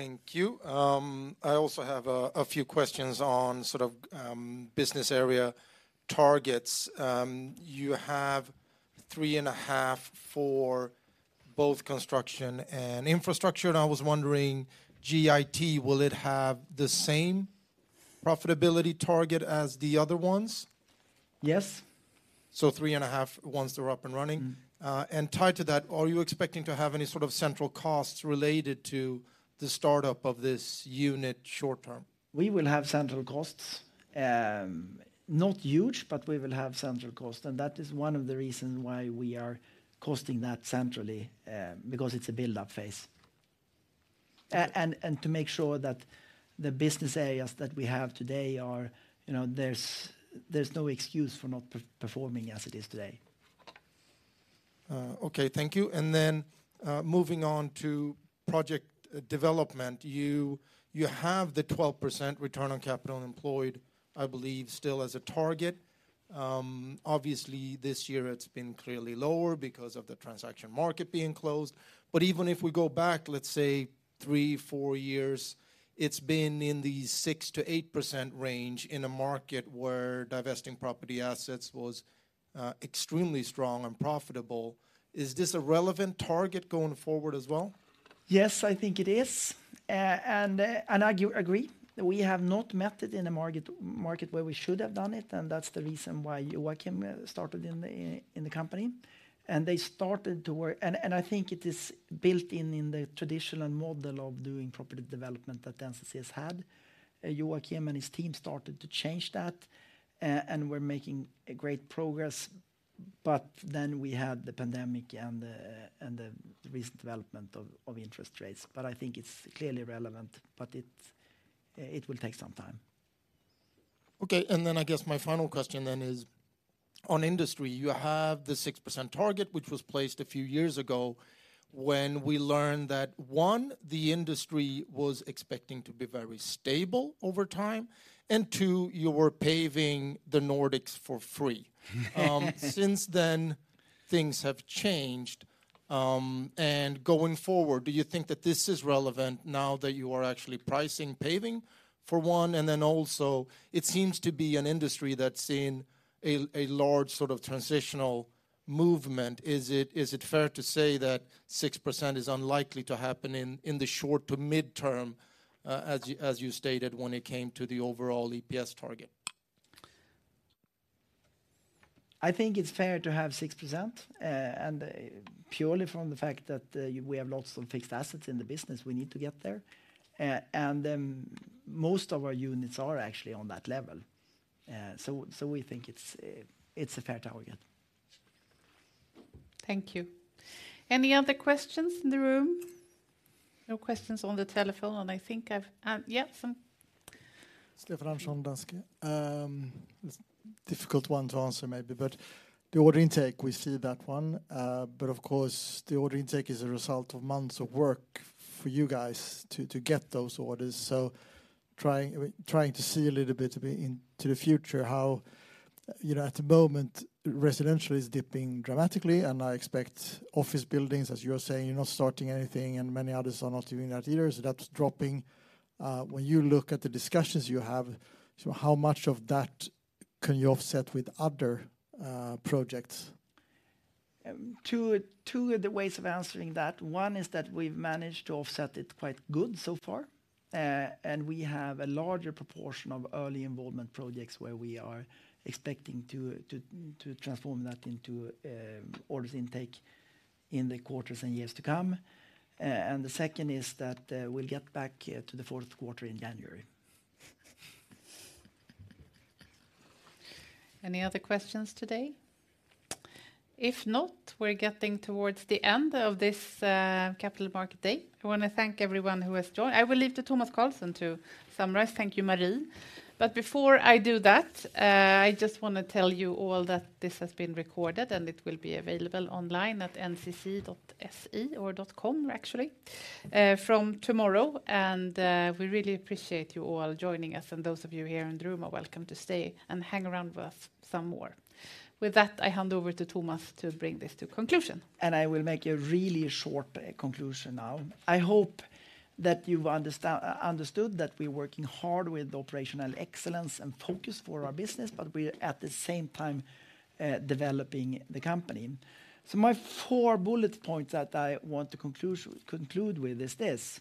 Thank you. I also have a few questions on sort of business area targets. You have 3.5 for both construction and Infrastructure, and I was wondering, GIT, will it have the same profitability target as the other ones? Yes. 3.5, once they're up and running? Tied to that, are you expecting to have any sort of central costs related to the startup of this unit short term? We will have central costs. Not huge, but we will have central cost, and that is one of the reason why we are costing that centrally, because it's a build-up phase. And to make sure that the business areas that we have today are, you know, there's no excuse for not performing as it is today. Okay. Thank you, and then, moving on to project development, you have the 12% return on capital employed, I believe, still as a target. Obviously, this year it's been clearly lower because of the transaction market being closed. But even if we go back, let's say, 3-4 years, it's been in the 6%-8% range in a market where divesting property assets was extremely strong and profitable. Is this a relevant target going forward as well? Yes, I think it is, and I agree. We have not met it in a market where we should have done it, and that's the reason why Joachim started in the company. And they started to work. And I think it is built in the Property Development that NCC has had. Joachim and his team started to change that, and we're making a great progress, but then we had the pandemic and the recent development of interest rates. But I think it's clearly relevant, but it will take some time. Okay, and then I guess my final question is on Industry. You have the 6% target, which was placed a few years ago, when we learned that, one, the Industry was expecting to be very stable over time, and two, you were paving the Nordics for free. Since then, things have changed. And going forward, do you think that this is relevant now that you are actually pricing paving, for one? And then also, it seems to be an Industry that's seen a large sort of transitional movement. Is it fair to say that 6% is unlikely to happen in the short to midterm, as you stated, when it came to the overall EPS target? I think it's fair to have 6%, and purely from the fact that we have lots of fixed assets in the business, we need to get there. Most of our units are actually on that level. So we think it's a fair target. Thank you. Any other questions in the room? No questions on the telephone, and I think, yeah, some. Stefan from Danske. It's difficult one to answer maybe, but the order intake, we see that one. But of course, the order intake is a result of months of work for you guys to, to get those orders. Trying to see a little bit into the future how, you know, at the moment, residential is dipping dramatically, and I expect office buildings, as you are saying, you're not starting anything, and many others are not doing that either, so that's dropping. When you look at the discussions you have, so how much of that can you offset with other projects? Two of the ways of answering that. One is that we've managed to offset it quite good so far. And we have a larger proportion of early involvement projects where we are expecting to transform that into orders intake in the quarters and years to come. And the second is that we'll get back to the fourth quarter in January. Any other questions today? If not, we're getting towards the end of this Capital Market Day. I wanna thank everyone who has joined. I will leave to Tomas Carlsson to summarize. Thank you, Marie. But before I do that, I just wanna tell you all that this has been recorded, and it will be available online at NCC.se or .com, actually, from tomorrow. And we really appreciate you all joining us, and those of you here in the room are welcome to stay and hang around with us some more. With that, I hand over to Tomas to bring this to conclusion. And I will make a really short conclusion now. I hope that you've understood that we're working hard with operational excellence and focus for our business, but we're, at the same time, developing the company. So my four bullet points that I want to conclude with is this: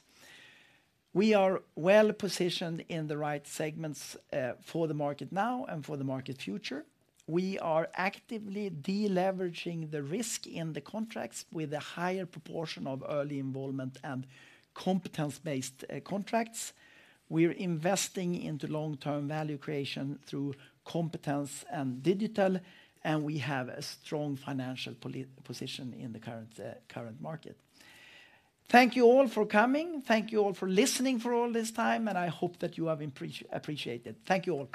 We are well positioned in the right segments for the market now and for the market future. We are actively deleveraging the risk in the contracts with a higher proportion of early involvement and competence-based contracts. We're investing into long-term value creation through competence and digital, and we have a strong financial position in the current current market. Thank you all for coming. Thank you all for listening for all this time, and I hope that you have appreciated. Thank you all.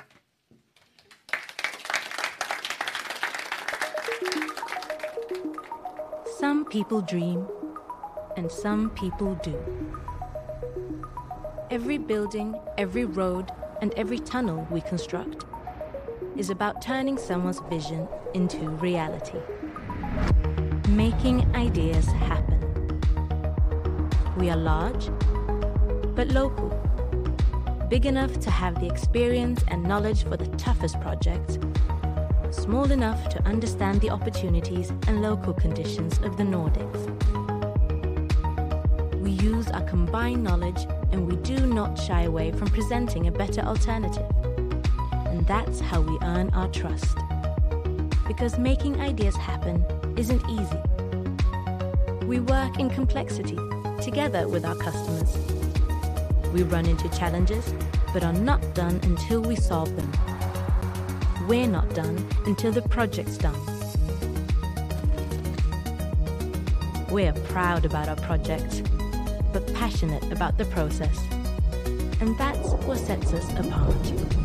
Some people dream, and some people do. Every building, every road, and every tunnel we construct is about turning someone's vision into reality, making ideas happen. We are large, but local. Big enough to have the experience and knowledge for the toughest projects, small enough to understand the opportunities and local conditions of the Nordics. We use our combined knowledge, and we do not shy away from presenting a better alternative, and that's how we earn our trust. Because making ideas happen isn't easy. We work in complexity together with our customers. We run into challenges but are not done until we solve them. We're not done until the project's done. We are proud about our projects, but passionate about the process, and that's what sets us apart.